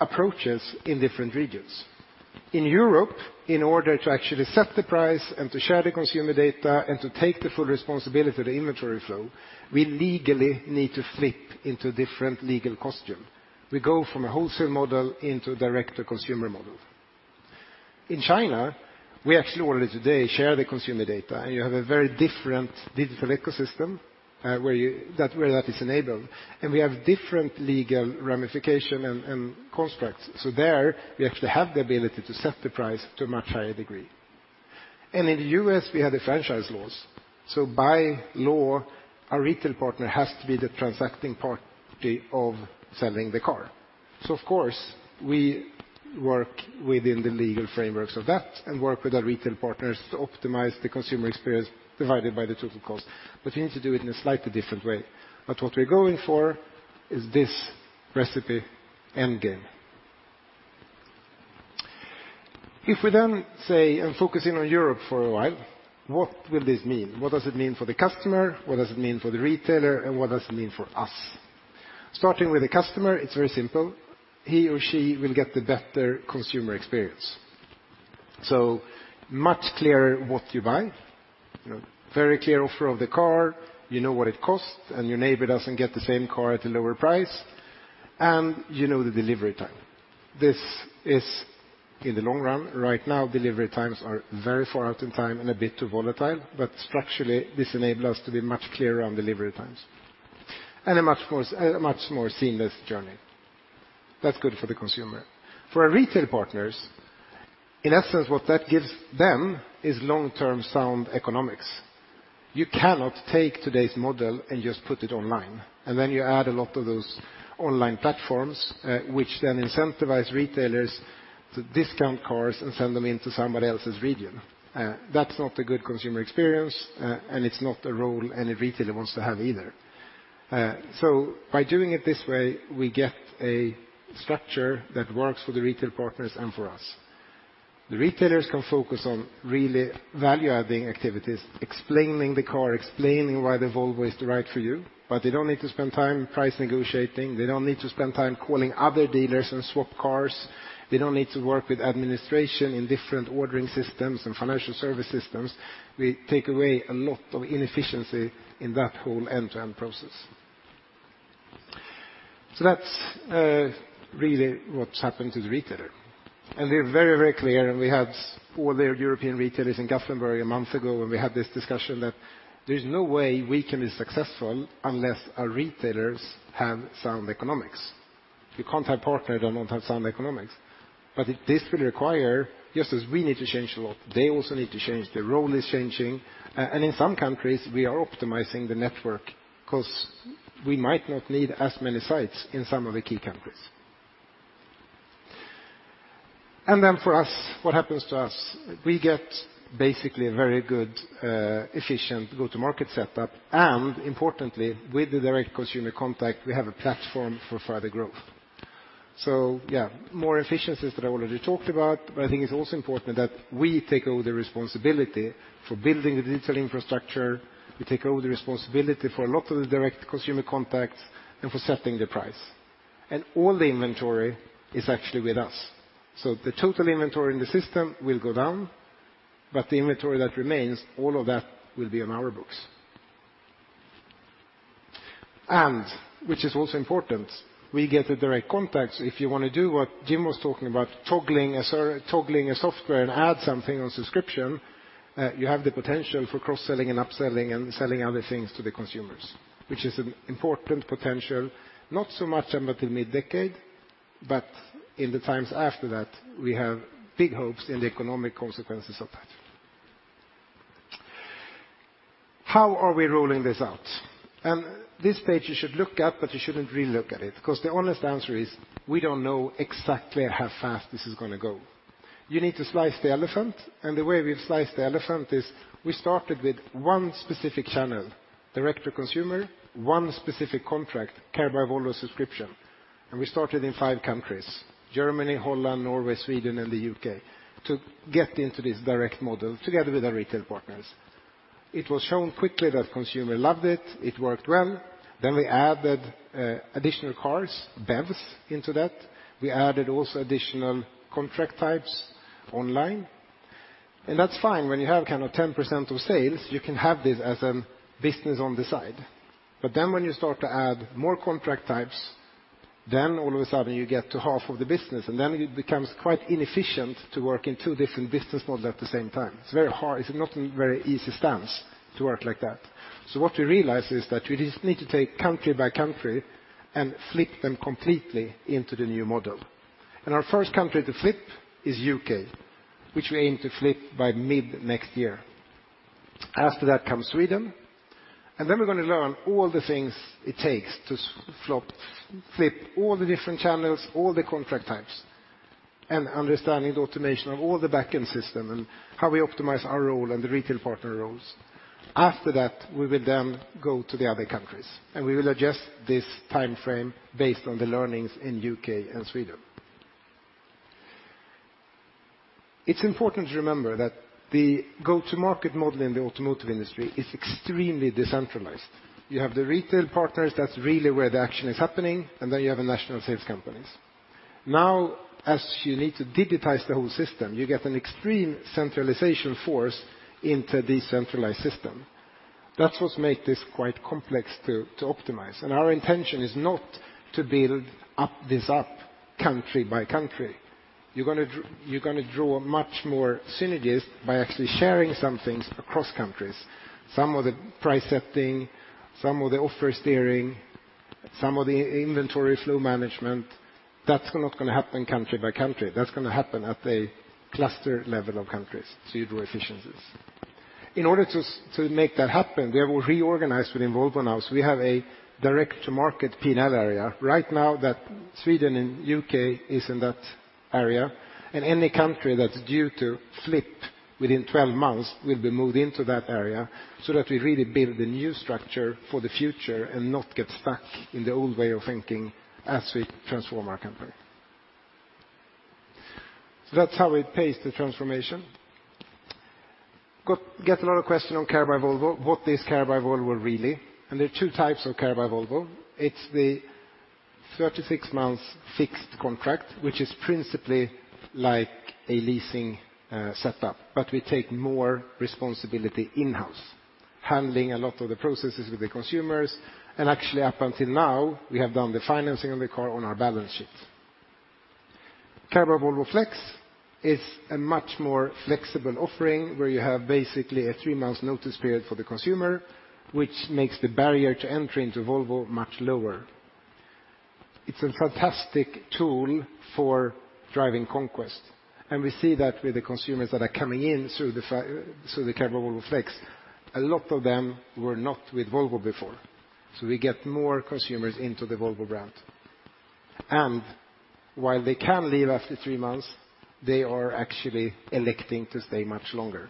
approaches in different regions. In Europe, in order to actually set the price and to share the consumer data and to take the full responsibility of the inventory flow, we legally need to flip into a different legal construct. We go from a wholesale model into a direct-to-consumer model. In China, we actually already today share the consumer data, and you have a very different digital ecosystem, where that is enabled, and we have different legal ramifications and constructs. There we actually have the ability to set the price to a much higher degree. In the U.S., we have the franchise laws, so by law, our retail partner has to be the transacting party of selling the car. Of course, we work within the legal frameworks of that and work with our retail partners to optimize the consumer experience divided by the total cost. We need to do it in a slightly different way. What we're going for is this retail endgame. If we then say, and focusing on Europe for a while, what will this mean? What does it mean for the customer? What does it mean for the retailer? What does it mean for us? Starting with the customer, it's very simple. He or she will get the better consumer experience. Much clearer what you buy, you know, very clear offer of the car. You know what it costs, and your neighbor doesn't get the same car at a lower price, and you know the delivery time. This is in the long run. Right now, delivery times are very far out in time and a bit too volatile, but structurally this enable us to be much clearer on delivery times and a much more seamless journey. That's good for the consumer. For our retail partners, in essence, what that gives them is long-term sound economics. You cannot take today's model and just put it online. Then you add a lot of those online platforms, which then incentivize retailers to discount cars and send them into somebody else's region. That's not a good consumer experience, and it's not a role any retailer wants to have either. By doing it this way, we get a structure that works for the retail partners and for us. The retailers can focus on really value-adding activities, explaining the car, explaining why the Volvo is the right for you, but they don't need to spend time price negotiating. They don't need to spend time calling other dealers and swap cars. They don't need to work with administration in different ordering systems and financial service systems. We take away a lot of inefficiency in that whole end-to-end process. That's really what's happened to the retailer. We're very, very clear, and we had all the European retailers in Gothenburg a month ago, and we had this discussion that there's no way we can be successful unless our retailers have sound economics. You can't have partners that don't have sound economics. This will require, just as we need to change a lot, they also need to change. Their role is changing. In some countries, we are optimizing the network 'cause we might not need as many sites in some of the key countries. For us, what happens to us? We get basically a very good, efficient go-to-market setup. Importantly, with the direct consumer contact, we have a platform for further growth. Yeah, more efficiencies that I already talked about. I think it's also important that we take over the responsibility for building the digital infrastructure. We take over the responsibility for a lot of the direct consumer contacts and for setting the price. All the inventory is actually with us. The total inventory in the system will go down, but the inventory that remains, all of that will be on our books. Which is also important, we get the direct contacts. If you want to do what Jim was talking about, toggling a software and add something on subscription, you have the potential for cross-selling and upselling and selling other things to the consumers. Which is an important potential, not so much until mid-decade, but in the times after that, we have big hopes in the economic consequences of that. How are we rolling this out? This page you should look at, but you shouldn't really look at it, because the honest answer is, we don't know exactly how fast this is going to go. You need to slice the elephant, and the way we've sliced the elephant is we started with one specific channel, direct to consumer, one specific contract, Care by Volvo subscription. We started in five countries, Germany, Holland, Norway, Sweden, and the U.K., to get into this direct model together with our retail partners. It was shown quickly that consumer loved it. It worked well. We added additional cars, BEVs into that. We added also additional contract types online. That's fine when you have kind of 10% of sales, you can have this as a business on the side. When you start to add more contract types, then all of a sudden you get to half of the business, and then it becomes quite inefficient to work in two different business models at the same time. It's very hard. It's not very easy stance to work like that. What we realized is that we just need to take country by country and flip them completely into the new model. Our first country to flip is U.K., which we aim to flip by mid next year. After that comes Sweden. We're going to learn all the things it takes to flip all the different channels, all the contract types, and understanding the automation of all the back-end system and how we optimize our role and the retail partner roles. After that, we will then go to the other countries, and we will adjust this timeframe based on the learnings in U.K. and Sweden. It's important to remember that the go-to-market model in the automotive industry is extremely decentralized. You have the retail partners, that's really where the action is happening, and then you have a national sales companies. Now, as you need to digitize the whole system, you get an extreme centralization force into a decentralized system. That's what make this quite complex to optimize. Our intention is not to build up this up country by country. You're gonna draw much more synergies by actually sharing some things across countries. Some of the price setting, some of the offer steering, some of the inventory flow management. That's not gonna happen country by country. That's gonna happen at a cluster level of countries. You draw efficiencies. In order to make that happen, we have reorganized within Volvo now. We have a direct-to-market P&L area. Right now Sweden and U.K. is in that area, and any country that's due to flip within 12 months will be moved into that area so that we really build the new structure for the future and not get stuck in the old way of thinking as we transform our company. That's how we pace the transformation. Get a lot of question on Care by Volvo. What is Care by Volvo, really? There are two types of Care by Volvo. It's the 36 months fixed contract, which is principally like a leasing setup, but we take more responsibility in-house, handling a lot of the processes with the consumers. Actually up until now, we have done the financing of the car on our balance sheet. Care by Volvo Flex is a much more flexible offering where you have basically a three-month notice period for the consumer, which makes the barrier to entry into Volvo much lower. It's a fantastic tool for driving conquest, and we see that with the consumers that are coming in through the Care by Volvo Flex. A lot of them were not with Volvo before. We get more consumers into the Volvo brand. While they can leave after three months, they are actually electing to stay much longer,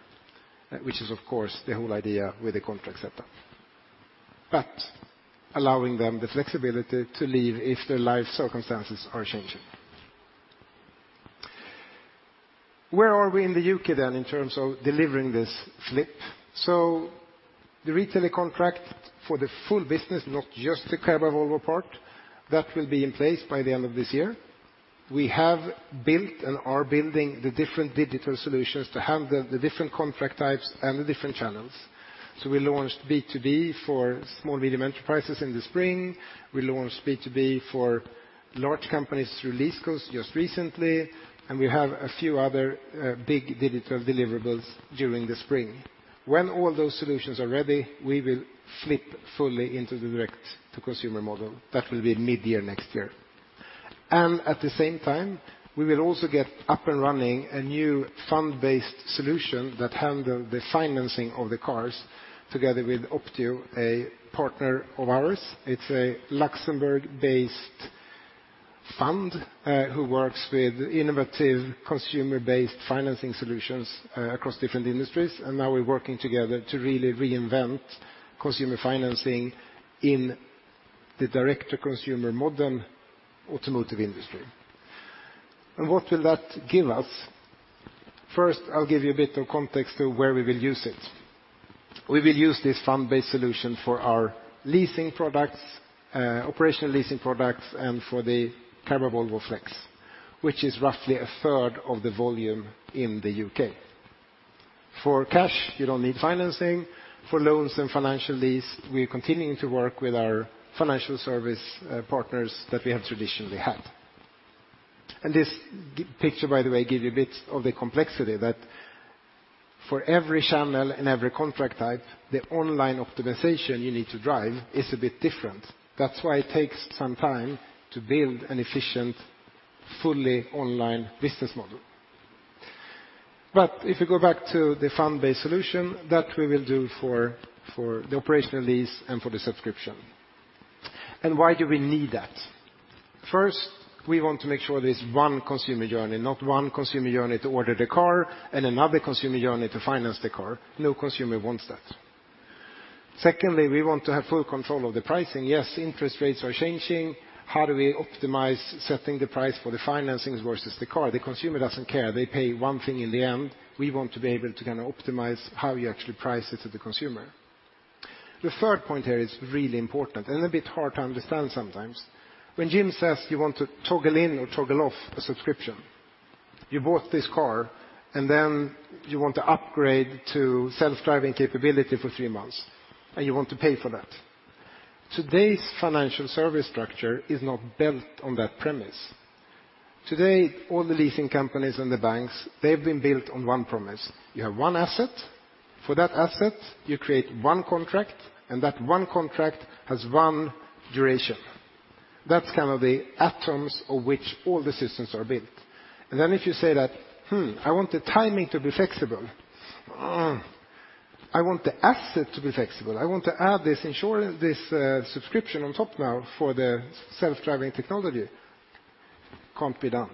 which is of course the whole idea with the contract setup, allowing them the flexibility to leave if their life circumstances are changing. Where are we in the U.K. then in terms of delivering this fleet? The retailer contract for the full business, not just the Care by Volvo part, that will be in place by the end of this year. We have built and are building the different digital solutions to handle the different contract types and the different channels. We launched B2B for small, medium enterprises in the spring. We launched B2B for large companies through lease deals just recently, and we have a few other big digital deliverables during the spring. When all those solutions are ready, we will flip fully into the direct to consumer model. That will be mid-year next year. At the same time, we will also get up and running a new fund-based solution that handles the financing of the cars together with Optio, a partner of ours. It's a Luxembourg-based fund who works with innovative consumer-based financing solutions across different industries. Now we're working together to really reinvent consumer financing in the direct to consumer model automotive industry. What will that give us? First, I'll give you a bit of context to where we will use it. We will use this fund-based solution for our leasing products, operational leasing products, and for the Care by Volvo Flex, which is roughly a third of the volume in the U.K. For cash, you don't need financing. For loans and financial lease, we're continuing to work with our financial service partners that we have traditionally had. This big picture, by the way, gives you a bit of the complexity that for every channel and every contract type, the online optimization you need to drive is a bit different. That's why it takes some time to build an efficient, fully online business model. If you go back to the fund-based solution that we will do for the operational lease and for the subscription. Why do we need that? First, we want to make sure there's one consumer journey, not one consumer journey to order the car and another consumer journey to finance the car. No consumer wants that. Secondly, we want to have full control of the pricing. Yes, interest rates are changing. How do we optimize setting the price for the financings versus the car? The consumer doesn't care. They pay one thing in the end. We want to be able to kind of optimize how you actually price it to the consumer. The third point here is really important and a bit hard to understand sometimes. When Jim says you want to toggle in or toggle off a subscription, you bought this car, and then you want to upgrade to self-driving capability for three months, and you want to pay for that. Today's financial service structure is not built on that premise. Today, all the leasing companies and the banks, they've been built on one premise. You have one asset. For that asset, you create one contract, and that one contract has one duration. That's kind of the atoms of which all the systems are built. Then if you say that, "Hmm, I want the timing to be flexible. I want the asset to be flexible. I want to add this insurance, this subscription on top now for the self-driving technology." Can't be done.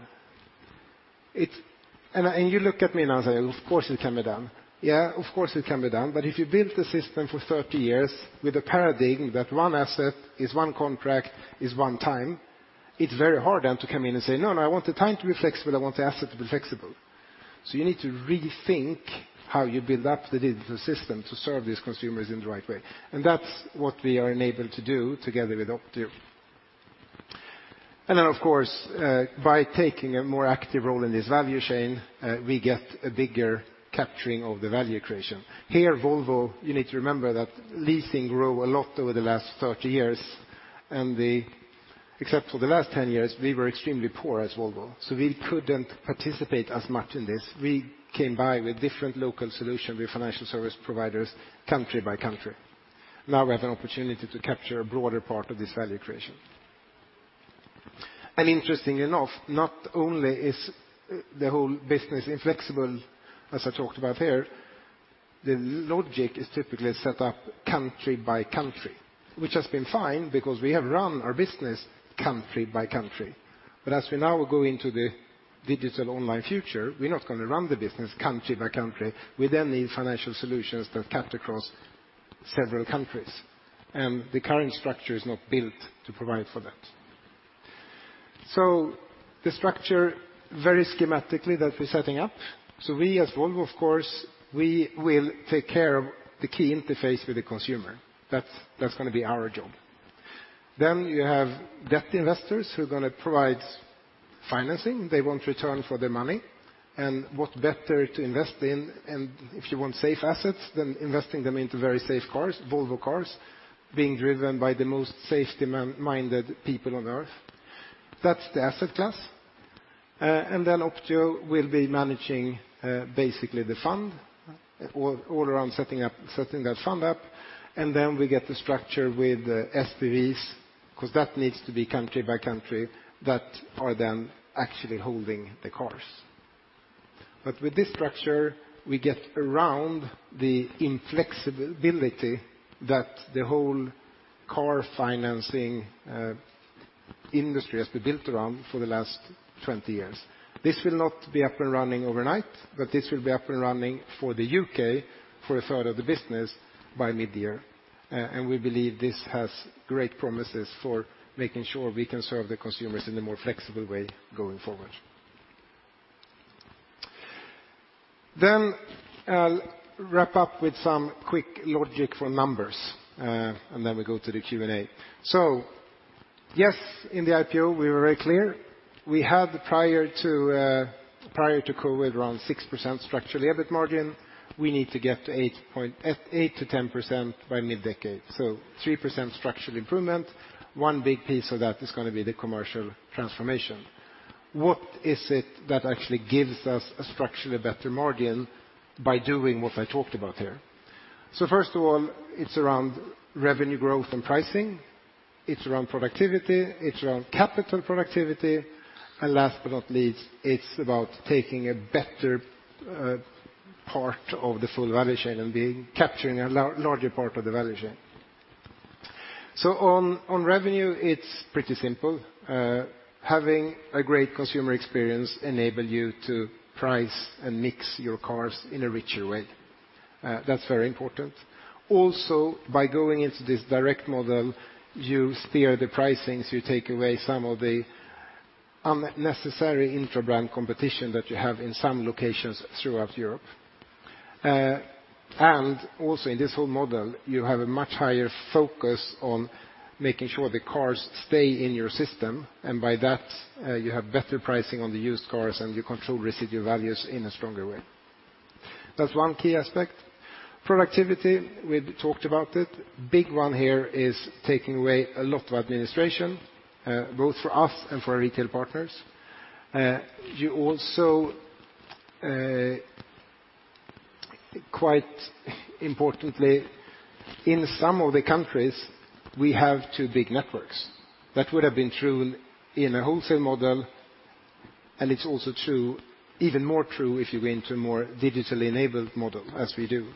You look at me now and say, "Of course, it can be done." Yeah, of course, it can be done. If you built the system for 30 years with a paradigm that one asset is one contract is one time, it's very hard then to come in and say, "No, no, I want the time to be flexible. I want the asset to be flexible." You need to rethink how you build up the digital system to serve these consumers in the right way, and that's what we are enabled to do together with Optio. By taking a more active role in this value chain, we get a bigger capturing of the value creation. Volvo, you need to remember that leasing grew a lot over the last 30 years, except for the last 10 years, we were extremely poor as Volvo, so we couldn't participate as much in this. We came by with different local solutions with financial service providers country by country. Now we have an opportunity to capture a broader part of this value creation. Interestingly enough, not only is the whole business inflexible, as I talked about here, the logic is typically set up country by country, which has been fine because we have run our business country by country. But as we now go into the digital online future, we're not going to run the business country by country. We then need financial solutions that cut across several countries, and the current structure is not built to provide for that. The structure very schematically that we're setting up, so we as Volvo, of course, we will take care of the key interface with the consumer. That's gonna be our job. Then you have debt investors who are gonna provide financing. They want return for their money. What better to invest in and if you want safe assets than investing them into very safe cars, Volvo Cars, being driven by the most safety-minded people on Earth. That's the asset class. Then Optio will be managing basically the fund all around setting that fund up. We get the structure with SPVs, 'cause that needs to be country by country that are then actually holding the cars. With this structure, we get around the inflexibility that the whole car financing industry has been built around for the last 20 years. This will not be up and running overnight, but this will be up and running for the U.K. for a third of the business by midyear. We believe this has great promises for making sure we can serve the consumers in a more flexible way going forward. I'll wrap up with some quick logic for numbers, and then we go to the Q&A. Yes, in the IPO, we were very clear. We had prior to COVID around 6% structural EBIT margin. We need to get to 8%-10% by mid-decade. 3% structural improvement. One big piece of that is gonna be the commercial transformation. What is it that actually gives us a structurally better margin by doing what I talked about here? First of all, it's around revenue growth and pricing, it's around productivity, it's around capital productivity, and last but not least, it's about taking a better part of the full value chain and capturing a larger part of the value chain. On revenue, it's pretty simple. Having a great consumer experience enable you to price and mix your cars in a richer way. That's very important. Also, by going into this direct model, you steer the pricings, you take away some of the unnecessary intra-brand competition that you have in some locations throughout Europe. Also in this whole model, you have a much higher focus on making sure the cars stay in your system, and by that, you have better pricing on the used cars and you control residual values in a stronger way. That's one key aspect. Productivity, we've talked about it. Big one here is taking away a lot of administration, both for us and for our retail partners. You also, quite importantly, in some of the countries, we have two big networks. That would have been true in a wholesale model, and it's also true, even more true if you go into a more digitally enabled model as we do.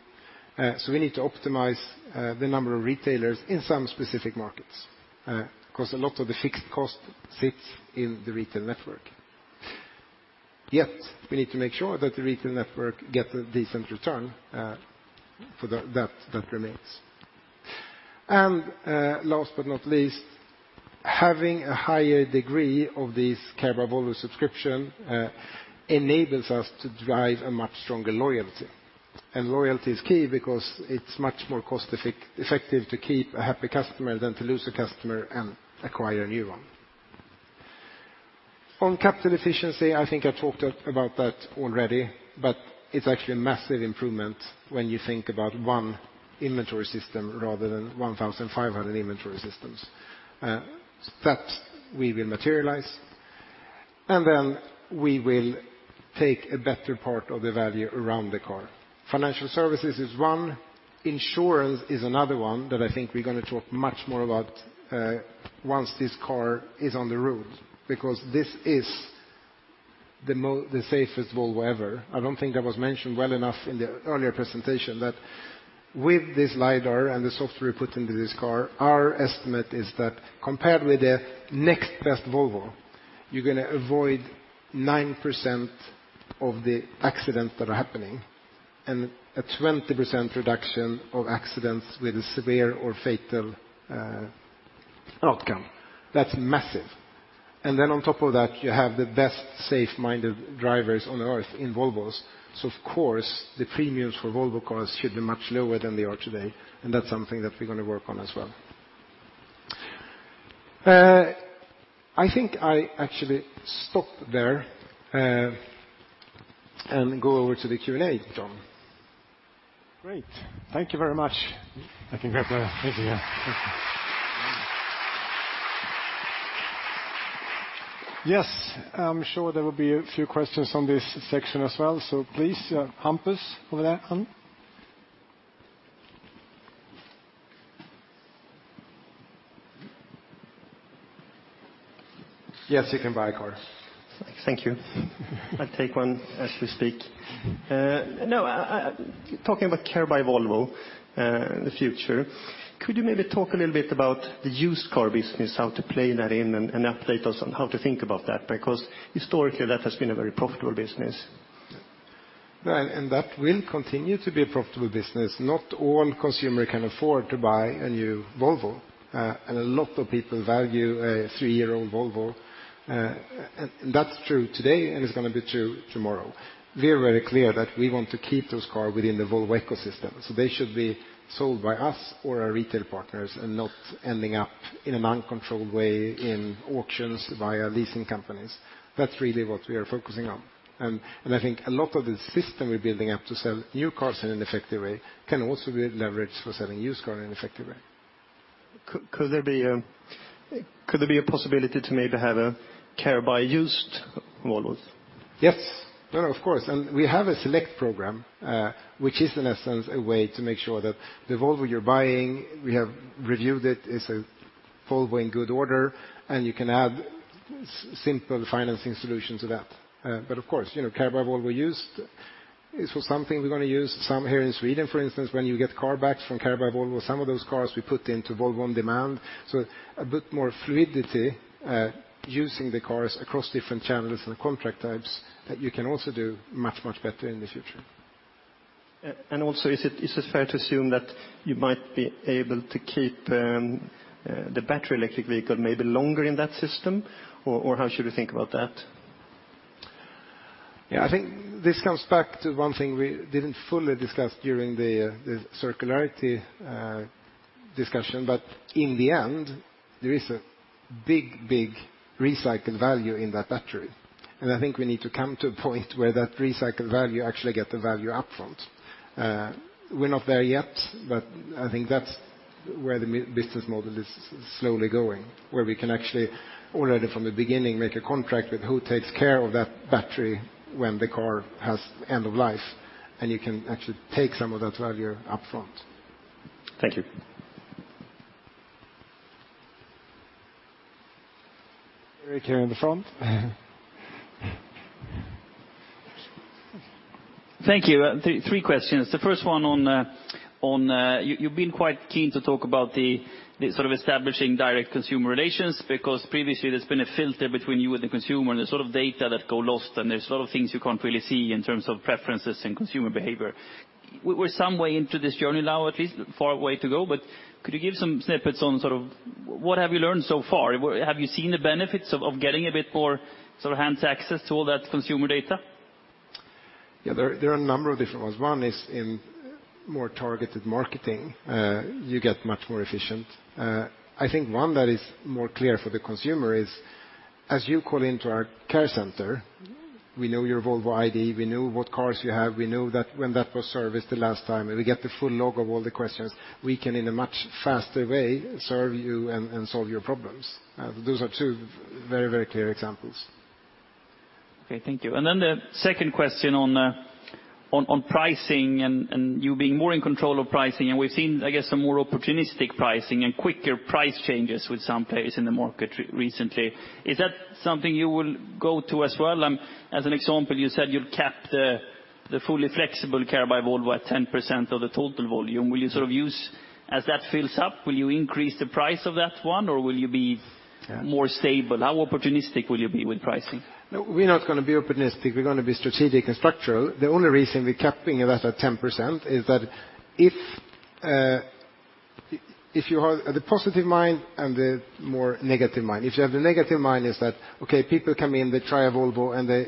So we need to optimize the number of retailers in some specific markets, 'cause a lot of the fixed cost sits in the retail network. Yet we need to make sure that the retail network gets a decent return that remains. Last but not least, having a higher degree of this Care by Volvo subscription enables us to drive a much stronger loyalty. Loyalty is key because it's much more cost-effective to keep a happy customer than to lose a customer and acquire a new one. On capital efficiency, I think I talked about that already, but it's actually a massive improvement when you think about one inventory system rather than 1,500 inventory systems. That we will materialize, then we will take a better part of the value around the car. Financial services is one. Insurance is another one that I think we're gonna talk much more about once this car is on the road, because this is the safest Volvo ever. I don't think that was mentioned well enough in the earlier presentation that with this lidar and the software put into this car, our estimate is that compared with the next best Volvo, you're gonna avoid 9% of the accidents that are happening and a 20% reduction of accidents with a severe or fatal outcome. That's massive. On top of that, you have the best safe-minded drivers on Earth in Volvos, so of course, the premiums for Volvo Cars should be much lower than they are today, and that's something that we're gonna work on as well. I think I actually stop there and go over to the Q&A, John. Great. Thank you very much. Thank you. Yes, I'm sure there will be a few questions on this section as well. Please, Hampus, over there. Yes, you can buy a car. Thank you. I take one as we speak. Talking about Care by Volvo, in the future, could you maybe talk a little bit about the used car business, how to play that in, and update us on how to think about that? Because historically, that has been a very profitable business. That will continue to be a profitable business. Not all consumers can afford to buy a new Volvo, and a lot of people value a three-year-old Volvo. That's true today, and it's gonna be true tomorrow. We're very clear that we want to keep those cars within the Volvo ecosystem, so they should be sold by us or our retail partners and not ending up in an uncontrolled way in auctions via leasing companies. That's really what we are focusing on. I think a lot of the system we're building up to sell new cars in an effective way can also be leveraged for selling used cars in an effective way. Could there be a possibility to maybe have a Care by used Volvos? Yes. No, of course. We have a Volvo Selekt program, which is in essence a way to make sure that the Volvo you're buying, we have reviewed it's a Volvo in good order, and you can add simple financing solution to that. But of course, you know, Care by Volvo Used is for something we're gonna use soon here in Sweden, for instance, when you get car back from Care by Volvo, some of those cars we put into Volvo On Demand. A bit more fluidity, using the cars across different channels and contract types that you can also do much, much better in the future. Is it fair to assume that you might be able to keep the battery electric vehicle maybe longer in that system, or how should we think about that? Yeah. I think this comes back to one thing we didn't fully discuss during the circularity discussion. In the end, there is a big recycled value in that battery. I think we need to come to a point where that recycled value actually get the value up front. We're not there yet, but I think that's where the business model is slowly going, where we can actually already from the beginning, make a contract with who takes care of that battery when the car has end of life, and you can actually take some of that value up front. Thank you. Erik, here in the front. Thank you. Three questions. The first one on, you've been quite keen to talk about the sort of establishing direct consumer relations because previously there's been a filter between you and the consumer and the sort of data that got lost, and there's a lot of things you can't really see in terms of preferences and consumer behavior. We're some way into this journey now, at least a long way to go, but could you give some snippets on sort of what have you learned so far? Have you seen the benefits of getting a bit more sort of hands-on access to all that consumer data? Yeah. There are a number of different ones. One is in more targeted marketing, you get much more efficient. I think one that is more clear for the consumer is as you call into our care center, we know your Volvo ID, we know what cars you have, we know that when that was serviced the last time, and we get the full log of all the questions, we can in a much faster way serve you and solve your problems. Those are two very, very clear examples. Okay. Thank you. Then the second question on pricing and you being more in control of pricing, and we've seen, I guess, some more opportunistic pricing and quicker price changes with some players in the market recently. Is that something you will go to as well? As an example, you said you'd cap the fully flexible Care by Volvo at 10% of the total volume. Will you sort of use. As that fills up, will you increase the price of that one or will you be- Yeah. -more stable? How opportunistic will you be with pricing? No, we're not gonna be opportunistic. We're gonna be strategic and structural. The only reason we're capping that at 10% is that if you have the positive mind and the negative mind, that, okay, people come in, they try a Volvo, and they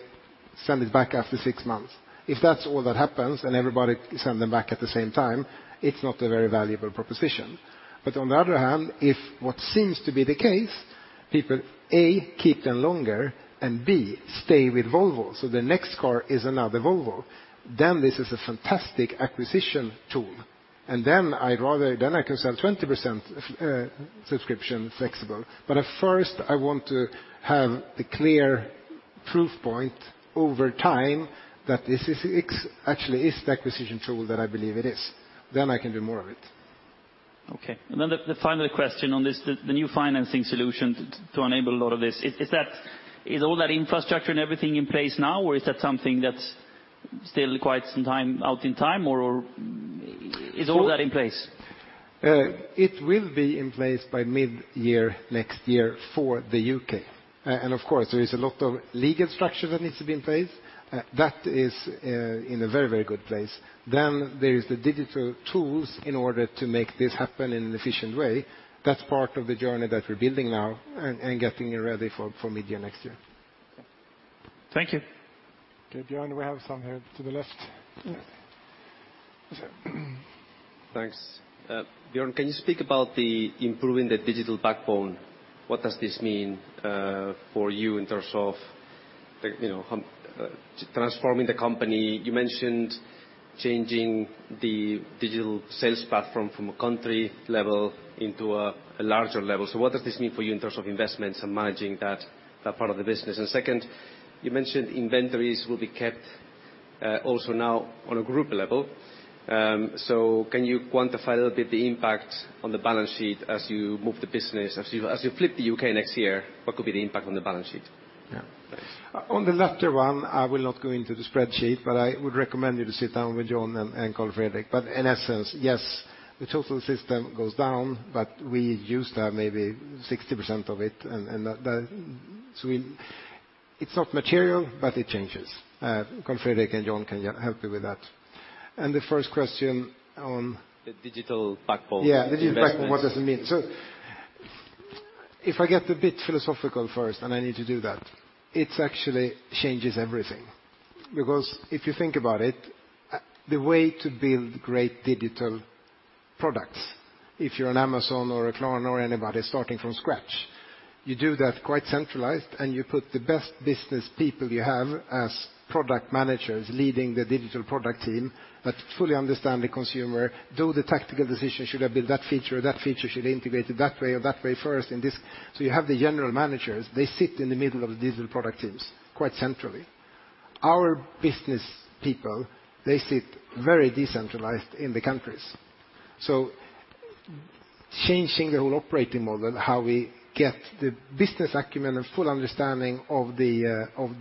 send it back after six months. If that's all that happens and everybody send them back at the same time, it's not a very valuable proposition. On the other hand, if what seems to be the case, people, A, keep them longer and, B, stay with Volvo, so the next car is another Volvo, then this is a fantastic acquisition tool. Then I'd rather, then I can sell 20% flexible subscription. At first I want to have the clear proof point over time that this actually is the acquisition tool that I believe it is. I can do more of it. Okay. The final question on this, the new financing solution to enable a lot of this, is that, is all that infrastructure and everything in place now or is that something that's still quite some time out in time or is all that in place? It will be in place by midyear next year for the U.K. Of course there is a lot of legal structure that needs to be in place. That is in a very, very good place. There is the digital tools in order to make this happen in an efficient way. That's part of the journey that we're building now and getting it ready for midyear next year. Thank you. Okay. Björn, we have some here to the left. Yeah. What's that? Thanks. Björn, can you speak about improving the digital backbone? What does this mean for you in terms of, you know, transforming the company? You mentioned changing the digital sales platform from a country level into a larger level. What does this mean for you in terms of investments and managing that part of the business? Second, you mentioned inventories will be kept also now on a group level. Can you quantify a little bit the impact on the balance sheet as you move the business, as you flip the U.K. next year, what could be the impact on the balance sheet? Yeah. Thanks. On the latter one, I will not go into the spreadsheet, but I would recommend you to sit down with John and Carl Fredrik. But in essence, yes, the total system goes down, but we used to have maybe 60% of it's not material, but it changes. Carl Fredrik and John can help you with that. The first question on- The digital backbone. Yeah. -investments. The digital backbone, what does it mean? If I get a bit philosophical first, and I need to do that, it actually changes everything. Because if you think about it, the way to build great digital products, if you're an Amazon or a Klarna or anybody starting from scratch, you do that quite centralized and you put the best business people you have as product managers leading the digital product team that fully understand the consumer, do the tactical decision, should have built that feature, that feature should integrate it that way or that way first in this. You have the general managers, they sit in the middle of the digital product teams quite centrally. Our business people, they sit very decentralized in the countries. Changing the whole operating model, how we get the business acumen and full understanding of the of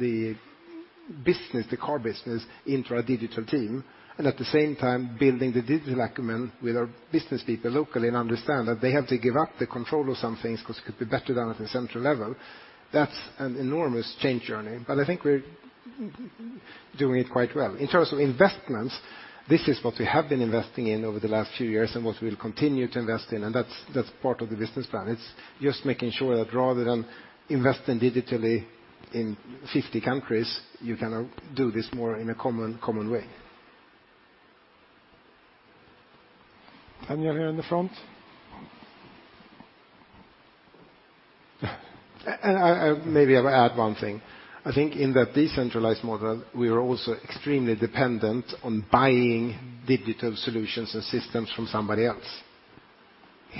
the business, the car business into our digital team, and at the same time building the digital acumen with our business people locally and understand that they have to give up the control of some things 'cause it could be better done at the central level, that's an enormous change journey. But I think we're doing it quite well. In terms of investments, this is what we have been investing in over the last few years and what we'll continue to invest in, and that's part of the business plan. It's just making sure that rather than investing digitally in 50 countries, you can do this more in a common way. You're here in the front. I maybe I'll add one thing. I think in that decentralized model, we are also extremely dependent on buying digital solutions and systems from somebody else.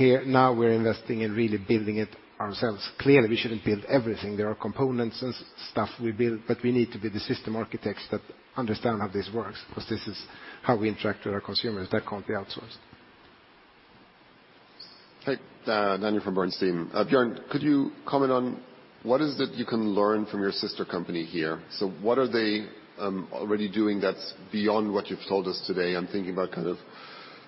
Now we're investing in really building it ourselves. Clearly, we shouldn't build everything. There are components and stuff we build, but we need to be the system architects that understand how this works 'cause this is how we interact with our consumers. That can't be outsourced. Hey, Daniel from Bernstein. Björn, could you comment on what is it you can learn from your sister company here? What are they already doing that's beyond what you've told us today? I'm thinking about kind of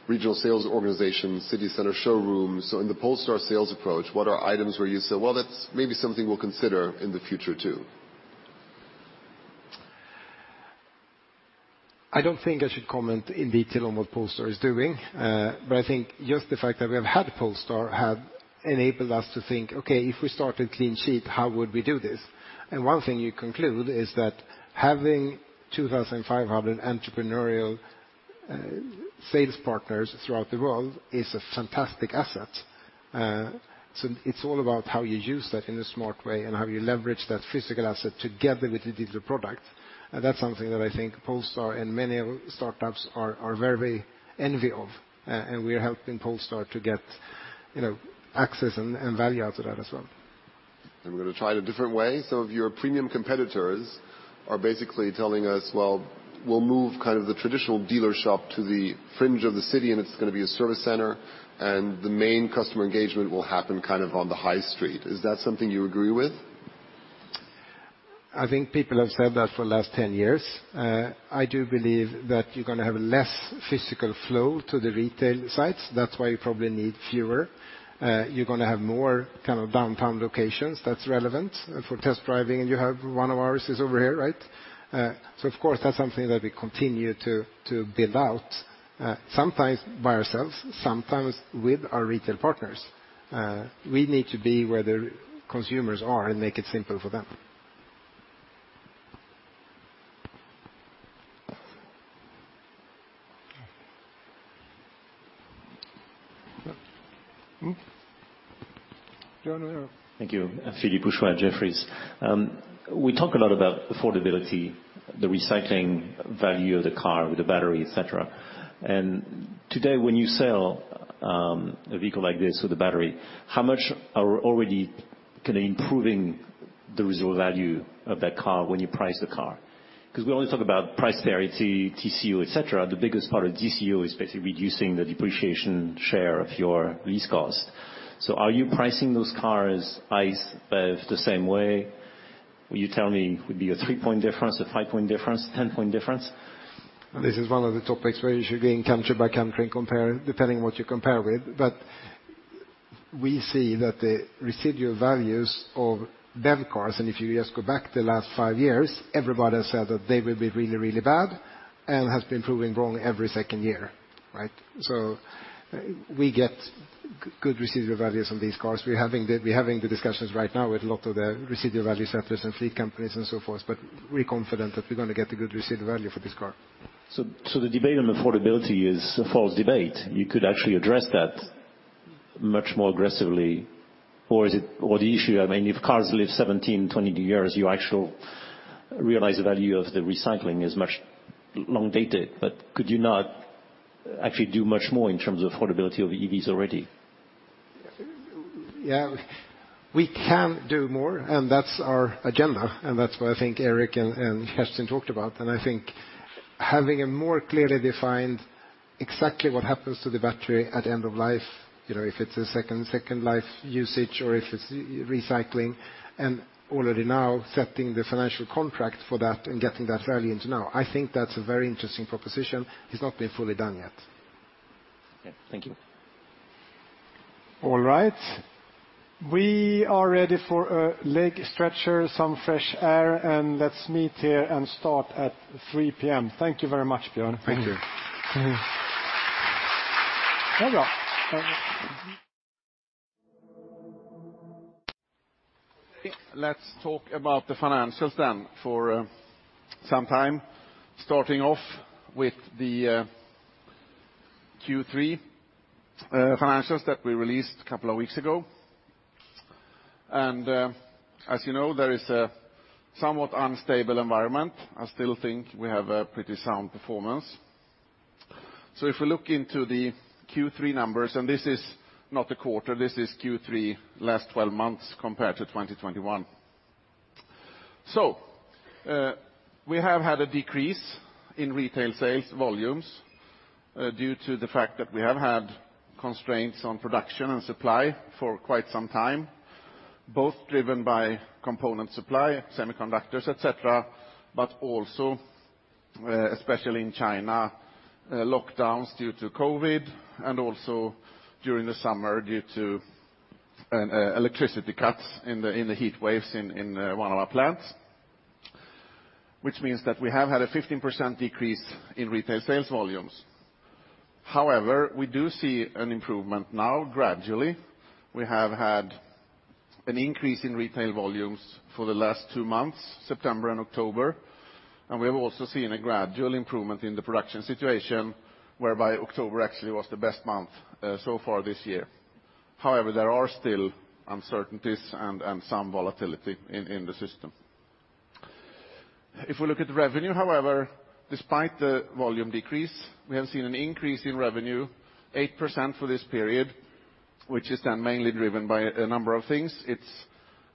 regional sales organization, city center showrooms. In the Polestar sales approach, what are items where you say, "Well, that's maybe something we'll consider in the future too? I don't think I should comment in detail on what Polestar is doing. I think just the fact that we have had Polestar have enabled us to think, okay, if we started clean sheet, how would we do this? One thing you conclude is that having 2,500 entrepreneurial sales partners throughout the world is a fantastic asset. It's all about how you use that in a smart way and how you leverage that physical asset together with the digital product. That's something that I think Polestar and many of startups are very envy of. We are helping Polestar to get, you know, access and value out of that as well. I'm gonna try it a different way. Some of your premium competitors are basically telling us, "Well, we'll move kind of the traditional dealership to the fringe of the city, and it's gonna be a service center, and the main customer engagement will happen kind of on the high street." Is that something you agree with? I think people have said that for the last 10 years. I do believe that you're gonna have less physical flow to the retail sites. That's why you probably need fewer. You're gonna have more kind of downtown locations that's relevant. For test driving, you have one of ours is over here, right? Of course, that's something that we continue to build out, sometimes by ourselves, sometimes with our retail partners. We need to be where the consumers are and make it simple for them. Thank you. Philippe Houchois, Jefferies. We talk a lot about affordability, the recycling value of the car, the battery, et cetera. Today, when you sell a vehicle like this with the battery, how much are already kinda improving the residual value of that car when you price the car? Because we only talk about price parity, TCO, et cetera. The biggest part of TCO is basically reducing the depreciation share of your lease cost. Are you pricing those cars, ICE, BEV, the same way? Will you tell me it would be a three-point difference, a five-point difference, 10-point difference? This is one of the topics where you should be in country by country and compare, depending what you compare with. We see that the residual values of BEV cars, and if you just go back the last five years, everybody has said that they will be really, really bad and has been proven wrong every second year, right? We get good residual values on these cars. We're having the discussions right now with a lot of the residual value centers and fleet companies and so forth, but we're confident that we're gonna get a good residual value for this car. The debate on affordability is a false debate. You could actually address that much more aggressively. Or the issue, I mean, if cars live 17, 20 years, you actually realize the value of the recycling is much longer dated. Could you not actually do much more in terms of affordability of EVs already? Yeah, we can do more, and that's our agenda. That's what I think Erik and Kerstin talked about. I think having a more clearly defined exactly what happens to the battery at the end of life, you know, if it's a second life usage or if it's recycling, and already now setting the financial contract for that and getting that value into now. I think that's a very interesting proposition. It's not been fully done yet. Yeah. Thank you. All right. We are ready for a leg stretcher, some fresh air, and let's meet here and start at 3:00 P.M. Thank you very much, Björn. Thank you. Very well. Okay. Let's talk about the financials then for some time, starting off with the Q3 financials that we released a couple of weeks ago. As you know, there is a somewhat unstable environment. I still think we have a pretty sound performance. If we look into the Q3 numbers, and this is not a quarter, this is Q3 last twelve months compared to 2021. We have had a decrease in retail sales volumes due to the fact that we have had constraints on production and supply for quite some time, both driven by component supply, semiconductors, et cetera, but also especially in China, lockdowns due to COVID, and also during the summer, due to electricity cuts in the heat waves in one of our plants, which means that we have had a 15% decrease in retail sales volumes. However, we do see an improvement now gradually. We have had an increase in retail volumes for the last two months, September and October. We have also seen a gradual improvement in the production situation, whereby October actually was the best month so far this year. However, there are still uncertainties and some volatility in the system. If we look at revenue, however, despite the volume decrease, we have seen an increase in revenue, 8% for this period, which is then mainly driven by a number of things. It's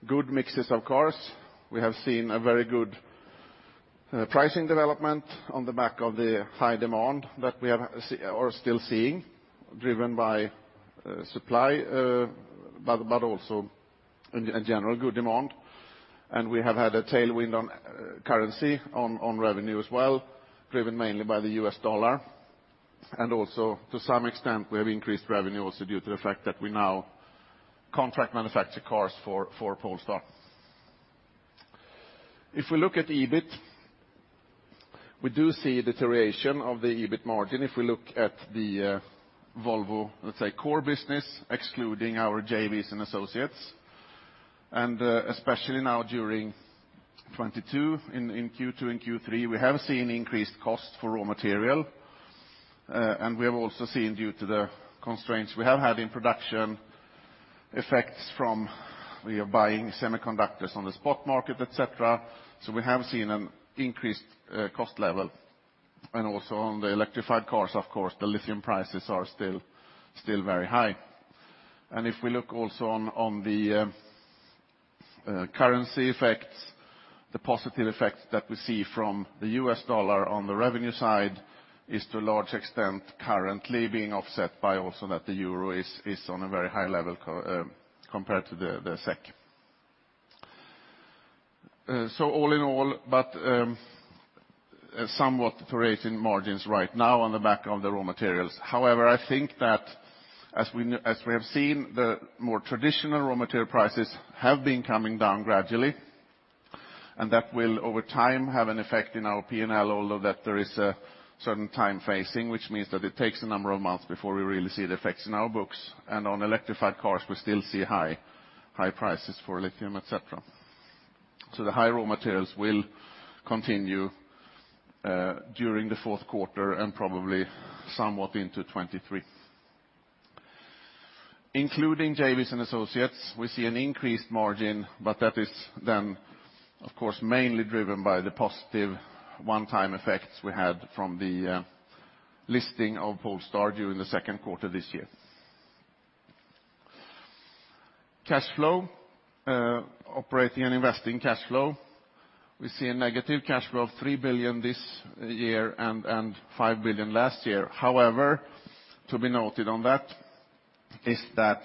good mixes of cars. We have seen a very good Pricing development on the back of the high demand that we are still seeing, driven by supply, but also in a general good demand. We have had a tailwind on currency on revenue as well, driven mainly by the U.S. dollar. Also to some extent, we have increased revenue also due to the fact that we now contract manufacture cars for Polestar. If we look at EBIT, we do see a deterioration of the EBIT margin if we look at the Volvo, let's say, core business, excluding our JVs and associates. Especially now during 2022 in Q2 and Q3, we have seen increased costs for raw material. We have also seen, due to the constraints we have had in production, effects from we are buying semiconductors on the spot market, et cetera. We have seen an increased cost level. Also on the electrified cars, of course, the lithium prices are still very high. If we look also on the currency effects, the positive effects that we see from the U.S. dollar on the revenue side is to a large extent currently being offset by also that the euro is on a very high level compared to the SEK. All in all, somewhat deteriorating margins right now on the back of the raw materials. However, I think that as we have seen, the more traditional raw material prices have been coming down gradually, and that will over time have an effect in our P&L, although that there is a certain time phasing, which means that it takes a number of months before we really see the effects in our books. On electrified cars, we still see high prices for lithium, et cetera. The high raw materials will continue during the fourth quarter and probably somewhat into 2023. Including JVs and associates, we see an increased margin, but that is then, of course, mainly driven by the positive one-time effects we had from the listing of Polestar during the second quarter this year. Cash flow, operating and investing cash flow. We see a negative cash flow of 3 billion this year and 5 billion last year. However, to be noted on that is that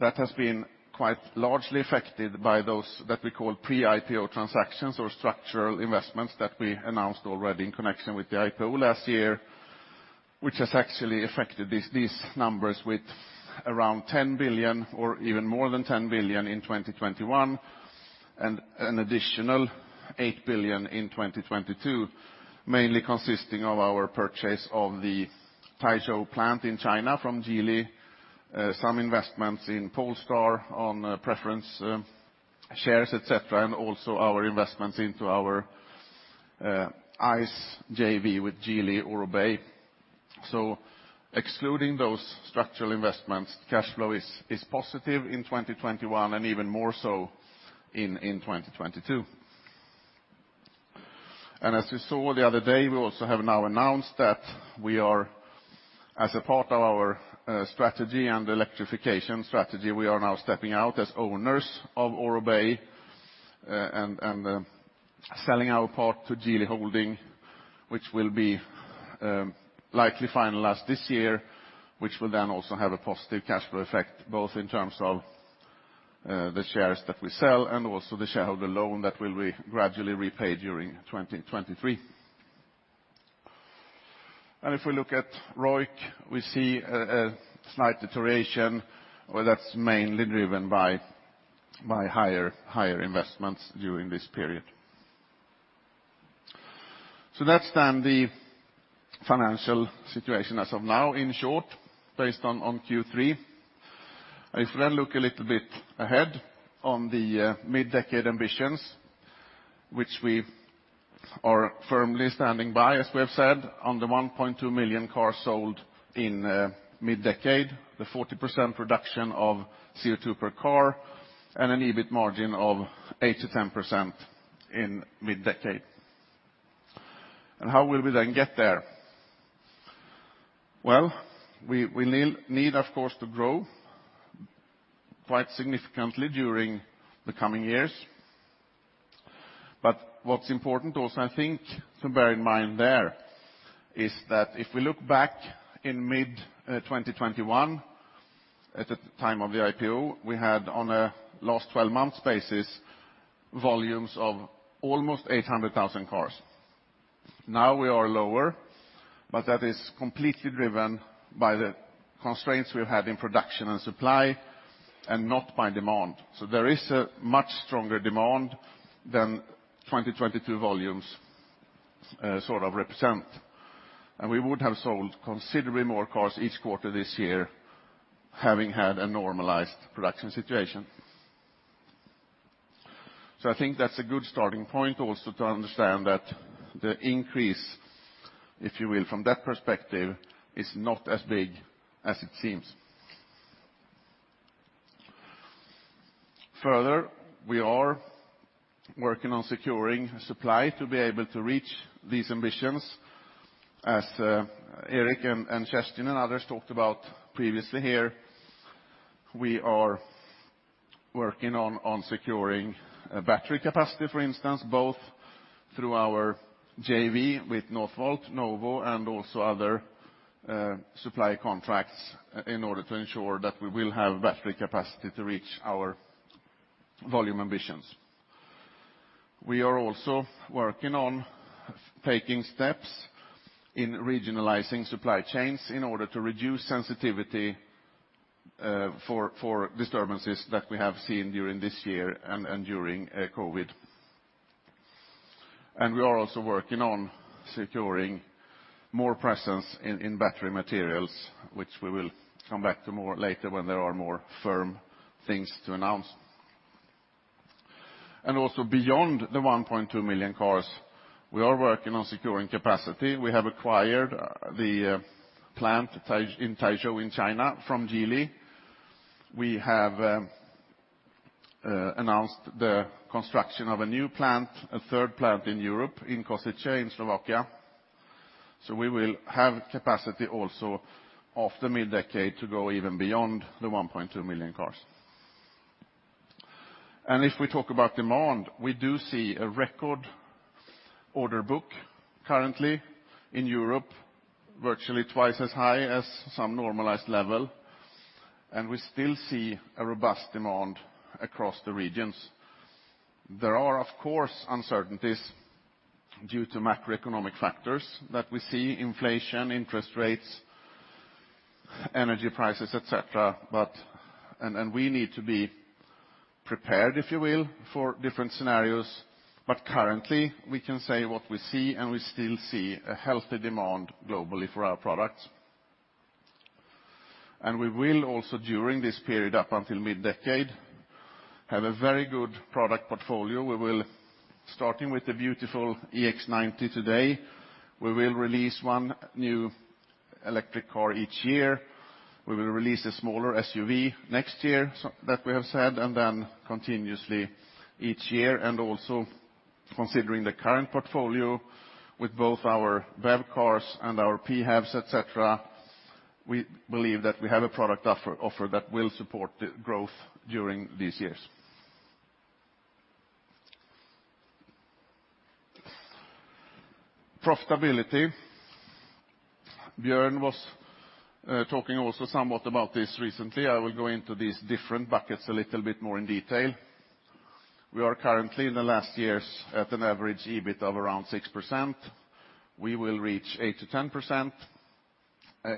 has been quite largely affected by those that we call pre-IPO transactions or structural investments that we announced already in connection with the IPO last year, which has actually affected these numbers with around 10 billion or even more than 10 billion in 2021, and an additional 8 billion in 2022, mainly consisting of our purchase of the Taizhou plant in China from Geely, some investments in Polestar on preference shares, etc., and also our investments into our ICE JV with Geely Aurobay. Excluding those structural investments, cash flow is positive in 2021 and even more so in 2022. As you saw the other day, we also have now announced that we are as a part of our strategy and electrification strategy, we are now stepping out as owners of Aurobay and selling our part to Geely Holding, which will be likely finalized this year, which will then also have a positive cash flow effect, both in terms of the shares that we sell and also the shareholder loan that will be gradually repaid during 2023. If we look at ROIC, we see a slight deterioration. Well, that's mainly driven by higher investments during this period. That's then the financial situation as of now, in short, based on Q3. If we then look a little bit ahead on the mid-decade ambitions, which we are firmly standing by, as we have said, on the 1.2 million cars sold in mid-decade, the 40% reduction of CO2 per car, and an EBIT margin of 8%-10% in mid-decade. How will we then get there? Well, we need, of course, to grow quite significantly during the coming years. What's important also, I think, to bear in mind there is that if we look back in mid 2021, at the time of the IPO, we had on a last twelve months basis, volumes of almost 800,000 cars. Now we are lower, but that is completely driven by the constraints we've had in production and supply and not by demand. There is a much stronger demand than 2022 volumes sort of represent. We would have sold considerably more cars each quarter this year, having had a normalized production situation. I think that's a good starting point also to understand that the increase, if you will, from that perspective, is not as big as it seems. Further, we are working on securing supply to be able to reach these ambitions. As Erik and Justin and others talked about previously here, we are working on securing battery capacity, for instance, both through our JV with Northvolt, NOVO, and also other supply contracts in order to ensure that we will have battery capacity to reach our volume ambitions. We are also working on taking steps in regionalizing supply chains in order to reduce sensitivity for disturbances that we have seen during this year and during COVID. We are also working on securing more presence in battery materials, which we will come back to more later when there are more firm things to announce. Also beyond the 1.2 million cars, we are working on securing capacity. We have acquired the plant in Taizhou in China from Geely. We have announced the construction of a new plant, a third plant in Europe, in Košice in Slovakia. We will have capacity also of the mid-decade to go even beyond the 1.2 million cars. If we talk about demand, we do see a record order book currently in Europe, virtually twice as high as some normalized level, and we still see a robust demand across the regions. There are, of course, uncertainties due to macroeconomic factors that we see, inflation, interest rates, energy prices, et cetera. We need to be prepared, if you will, for different scenarios. Currently, we can say what we see, and we still see a healthy demand globally for our products. We will also, during this period, up until mid-decade, have a very good product portfolio. We will, starting with the beautiful EX90 today, we will release one new electric car each year. We will release a smaller SUV next year, that we have said, and then continuously each year. Also considering the current portfolio with both our BEV cars and our PHEVs, et cetera, we believe that we have a product offer that will support the growth during these years. Profitability. Björn was talking also somewhat about this recently. I will go into these different buckets a little bit more in detail. We are currently in the last years at an average EBIT of around 6%. We will reach 8%-10%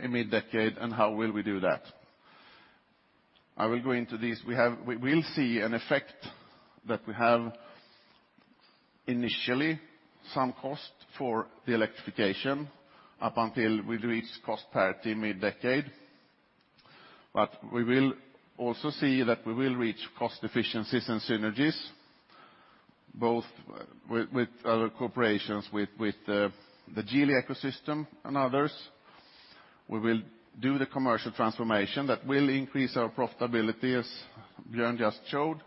in mid-decade, and how will we do that? I will go into this. We'll see an effect that we have initially some cost for the electrification up until we reach cost parity mid-decade. But we will also see that we will reach cost efficiencies and synergies, both with our cooperations with the Geely ecosystem and others. We will do the commercial transformation that will increase our profitability, as Björn just showed.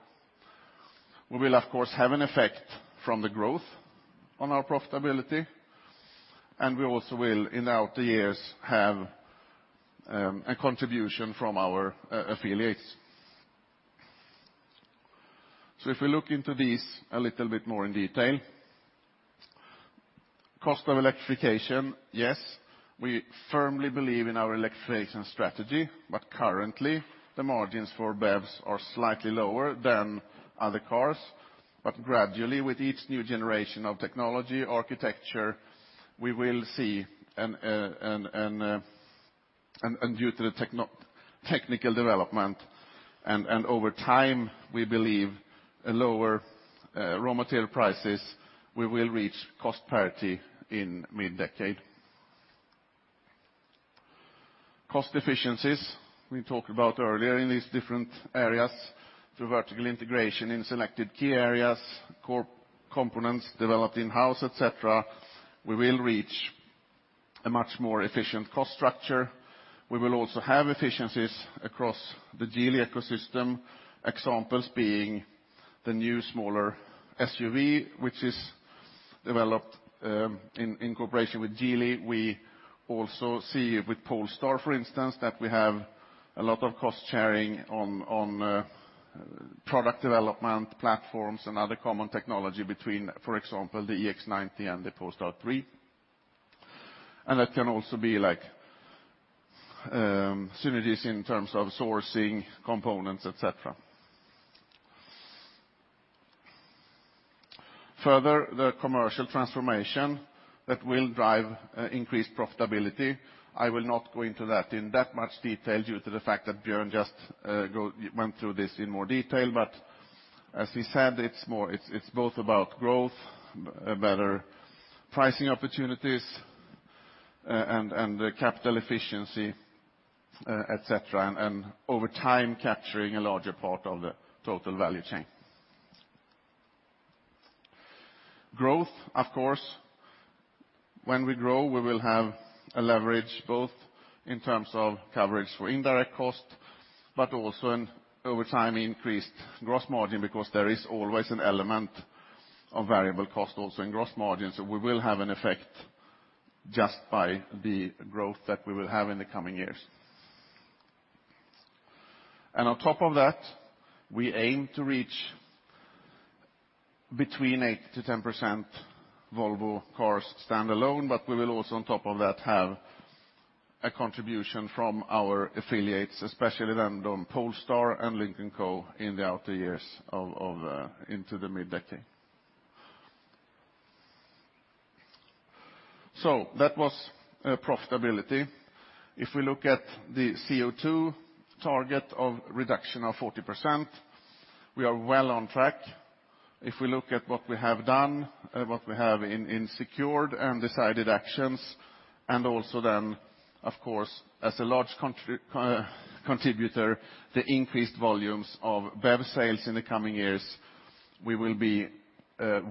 We will of course have an effect from the growth on our profitability, and we also will in the outer years have a contribution from our affiliates. If we look into these a little bit more in detail. Cost of electrification. Yes, we firmly believe in our electrification strategy, but currently the margins for BEVs are slightly lower than other cars. Gradually, with each new generation of technology architecture, we will see and due to the technical development and over time, we believe a lower raw material prices, we will reach cost parity in mid-decade. Cost efficiencies, we talked about earlier in these different areas, through vertical integration in selected key areas, core components developed in-house, et cetera, we will reach a much more efficient cost structure. We will also have efficiencies across the Geely ecosystem, examples being the new smaller SUV, which is developed in cooperation with Geely. We also see with Polestar, for instance, that we have a lot of cost sharing on product development platforms and other common technology between, for example, the EX90 and the Polestar 3. That can also be like synergies in terms of sourcing components, et cetera. Further, the commercial transformation that will drive increased profitability. I will not go into that in that much detail due to the fact that Björn just went through this in more detail. As he said, it's both about growth, better pricing opportunities, and capital efficiency, et cetera, and over time capturing a larger part of the total value chain. Growth, of course, when we grow, we will have leverage both in terms of coverage for indirect costs, but also over time increased gross margin, because there is always an element of variable cost also in gross margin. We will have an effect just by the growth that we will have in the coming years. On top of that, we aim to reach between 8%-10% Volvo Cars standalone, but we will also on top of that have a contribution from our affiliates, especially then on Polestar and Lynk & Co in the outer years into the mid-decade. That was profitability. If we look at the CO2 target of reduction of 40%, we are well on track. If we look at what we have done, what we have in secured and decided actions, and also then, of course, as a large contributor, the increased volumes of BEV sales in the coming years, we will be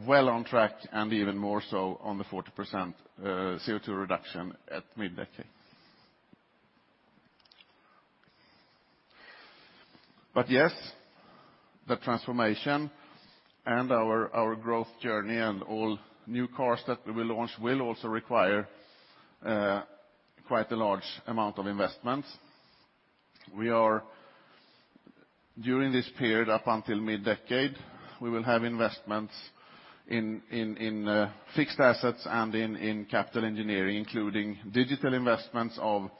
well on track and even more so on the 40% CO2 reduction at mid-decade. Yes, the transformation and our growth journey and all new cars that we will launch will also require quite a large amount of investments. During this period, up until mid-decade, we will have investments in fixed assets and capex, including digital investments of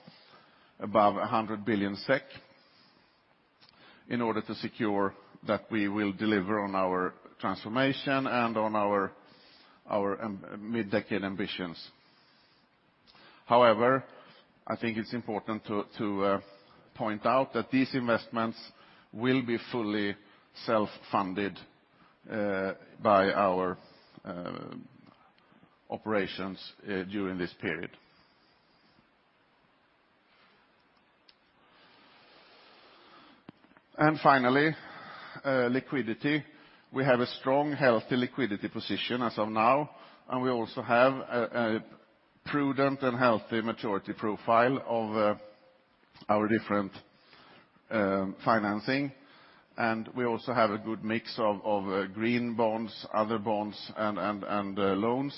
above 100 billion SEK, in order to secure that we will deliver on our transformation and on our mid-decade ambitions. However, I think it's important to point out that these investments will be fully self-funded by our operations during this period. Finally, liquidity. We have a strong, healthy liquidity position as of now, and we also have a prudent and healthy maturity profile of our different financing. We also have a good mix of green bonds, other bonds, and loans.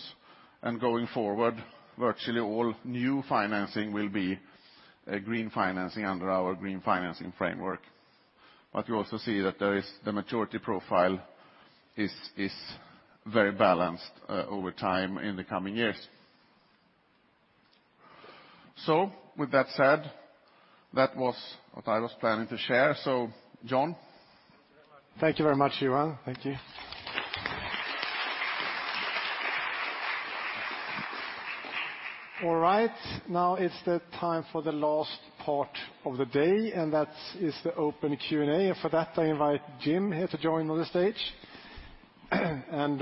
Going forward, virtually all new financing will be green financing under our green financing framework. You also see that there is the maturity profile is very balanced over time in the coming years. With that said, that was what I was planning to share. John? Thank you very much, Johan. Thank you. All right. Now it's the time for the last part of the day, and that is the open Q&A. For that, I invite Jim here to join on the stage.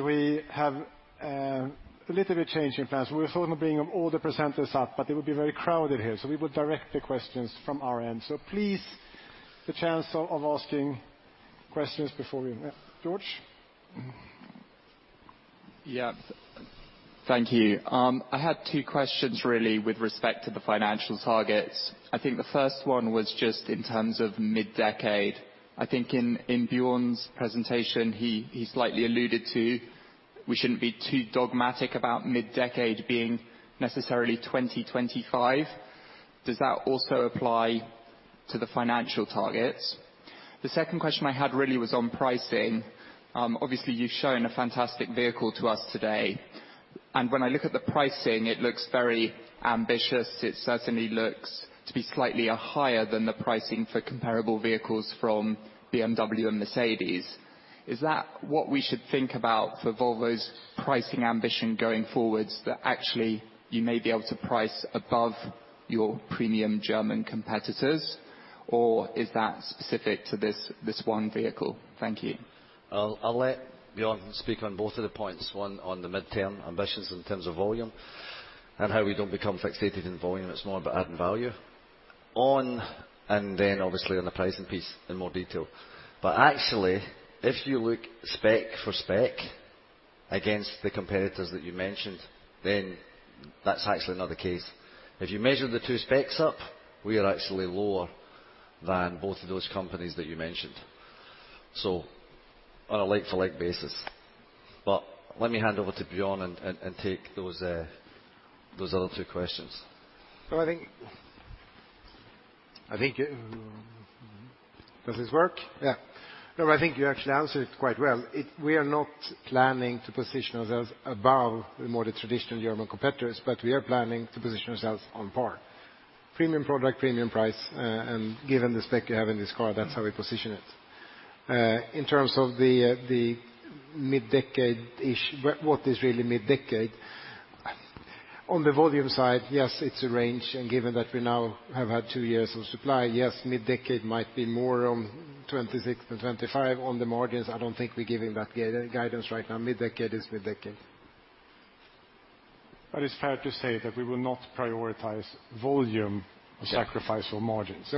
We have a little bit change in plans. We were thinking of bringing all the presenters up, but it would be very crowded here. We will direct the questions from our end. Please, the chance of asking questions before we... George? Yeah. Thank you. I had two questions really with respect to the financial targets. I think the first one was just in terms of mid-decade. I think in Björn's presentation, he slightly alluded to we shouldn't be too dogmatic about mid-decade being necessarily 2025. Does that also apply to the financial targets? The second question I had really was on pricing. Obviously you've shown a fantastic vehicle to us today, and when I look at the pricing, it looks very ambitious. It certainly looks to be slightly higher than the pricing for comparable vehicles from BMW and Mercedes-Benz. Is that what we should think about for Volvo's pricing ambition going forwards? That actually you may be able to price above your premium German competitors? Or is that specific to this one vehicle? Thank you. I'll let Björn speak on both of the points, one on the midterm ambitions in terms of volume and how we don't become fixated in volume. It's more about adding value. Then obviously on the pricing piece in more detail. Actually, if you look spec for spec against the competitors that you mentioned, then that's actually not the case. If you measure the two specs up, we are actually lower than both of those companies that you mentioned. So on a like-for-like basis. Let me hand over to Björn and take those other two questions. I think. Does this work? Yeah. No, but I think you actually answered it quite well. We are not planning to position ourselves above, more than the traditional German competitors, but we are planning to position ourselves on par. Premium product, premium price, and given the spec you have in this car, that's how we position it. In terms of the mid-decade-ish, what is really mid-decade? On the volume side, yes, it's a range. Given that we now have had two years of supply, yes, mid-decade might be more on 2026 than 2025. On the margins, I don't think we're giving that guidance right now. Mid-decade is mid-decade. It's fair to say that we will not prioritize volume at the sacrifice of margins.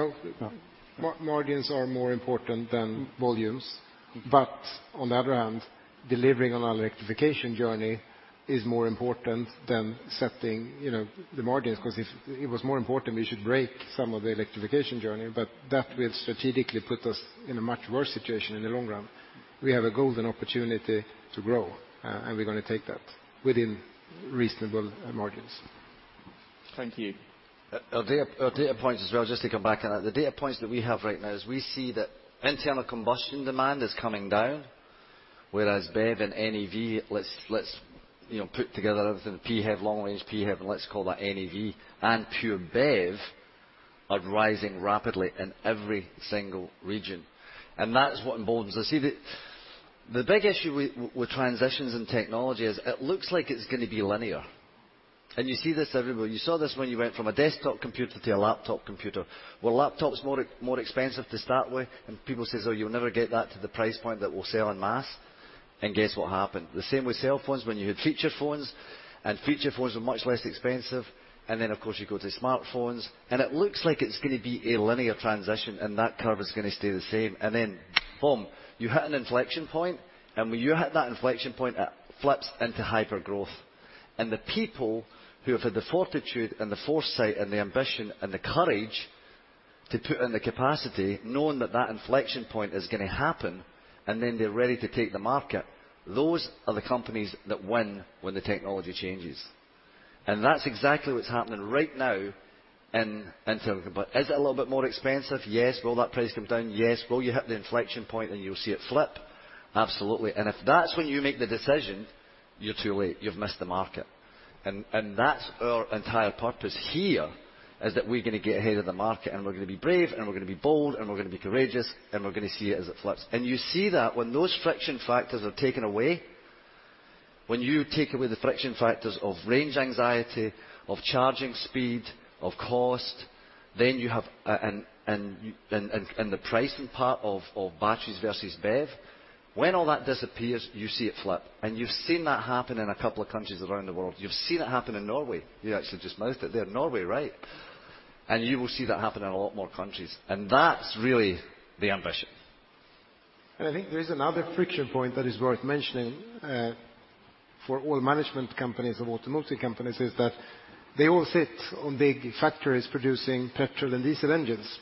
Margins are more important than volumes. On the other hand, delivering on our electrification journey is more important than setting, you know, the margins, 'cause if it was more important, we should break some of the electrification journey. That will strategically put us in a much worse situation in the long run. We have a golden opportunity to grow, and we're gonna take that within reasonable margins. Thank you. Our data points as well, just to come back on that, the data points that we have right now is we see that internal combustion demand is coming down, whereas BEV and NEV, let's you know put together everything, PHEV, long-range PHEV, and let's call that NEV, and pure BEV are rising rapidly in every single region. That's what emboldens us. See the big issue with transitions in technology is it looks like it's gonna be linear. You see this everywhere. You saw this when you went from a desktop computer to a laptop computer. Were laptops more expensive to start with? People say, "Oh, you'll never get that to the price point that will sell en masse." Guess what happened? The same with cell phones when you had feature phones, and feature phones were much less expensive. Of course, you go to smartphones, and it looks like it's gonna be a linear transition, and that curve is gonna stay the same. Boom, you hit an inflection point. When you hit that inflection point, it flips into hypergrowth. The people who have had the fortitude and the foresight and the ambition and the courage to put in the capacity knowing that that inflection point is gonna happen, and then they're ready to take the market, those are the companies that win when the technology changes. That's exactly what's happening right now in internal combustion. Is it a little bit more expensive? Yes. Will that price come down? Yes. Will you hit the inflection point, and you'll see it flip? Absolutely. If that's when you make the decision, you're too late. You've missed the market. That's our entire purpose here, is that we're gonna get ahead of the market, and we're gonna be brave, and we're gonna be bold, and we're gonna be courageous, and we're gonna see it as it flips. You see that when those friction factors are taken away, when you take away the friction factors of range anxiety, of charging speed, of cost, then you have the pricing part of batteries versus BEV, when all that disappears, you see it flip. You've seen that happen in a couple of countries around the world. You've seen it happen in Norway. You actually just mouthed it there. Norway, right. You will see that happen in a lot more countries. That's really the ambition. I think there is another friction point that is worth mentioning, for all management companies or automotive companies, is that they all sit on big factories producing petrol and diesel engines.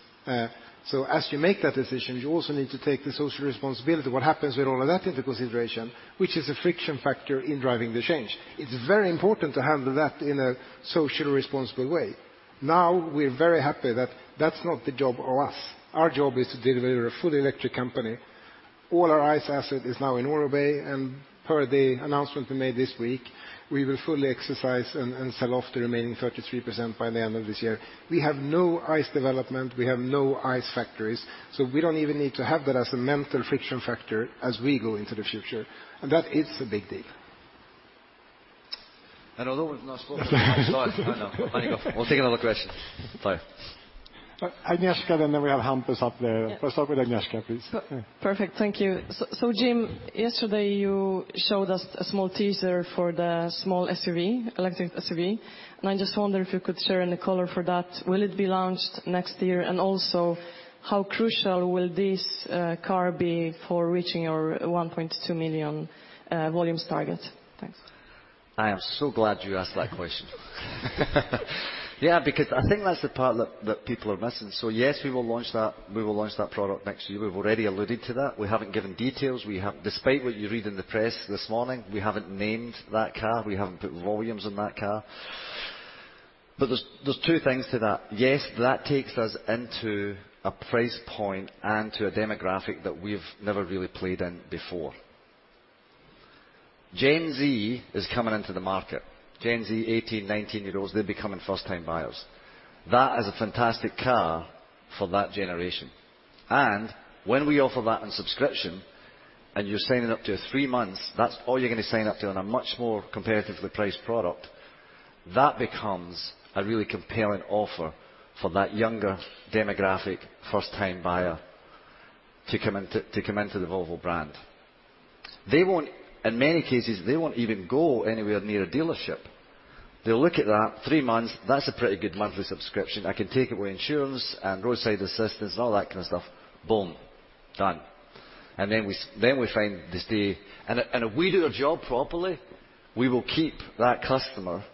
So as you make that decision, you also need to take the social responsibility, what happens with all of that into consideration, which is a friction factor in driving the change. It's very important to handle that in a socially responsible way. Now, we're very happy that that's not the job of us. Our job is to deliver a fully electric company. All our ICE asset is now in Aurobay, and per the announcement we made this week, we will fully exercise and sell off the remaining 33% by the end of this year. We have no ICE development. We have no ICE factories. We don't even need to have that as a mental friction factor as we go into the future. That is a big deal. Although we've not spoken for five hours, I know. On you go. We'll take another question. Go. Agnieszka, and then we have Hampus up there. Yeah. First off with Agnieszka, please. Perfect. Thank you. Jim, yesterday you showed us a small teaser for the small SUV, electric SUV, and I just wonder if you could share any color for that. Will it be launched next year? Also, how crucial will this car be for reaching your 1.2 million volumes target? Thanks. I am so glad you asked that question. Yeah, because I think that's the part that people are missing. Yes, we will launch that product next year. We've already alluded to that. We haven't given details. We have. Despite what you read in the press this morning, we haven't named that car. We haven't put volumes on that car. There's two things to that. Yes, that takes us into a price point and to a demographic that we've never really played in before. Gen Z is coming into the market. Gen Z, 18, 19 years old, they're becoming first-time buyers. That is a fantastic car for that generation. When we offer that on subscription, and you're signing up to three months, that's all you're gonna sign up to on a much more competitively priced product. That becomes a really compelling offer for that younger demographic, first-time buyer to come into the Volvo brand. They won't, in many cases, even go anywhere near a dealership. They'll look at that three months, that's a pretty good monthly subscription. I can take away insurance and roadside assistance, all that kind of stuff. Boom. Done. Then we find they stay. If we do our job properly, we will keep that customer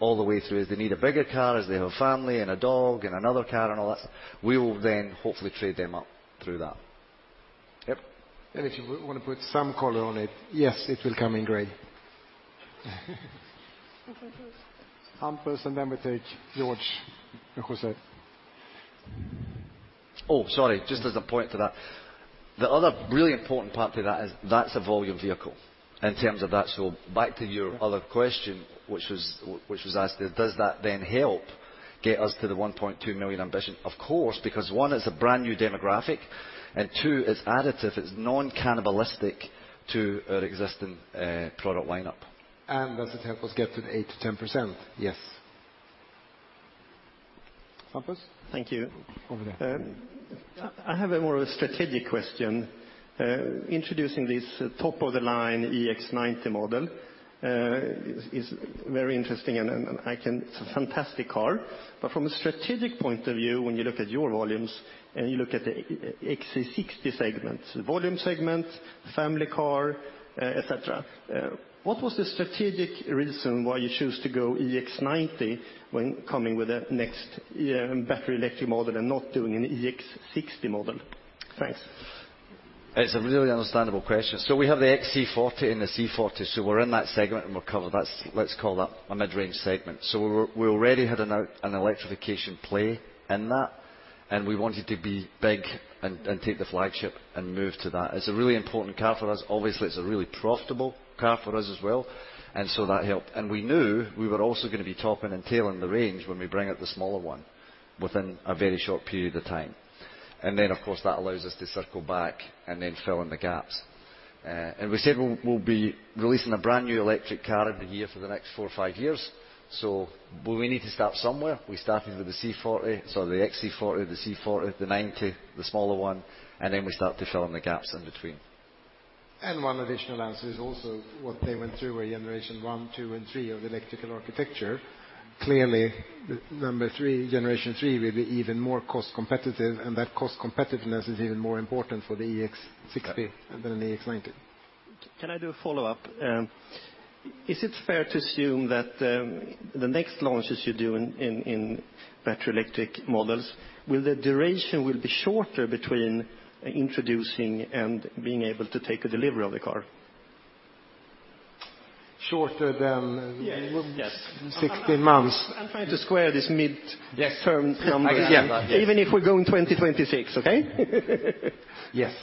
all the way through. If they need a bigger car, as they have a family and a dog and another car and all that, we will then hopefully trade them up through that. Yep. If you wanna put some color on it, yes, it will come in gray. Hampus, we take George and Jose. Oh, sorry. Just as a point to that, the other really important part to that is that's a volume vehicle in terms of that. Back to your other question, which was asked, does that then help get us to the 1.2 million ambition? Of course, because, one, it's a brand-new demographic, and two, it's additive, it's non-cannibalistic to our existing product line-up. Does it help us get to the 8%-10%? Yes. Hampus? Thank you. Over there. I have more of a strategic question. Introducing this top-of-the-line EX90 model is very interesting, and it's a fantastic car. From a strategic point of view, when you look at your volumes and you look at the EX60 segment, volume segment, family car, et cetera, what was the strategic reason why you choose to go EX90 when coming with a next year battery electric model and not doing an EX60 model? Thanks. It's a really understandable question. We have the XC40 and the C40, so we're in that segment and we're covered. That's, let's call that a mid-range segment. We already had an electrification play in that, and we wanted to be big and take the flagship and move to that. It's a really important car for us. Obviously, it's a really profitable car for us as well, and so that helped. We knew we were also gonna be topping and tailing the range when we bring out the smaller one within a very short period of time. Then, of course, that allows us to circle back and then fill in the gaps. We said we'll be releasing a brand new electric car every year for the next four or five years. We need to start somewhere. We're starting with the C40, so the XC40, the C40, the 90, the smaller one, and then we start to fill in the gaps in between. One additional answer is also what they went through with Generation 1, 2, and 3 of electrical architecture. Clearly, the number three, Generation 3 will be even more cost competitive, and that cost competitiveness is even more important for the EX60- Yeah. -than an EX90. Can I do a follow-up? Is it fair to assume that the next launches you do in battery electric models will the duration be shorter between introducing and being able to take a delivery of the car? Shorter than- Yes. Yes. 16 months. I'm trying to square this mid- Yes. Term number. I get that. Even if we go in 2026, okay? Yes.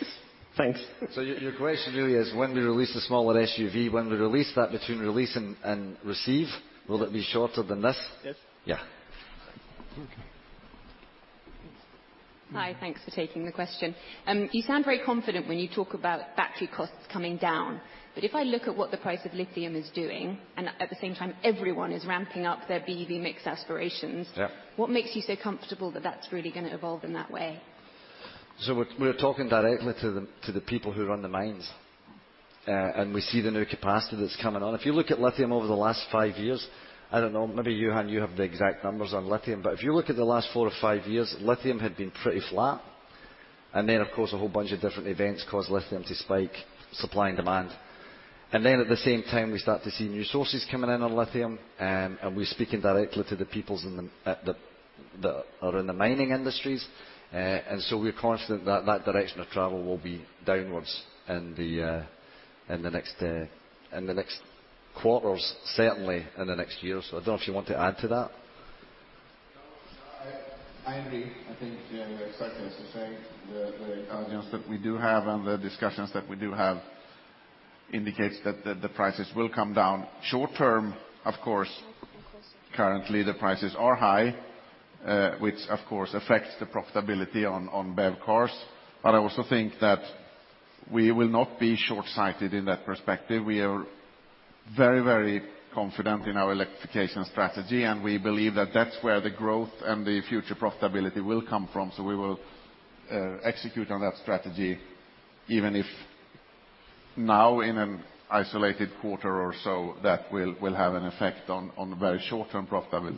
Thanks. Your question really is when we release the smaller SUV, when we release that, between release and receive, will it be shorter than this? Yes. Yeah. Okay. Hi. Thanks for taking the question. You sound very confident when you talk about battery costs coming down. If I look at what the price of lithium is doing, and at the same time, everyone is ramping up their BEV mix aspirations. Yeah. What makes you so comfortable that that's really gonna evolve in that way? We're talking directly to the people who run the mines. We see the new capacity that's coming on. If you look at lithium over the last five years, I don't know, maybe you, Johan, have the exact numbers on lithium, but if you look at the last four or five years, lithium had been pretty flat. Then, of course, a whole bunch of different events caused lithium to spike, supply and demand. Then at the same time, we start to see new sources coming in on lithium, and we're speaking directly to the people in the mining industries. We're confident that direction of travel will be downwards in the next quarters, certainly in the next year. I don't know if you want to add to that. No. I agree. I think, yeah, we're excited to say the intelligence that we do have and the discussions that we do have indicates that the prices will come down. Short-term, of course, currently the prices are high, which of course affects the profitability on BEV cars. I also think that we will not be short-sighted in that perspective. We are very, very confident in our electrification strategy, and we believe that that's where the growth and the future profitability will come from. We will execute on that strategy, even if now in an isolated quarter or so, that will have an effect on the very short-term profitability.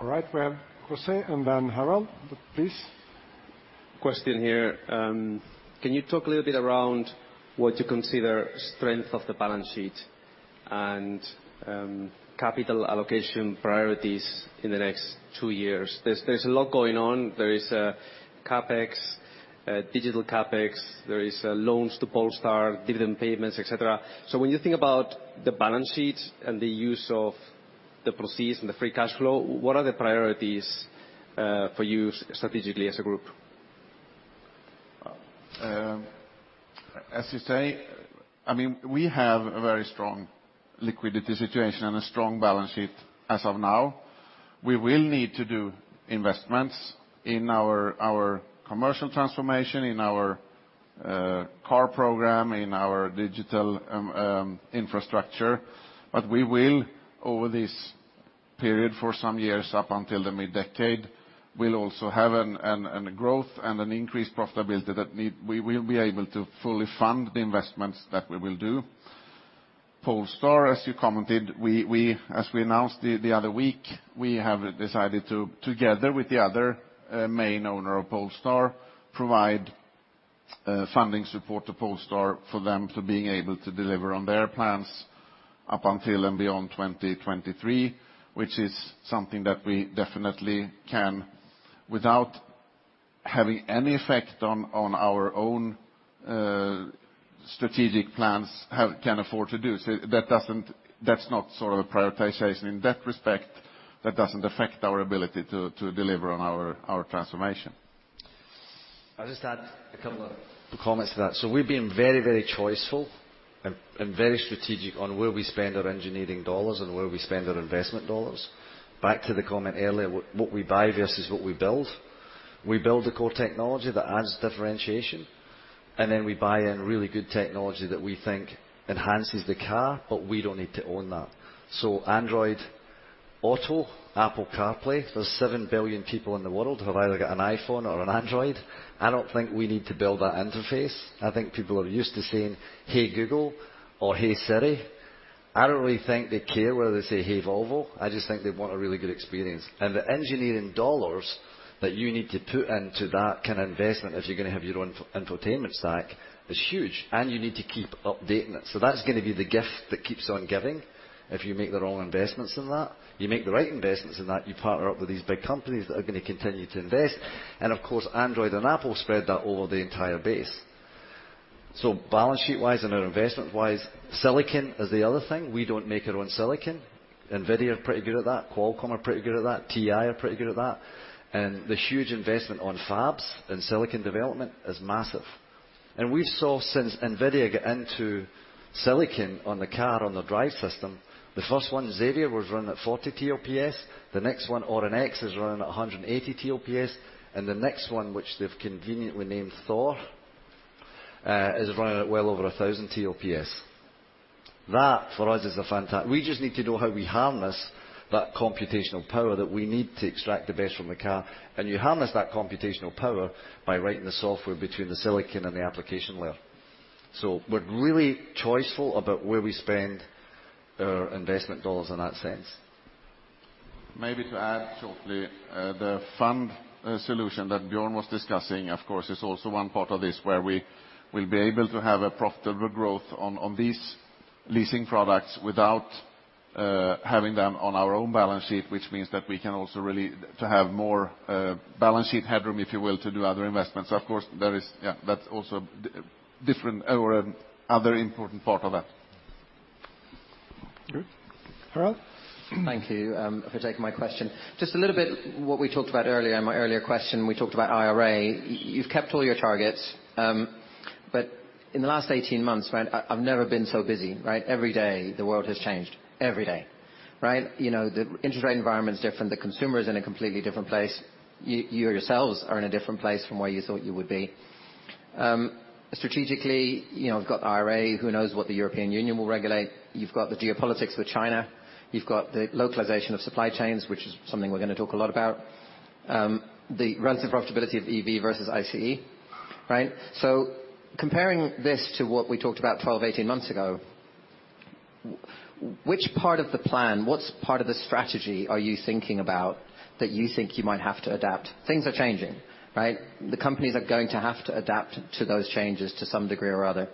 All right. We have Jose and then Harald. Please. Question here. Can you talk a little bit around what you consider strength of the balance sheet and capital allocation priorities in the next two years? There's a lot going on. There is CapEx, digital CapEx, there is loans to Polestar, dividend payments, et cetera. When you think about the balance sheet and the use of the proceeds and the free cash flow, what are the priorities for you strategically as a group? As you say, I mean, we have a very strong liquidity situation and a strong balance sheet as of now. We will need to do investments in our commercial transformation, in our car program, in our digital infrastructure. We will, over this period for some years up until the mid-decade, we'll also have a growth and an increased profitability we will be able to fully fund the investments that we will do. Polestar, as you commented, we, as we announced the other week, we have decided to, together with the other main owner of Polestar, provide funding support to Polestar for them to being able to deliver on their plans up until and beyond 2023, which is something that we definitely can, without having any effect on our own strategic plans, can afford to do. That doesn't, that's not sort of a prioritization in that respect. That doesn't affect our ability to deliver on our transformation. I'll just add a couple of comments to that. We're being very, very choiceful and very strategic on where we spend our engineering dollars and where we spend our investment dollars. Back to the comment earlier, what we buy versus what we build. We build the core technology that adds differentiation, and then we buy in really good technology that we think enhances the car, but we don't need to own that. Android Auto, Apple CarPlay, there's 7 billion people in the world who have either got an iPhone or an Android. I don't think we need to build that interface. I think people are used to saying, "Hey, Google," or "Hey, Siri." I don't really think they care whether they say, "Hey, Volvo." I just think they want a really good experience. The engineering dollars that you need to put into that kind of investment, if you're gonna have your own in-house infotainment stack, is huge, and you need to keep updating it. That's gonna be the gift that keeps on giving if you make the wrong investments in that. You make the right investments in that, you partner up with these big companies that are gonna continue to invest. Of course, Android and Apple spread that over the entire base. Balance sheet wise and our investment wise, silicon is the other thing. We don't make our own silicon. NVIDIA are pretty good at that. Qualcomm are pretty good at that. TI are pretty good at that. The huge investment on fabs and silicon development is massive. We saw since NVIDIA get into silicon on the car, on the drive system, the first one, Xavier, was running at 40 TOPS. The next one, Orin X, is running at 180 TOPS. The next one, which they've conveniently named Thor, is running at well over 1,000 TOPS. That for us. We just need to know how we harness that computational power that we need to extract the best from the car. You harness that computational power by writing the software between the silicon and the application layer. We're really choiceful about where we spend our investment dollars in that sense. Maybe to add shortly, the fund solution that Björn was discussing, of course, is also one part of this where we will be able to have a profitable growth on these leasing products without having them on our own balance sheet, which means that we can also to have more balance sheet headroom, if you will, to do other investments. Of course, there is. Yeah, that's also different or other important part of that. Good. Harald? Thank you for taking my question. Just a little bit what we talked about earlier in my earlier question. We talked about IRA. You've kept all your targets. In the last 18 months, right, I've never been so busy, right? Every day the world has changed. Every day, right? You know, the interest rate environment is different. The consumer is in a completely different place. You yourselves are in a different place from where you thought you would be. Strategically, you know, we've got IRA. Who knows what the European Union will regulate? You've got the geopolitics with China. You've got the localization of supply chains, which is something we're gonna talk a lot about. The relative profitability of EV versus ICE, right? Comparing this to what we talked about 12, 18 months ago, which part of the plan, what part of the strategy are you thinking about that you think you might have to adapt? Things are changing, right? The companies are going to have to adapt to those changes to some degree or other.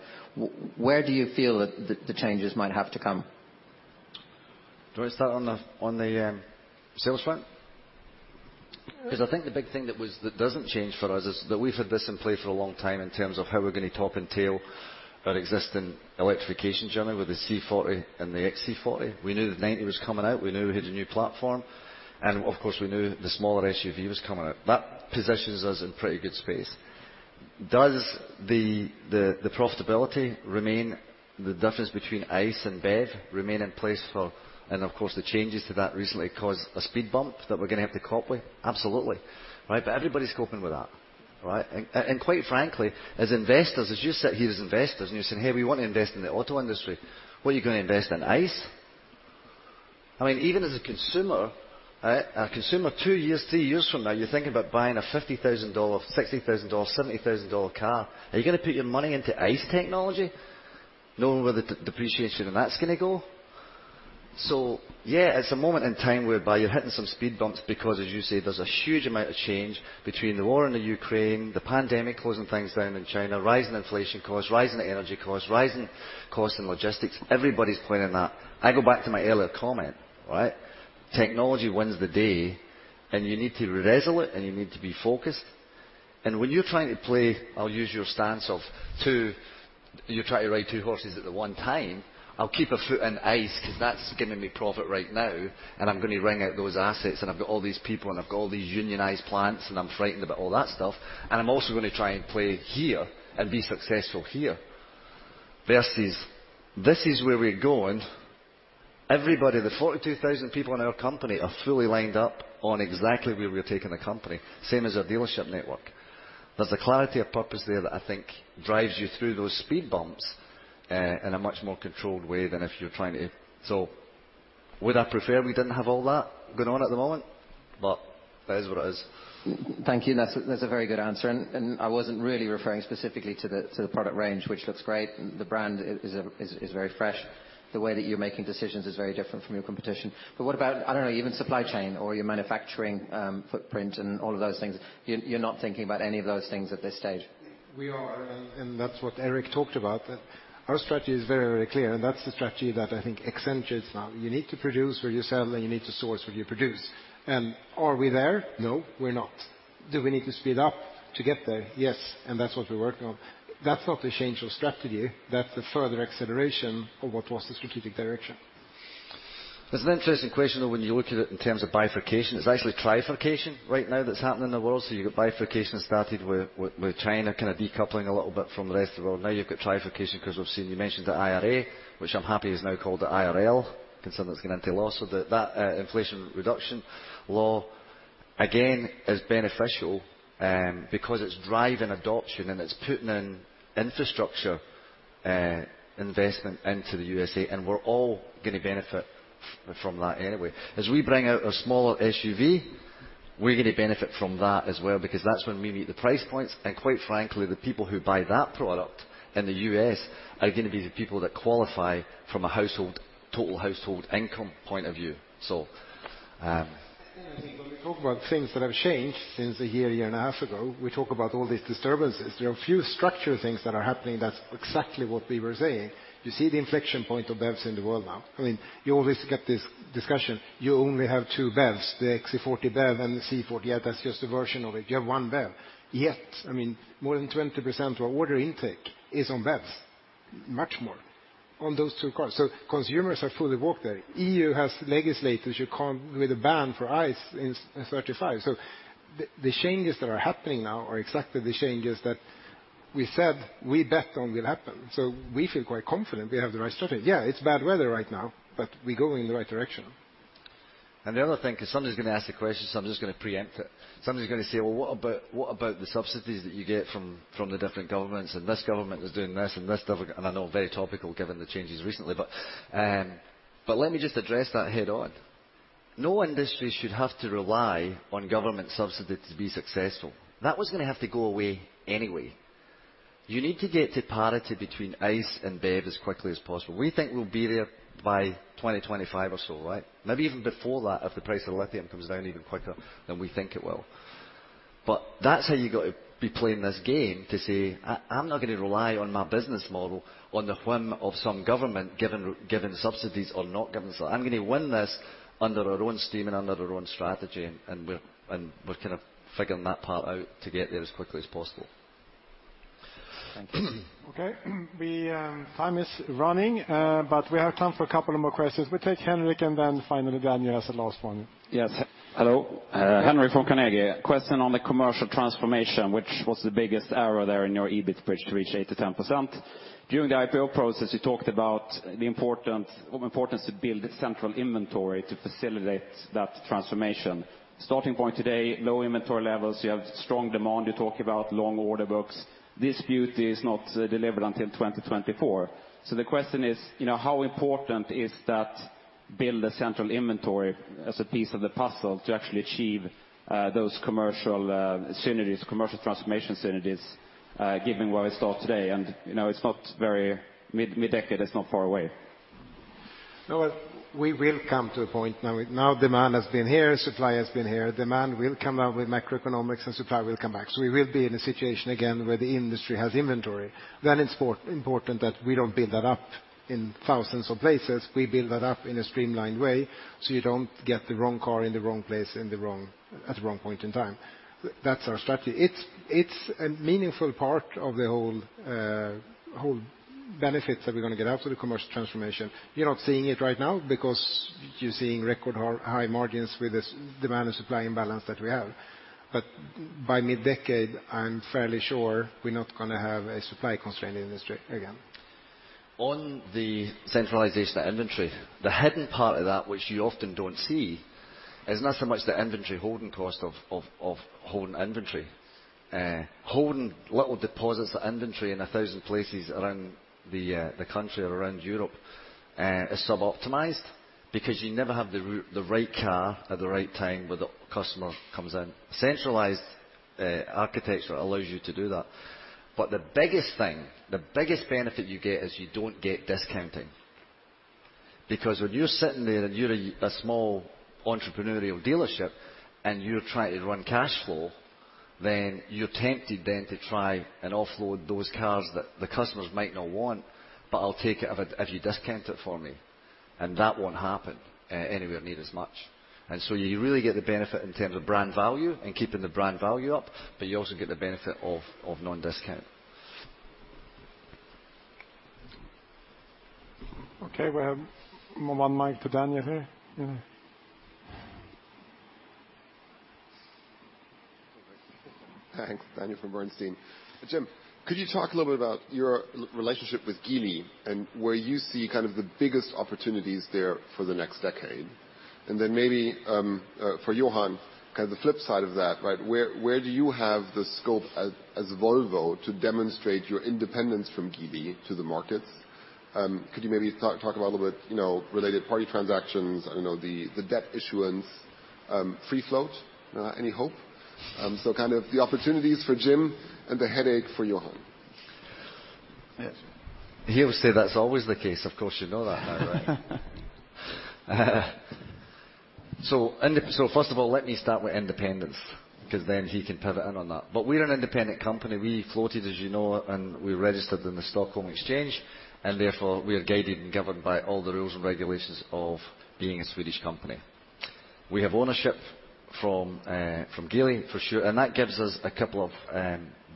Where do you feel that the changes might have to come? Do you want to start on the sales front? Because I think the big thing that doesn't change for us is that we've had this in play for a long time in terms of how we're gonna top and tail our existing electrification journey with the C40 and the XC40. We knew that XC90 was coming out. We knew we had a new platform. Of course, we knew the smaller SUV was coming out. That positions us in pretty good space. Does the profitability, the difference between ICE and BEV, remain in place for... The changes to that recently caused a speed bump that we're gonna have to cope with. Absolutely. Right? Everybody's coping with that, right? Quite frankly, as investors, as you sit here as investors and you're saying, "Hey, we want to invest in the auto industry," what are you gonna invest in, ICE? I mean, even as a consumer, a consumer two years, three years from now, you're thinking about buying a $50,000, $60,000, $70,000 car. Are you gonna put your money into ICE technology knowing where the depreciation on that's gonna go? Yeah, it's a moment in time whereby you're hitting some speed bumps because, as you say, there's a huge amount of change between the war in the Ukraine, the pandemic closing things down in China, rising inflation costs, rising energy costs, rising costs in logistics. Everybody's playing in that. I go back to my earlier comment, right? Technology wins the day, and you need to be resolute, and you need to be focused. You're trying to ride two horses at one time. I'll keep a foot in ICE because that's giving me profit right now, and I'm gonna wring out those assets. I've got all these people, and I've got all these unionized plants, and I'm frightened about all that stuff. I'm also gonna try and play here and be successful here. Versus this is where we're going. Everybody, the 42,000 people in our company are fully lined up on exactly where we're taking the company. Same as our dealership network. There's a clarity of purpose there that I think drives you through those speed bumps in a much more controlled way than if you're trying to. Would I prefer we didn't have all that going on at the moment? That is what it is. Thank you. That's a very good answer, and I wasn't really referring specifically to the product range, which looks great. The brand is very fresh. The way that you're making decisions is very different from your competition. What about, I don't know, even supply chain or your manufacturing footprint and all of those things? You're not thinking about any of those things at this stage. That's what Erik talked about. Our strategy is very, very clear, and that's the strategy that I think accelerates now. You need to produce where you're selling. You need to source what you produce. Are we there? No, we're not. Do we need to speed up to get there? Yes. That's what we're working on. That's not the change of strategy. That's the further acceleration of what was the strategic direction. It's an interesting question, though, when you look at it in terms of bifurcation. It's actually trifurcation right now that's happening in the world. You've got bifurcation started with China kind of decoupling a little bit from the rest of the world. Now you've got trifurcation because we've seen you mentioned the IRA, which I'm happy is now called the IRL, considering it's going into law. That inflation reduction law again is beneficial, because it's driving adoption and it's putting in infrastructure investment into the U.S.A., and we're all gonna benefit from that anyway. As we bring out a smaller SUV, we're gonna benefit from that as well because that's when we meet the price points. Quite frankly, the people who buy that product in the US are gonna be the people that qualify from a household, total household income point of view, so. I think when we talk about things that have changed since a year and a half ago, we talk about all these disturbances. There are a few structural things that are happening. That's exactly what we were saying. You see the inflection point of BEVs in the world now. I mean, you always get this discussion. You only have two BEVs, the XC40 BEV and the C40. Yeah, that's just a version of it. You have one BEV. Yet, I mean, more than 20% of our order intake is on BEVs. Much more on those two cars. Consumers are fully woke there. EU has legislation that comes with a ban for ICE in 2035. The changes that are happening now are exactly the changes that we said we bet on will happen. We feel quite confident we have the right strategy. Yeah, it's bad weather right now, but we're going in the right direction. The other thing, 'cause somebody's gonna ask the question, so I'm just gonna preempt it. Somebody's gonna say, "Well, what about the subsidies that you get from the different governments? This government is doing this and this government." I know very topical given the changes recently, but let me just address that head on. No industry should have to rely on government subsidies to be successful. That was gonna have to go away anyway. You need to get to parity between ICE and BEV as quickly as possible. We think we'll be there by 2025 or so, right? Maybe even before that if the price of lithium comes down even quicker than we think it will. That's how you gotta be playing this game to say, "I'm not gonna rely on my business model on the whim of some government giving subsidies or not giving subsidies. I'm gonna win this under our own steam and under our own strategy," and we're kind of figuring that part out to get there as quickly as possible. Thank you. Okay. Time is running, but we have time for a couple of more questions. We'll take Henrik and then finally Daniel as the last one. Hello, Henrik Christiansson from Carnegie. Question on the commercial transformation. Which was the biggest error there in your EBIT bridge to reach 8%-10%? During the IPO process, you talked about the importance to build a central inventory to facilitate that transformation. Starting point today, low inventory levels, you have strong demand, you talk about long order books. This battery is not delivered until 2024. The question is, you know, how important is that build a central inventory as a piece of the puzzle to actually achieve those commercial synergies, commercial transformation synergies, given where we start today? You know, mid-decade is not far away. No, we will come to a point now. Now demand has been here, supply has been here. Demand will come up with macroeconomics and supply will come back. We will be in a situation again where the industry has inventory. It's important that we don't build that up in thousands of places, we build that up in a streamlined way, so you don't get the wrong car in the wrong place at the wrong point in time. That's our strategy. It's a meaningful part of the whole benefits that we're gonna get out of the commercial transformation. You're not seeing it right now because you're seeing record high margins with this demand and supply imbalance that we have. By mid-decade, I'm fairly sure we're not gonna have a supply constraint in the industry again. On the centralization of inventory, the hidden part of that which you often don't see is not so much the inventory holding cost of holding inventory. Holding little deposits of inventory in a thousand places around the country or around Europe is sub-optimized because you never have the right car at the right time when the customer comes in. Centralized architecture allows you to do that. The biggest thing, the biggest benefit you get is you don't get discounting. Because when you're sitting there and you're a small entrepreneurial dealership, and you're trying to run cashflow, then you're tempted then to try and offload those cars that the customers might not want, but I'll take it if you discount it for me, and that won't happen anywhere near as much. You really get the benefit in terms of brand value and keeping the brand value up, but you also get the benefit of non-discount. Okay, we have one mic to Daniel here. Yeah. Thanks. Daniel from Bernstein. Jim, could you talk a little bit about your relationship with Geely and where you see kind of the biggest opportunities there for the next decade? Then maybe for Johan, kind of the flip side of that, right? Where do you have the scope as Volvo to demonstrate your independence from Geely to the markets? Could you maybe talk a little bit, you know, related party transactions, I don't know, the debt issuance, free float, any hope? Kind of the opportunities for Jim and the headache for Johan. Yes. He would say that's always the case. Of course you know that by the way. First of all, let me start with independence, 'cause then he can pivot in on that. We're an independent company. We floated, as you know, and we registered in the Stockholm Stock Exchange, and therefore, we are guided and governed by all the rules and regulations of being a Swedish company. We have ownership from Geely, for sure, and that gives us a couple of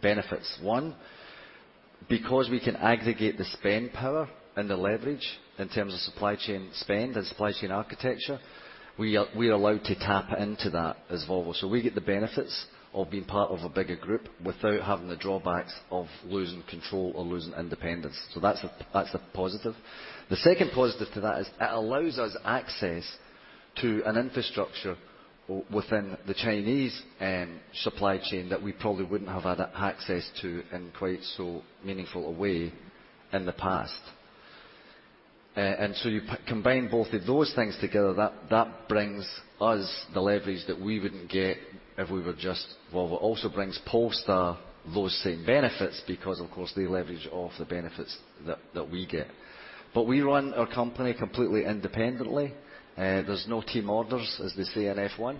benefits. One, because we can aggregate the spend power and the leverage in terms of supply chain spend and supply chain architecture, we're allowed to tap into that as Volvo. We get the benefits of being part of a bigger group without having the drawbacks of losing control or losing independence. That's a positive. The second positive to that is it allows us access to an infrastructure within the Chinese supply chain that we probably wouldn't have had access to in quite so meaningful a way in the past. You combine both of those things together. That brings us the leverage that we wouldn't get if we were just Volvo. It also brings Polestar those same benefits because, of course, they leverage off the benefits that we get. We run our company completely independently. There's no team orders, as they say in F1.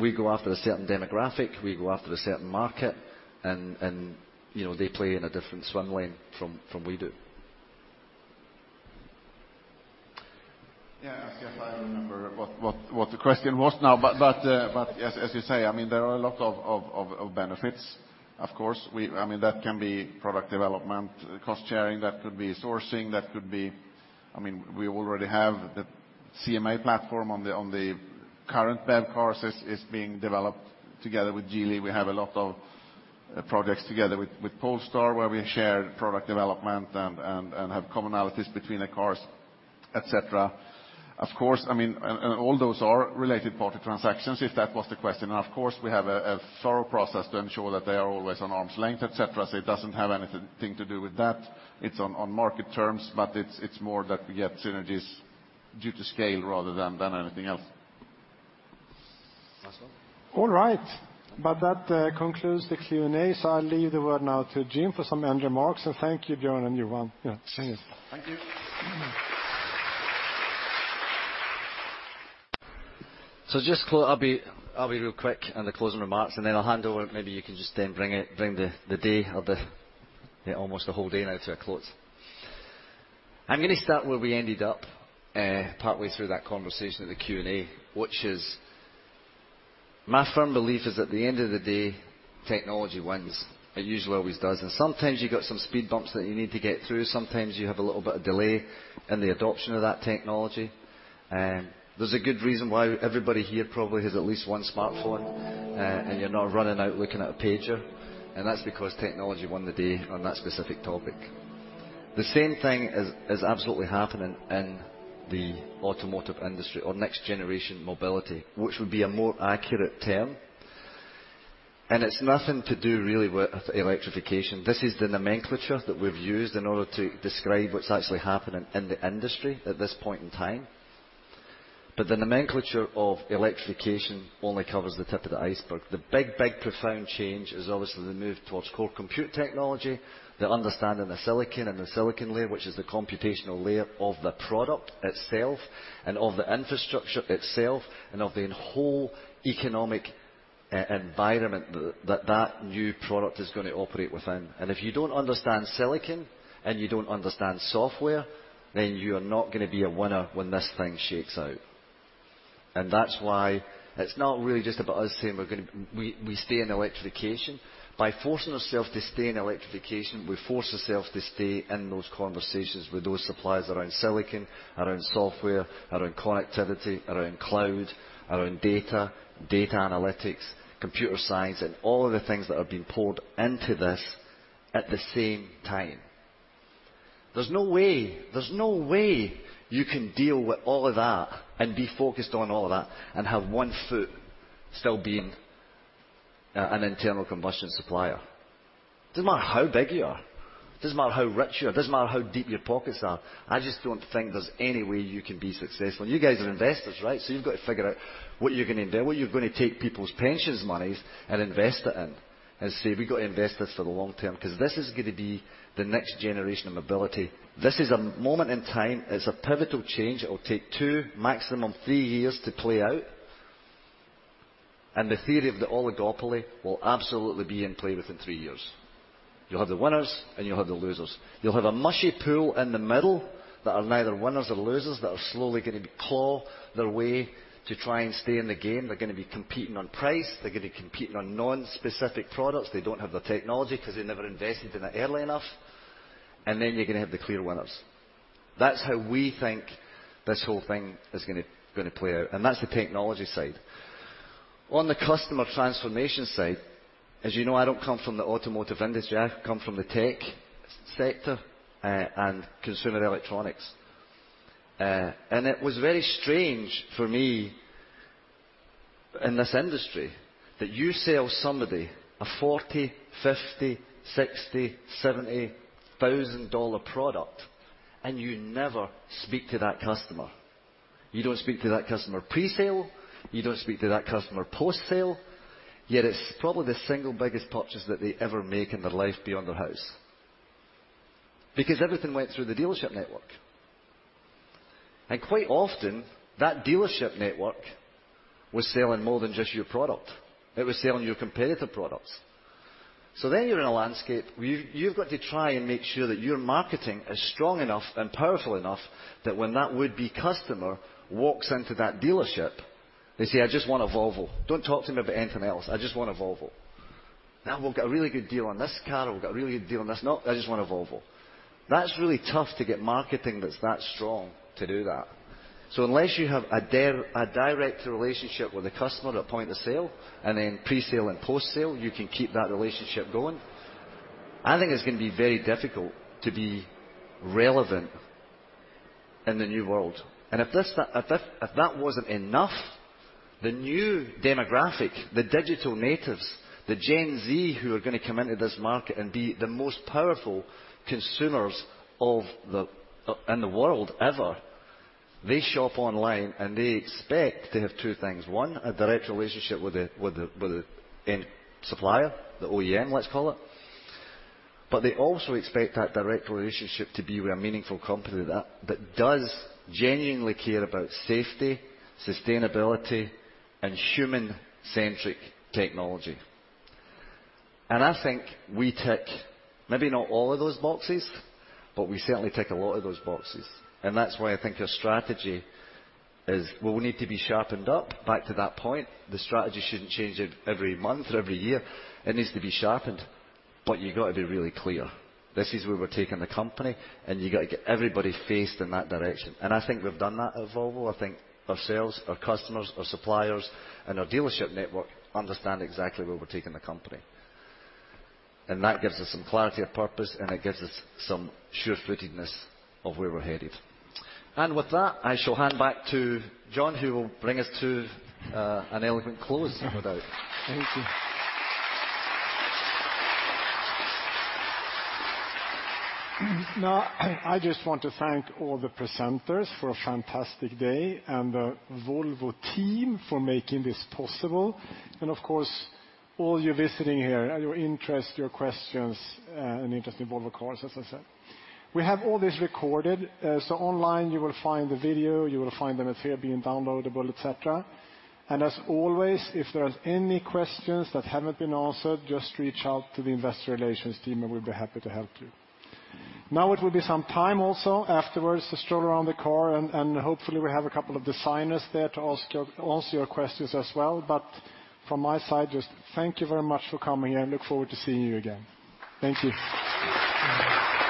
We go after a certain demographic. We go after a certain market and, you know, they play in a different swim lane from what we do. Yeah, I guess I don't remember what the question was now. But as you say, I mean, there are a lot of benefits of course. I mean, that can be product development, cost-sharing, that could be sourcing, that could be. I mean, we already have the CMA platform on the current BEV cars is being developed together with Geely. We have a lot of projects together with Polestar, where we share product development and have commonalities between the cars, et cetera. Of course, I mean, all those are related party transactions, if that was the question. Of course, we have a thorough process to ensure that they are always on arm's length, et cetera. It doesn't have anything to do with that. It's on market terms, but it's more that we get synergies due to scale rather than anything else. All right. That concludes the Q&A. I'll leave the floor now to Jim for some ending remarks. Thank you, Björn and Johan. Yeah. See you. Thank you. I'll be real quick in the closing remarks, and then I'll hand over. Maybe you can just then bring the day or the almost whole day now to a close. I'm gonna start where we ended up partly through that conversation at the Q&A, which is my firm belief is at the end of the day, technology wins. It usually always does. Sometimes you've got some speed bumps that you need to get through. Sometimes you have a little bit of delay in the adoption of that technology. There's a good reason why everybody here probably has at least one smartphone, and you're not running out looking at a pager, and that's because technology won the day on that specific topic. The same thing is absolutely happening in the automotive industry or next generation mobility, which would be a more accurate term. It's nothing to do really with electrification. This is the nomenclature that we've used in order to describe what's actually happening in the industry at this point in time. The nomenclature of electrification only covers the tip of the iceberg. The big profound change is obviously the move towards core compute technology, the understanding the silicon and the silicon layer, which is the computational layer of the product itself and of the infrastructure itself, and of the whole economic environment that new product is gonna operate within. If you don't understand silicon and you don't understand software, then you are not gonna be a winner when this thing shakes out. That's why it's not really just about us saying we stay in electrification. By forcing ourselves to stay in electrification, we force ourselves to stay in those conversations with those suppliers around silicon, around software, around connectivity, around cloud, around data analytics, computer science, and all of the things that are being poured into this at the same time. There's no way you can deal with all of that and be focused on all of that and have one foot still being an internal combustion supplier. Doesn't matter how big you are, doesn't matter how rich you are, doesn't matter how deep your pockets are. I just don't think there's any way you can be successful. You guys are investors, right? You've got to figure out what you're gonna invest, where you're gonna take people's pensions monies and invest it in and say, "We've got to invest this for the long term," 'cause this is gonna be the next generation of mobility. This is a moment in time. It's a pivotal change. It'll take two, maximum three years to play out. The theory of the oligopoly will absolutely be in play within three years. You'll have the winners and you'll have the losers. You'll have a mushy pool in the middle that are neither winners or losers that are slowly gonna claw their way to try and stay in the game. They're gonna be competing on price. They're gonna be competing on non-specific products. They don't have the technology 'cause they never invested in it early enough. Then you're gonna have the clear winners. That's how we think this whole thing is gonna play out, and that's the technology side. On the customer transformation side, as you know, I don't come from the automotive industry, I come from the tech sector, and consumer electronics. It was very strange for me in this industry that you sell somebody a $40,000, $50,000, $60,000, $70,000 product and you never speak to that customer. You don't speak to that customer presale. You don't speak to that customer post-sale. Yet it's probably the single biggest purchase that they ever make in their life beyond their house. Because everything went through the dealership network. Quite often, that dealership network was selling more than just your product. It was selling your competitor products. You're in a landscape where you've got to try and make sure that your marketing is strong enough and powerful enough that when that would-be customer walks into that dealership, they say, "I just want a Volvo. Don't talk to me about anything else. I just want a Volvo." "Now we'll get a really good deal on this car, or we'll get a really good deal on this." "No, I just want a Volvo." That's really tough to get marketing that's that strong to do that. Unless you have a direct relationship with the customer at point of sale and then presale and post-sale, you can keep that relationship going, I think it's gonna be very difficult to be relevant in the new world. If this, if that wasn't enough, the new demographic, the digital natives, the Gen Z who are gonna come into this market and be the most powerful consumers of the world ever, they shop online and they expect to have two things. One, a direct relationship with the end supplier, the OEM, let's call it. They also expect that direct relationship to be with a meaningful company that does genuinely care about safety, sustainability, and human-centric technology. I think we tick maybe not all of those boxes, but we certainly tick a lot of those boxes. That's why I think our strategy will need to be sharpened up. Back to that point, the strategy shouldn't change it every month or every year. It needs to be sharpened. You gotta be really clear. This is where we're taking the company, and you gotta get everybody faced in that direction. I think we've done that at Volvo. I think our sales, our customers, our suppliers, and our dealership network understand exactly where we're taking the company. That gives us some clarity of purpose, and it gives us some sure-footedness of where we're headed. With that, I shall hand back to Johan, who will bring us to an elegant close, no doubt. Now, I just want to thank all the presenters for a fantastic day and the Volvo team for making this possible. Of course, all you visiting here and your interest, your questions, and interest in Volvo Cars, as I said. We have all this recorded, so online you will find the video, you will find the material being downloadable, et cetera. As always, if there are any questions that haven't been answered, just reach out to the investor relations team, and we'll be happy to help you. Now it will be some time also afterwards to stroll around the car and hopefully we have a couple of designers there to answer your questions as well. From my side, just thank you very much for coming and look forward to seeing you again. Thank you.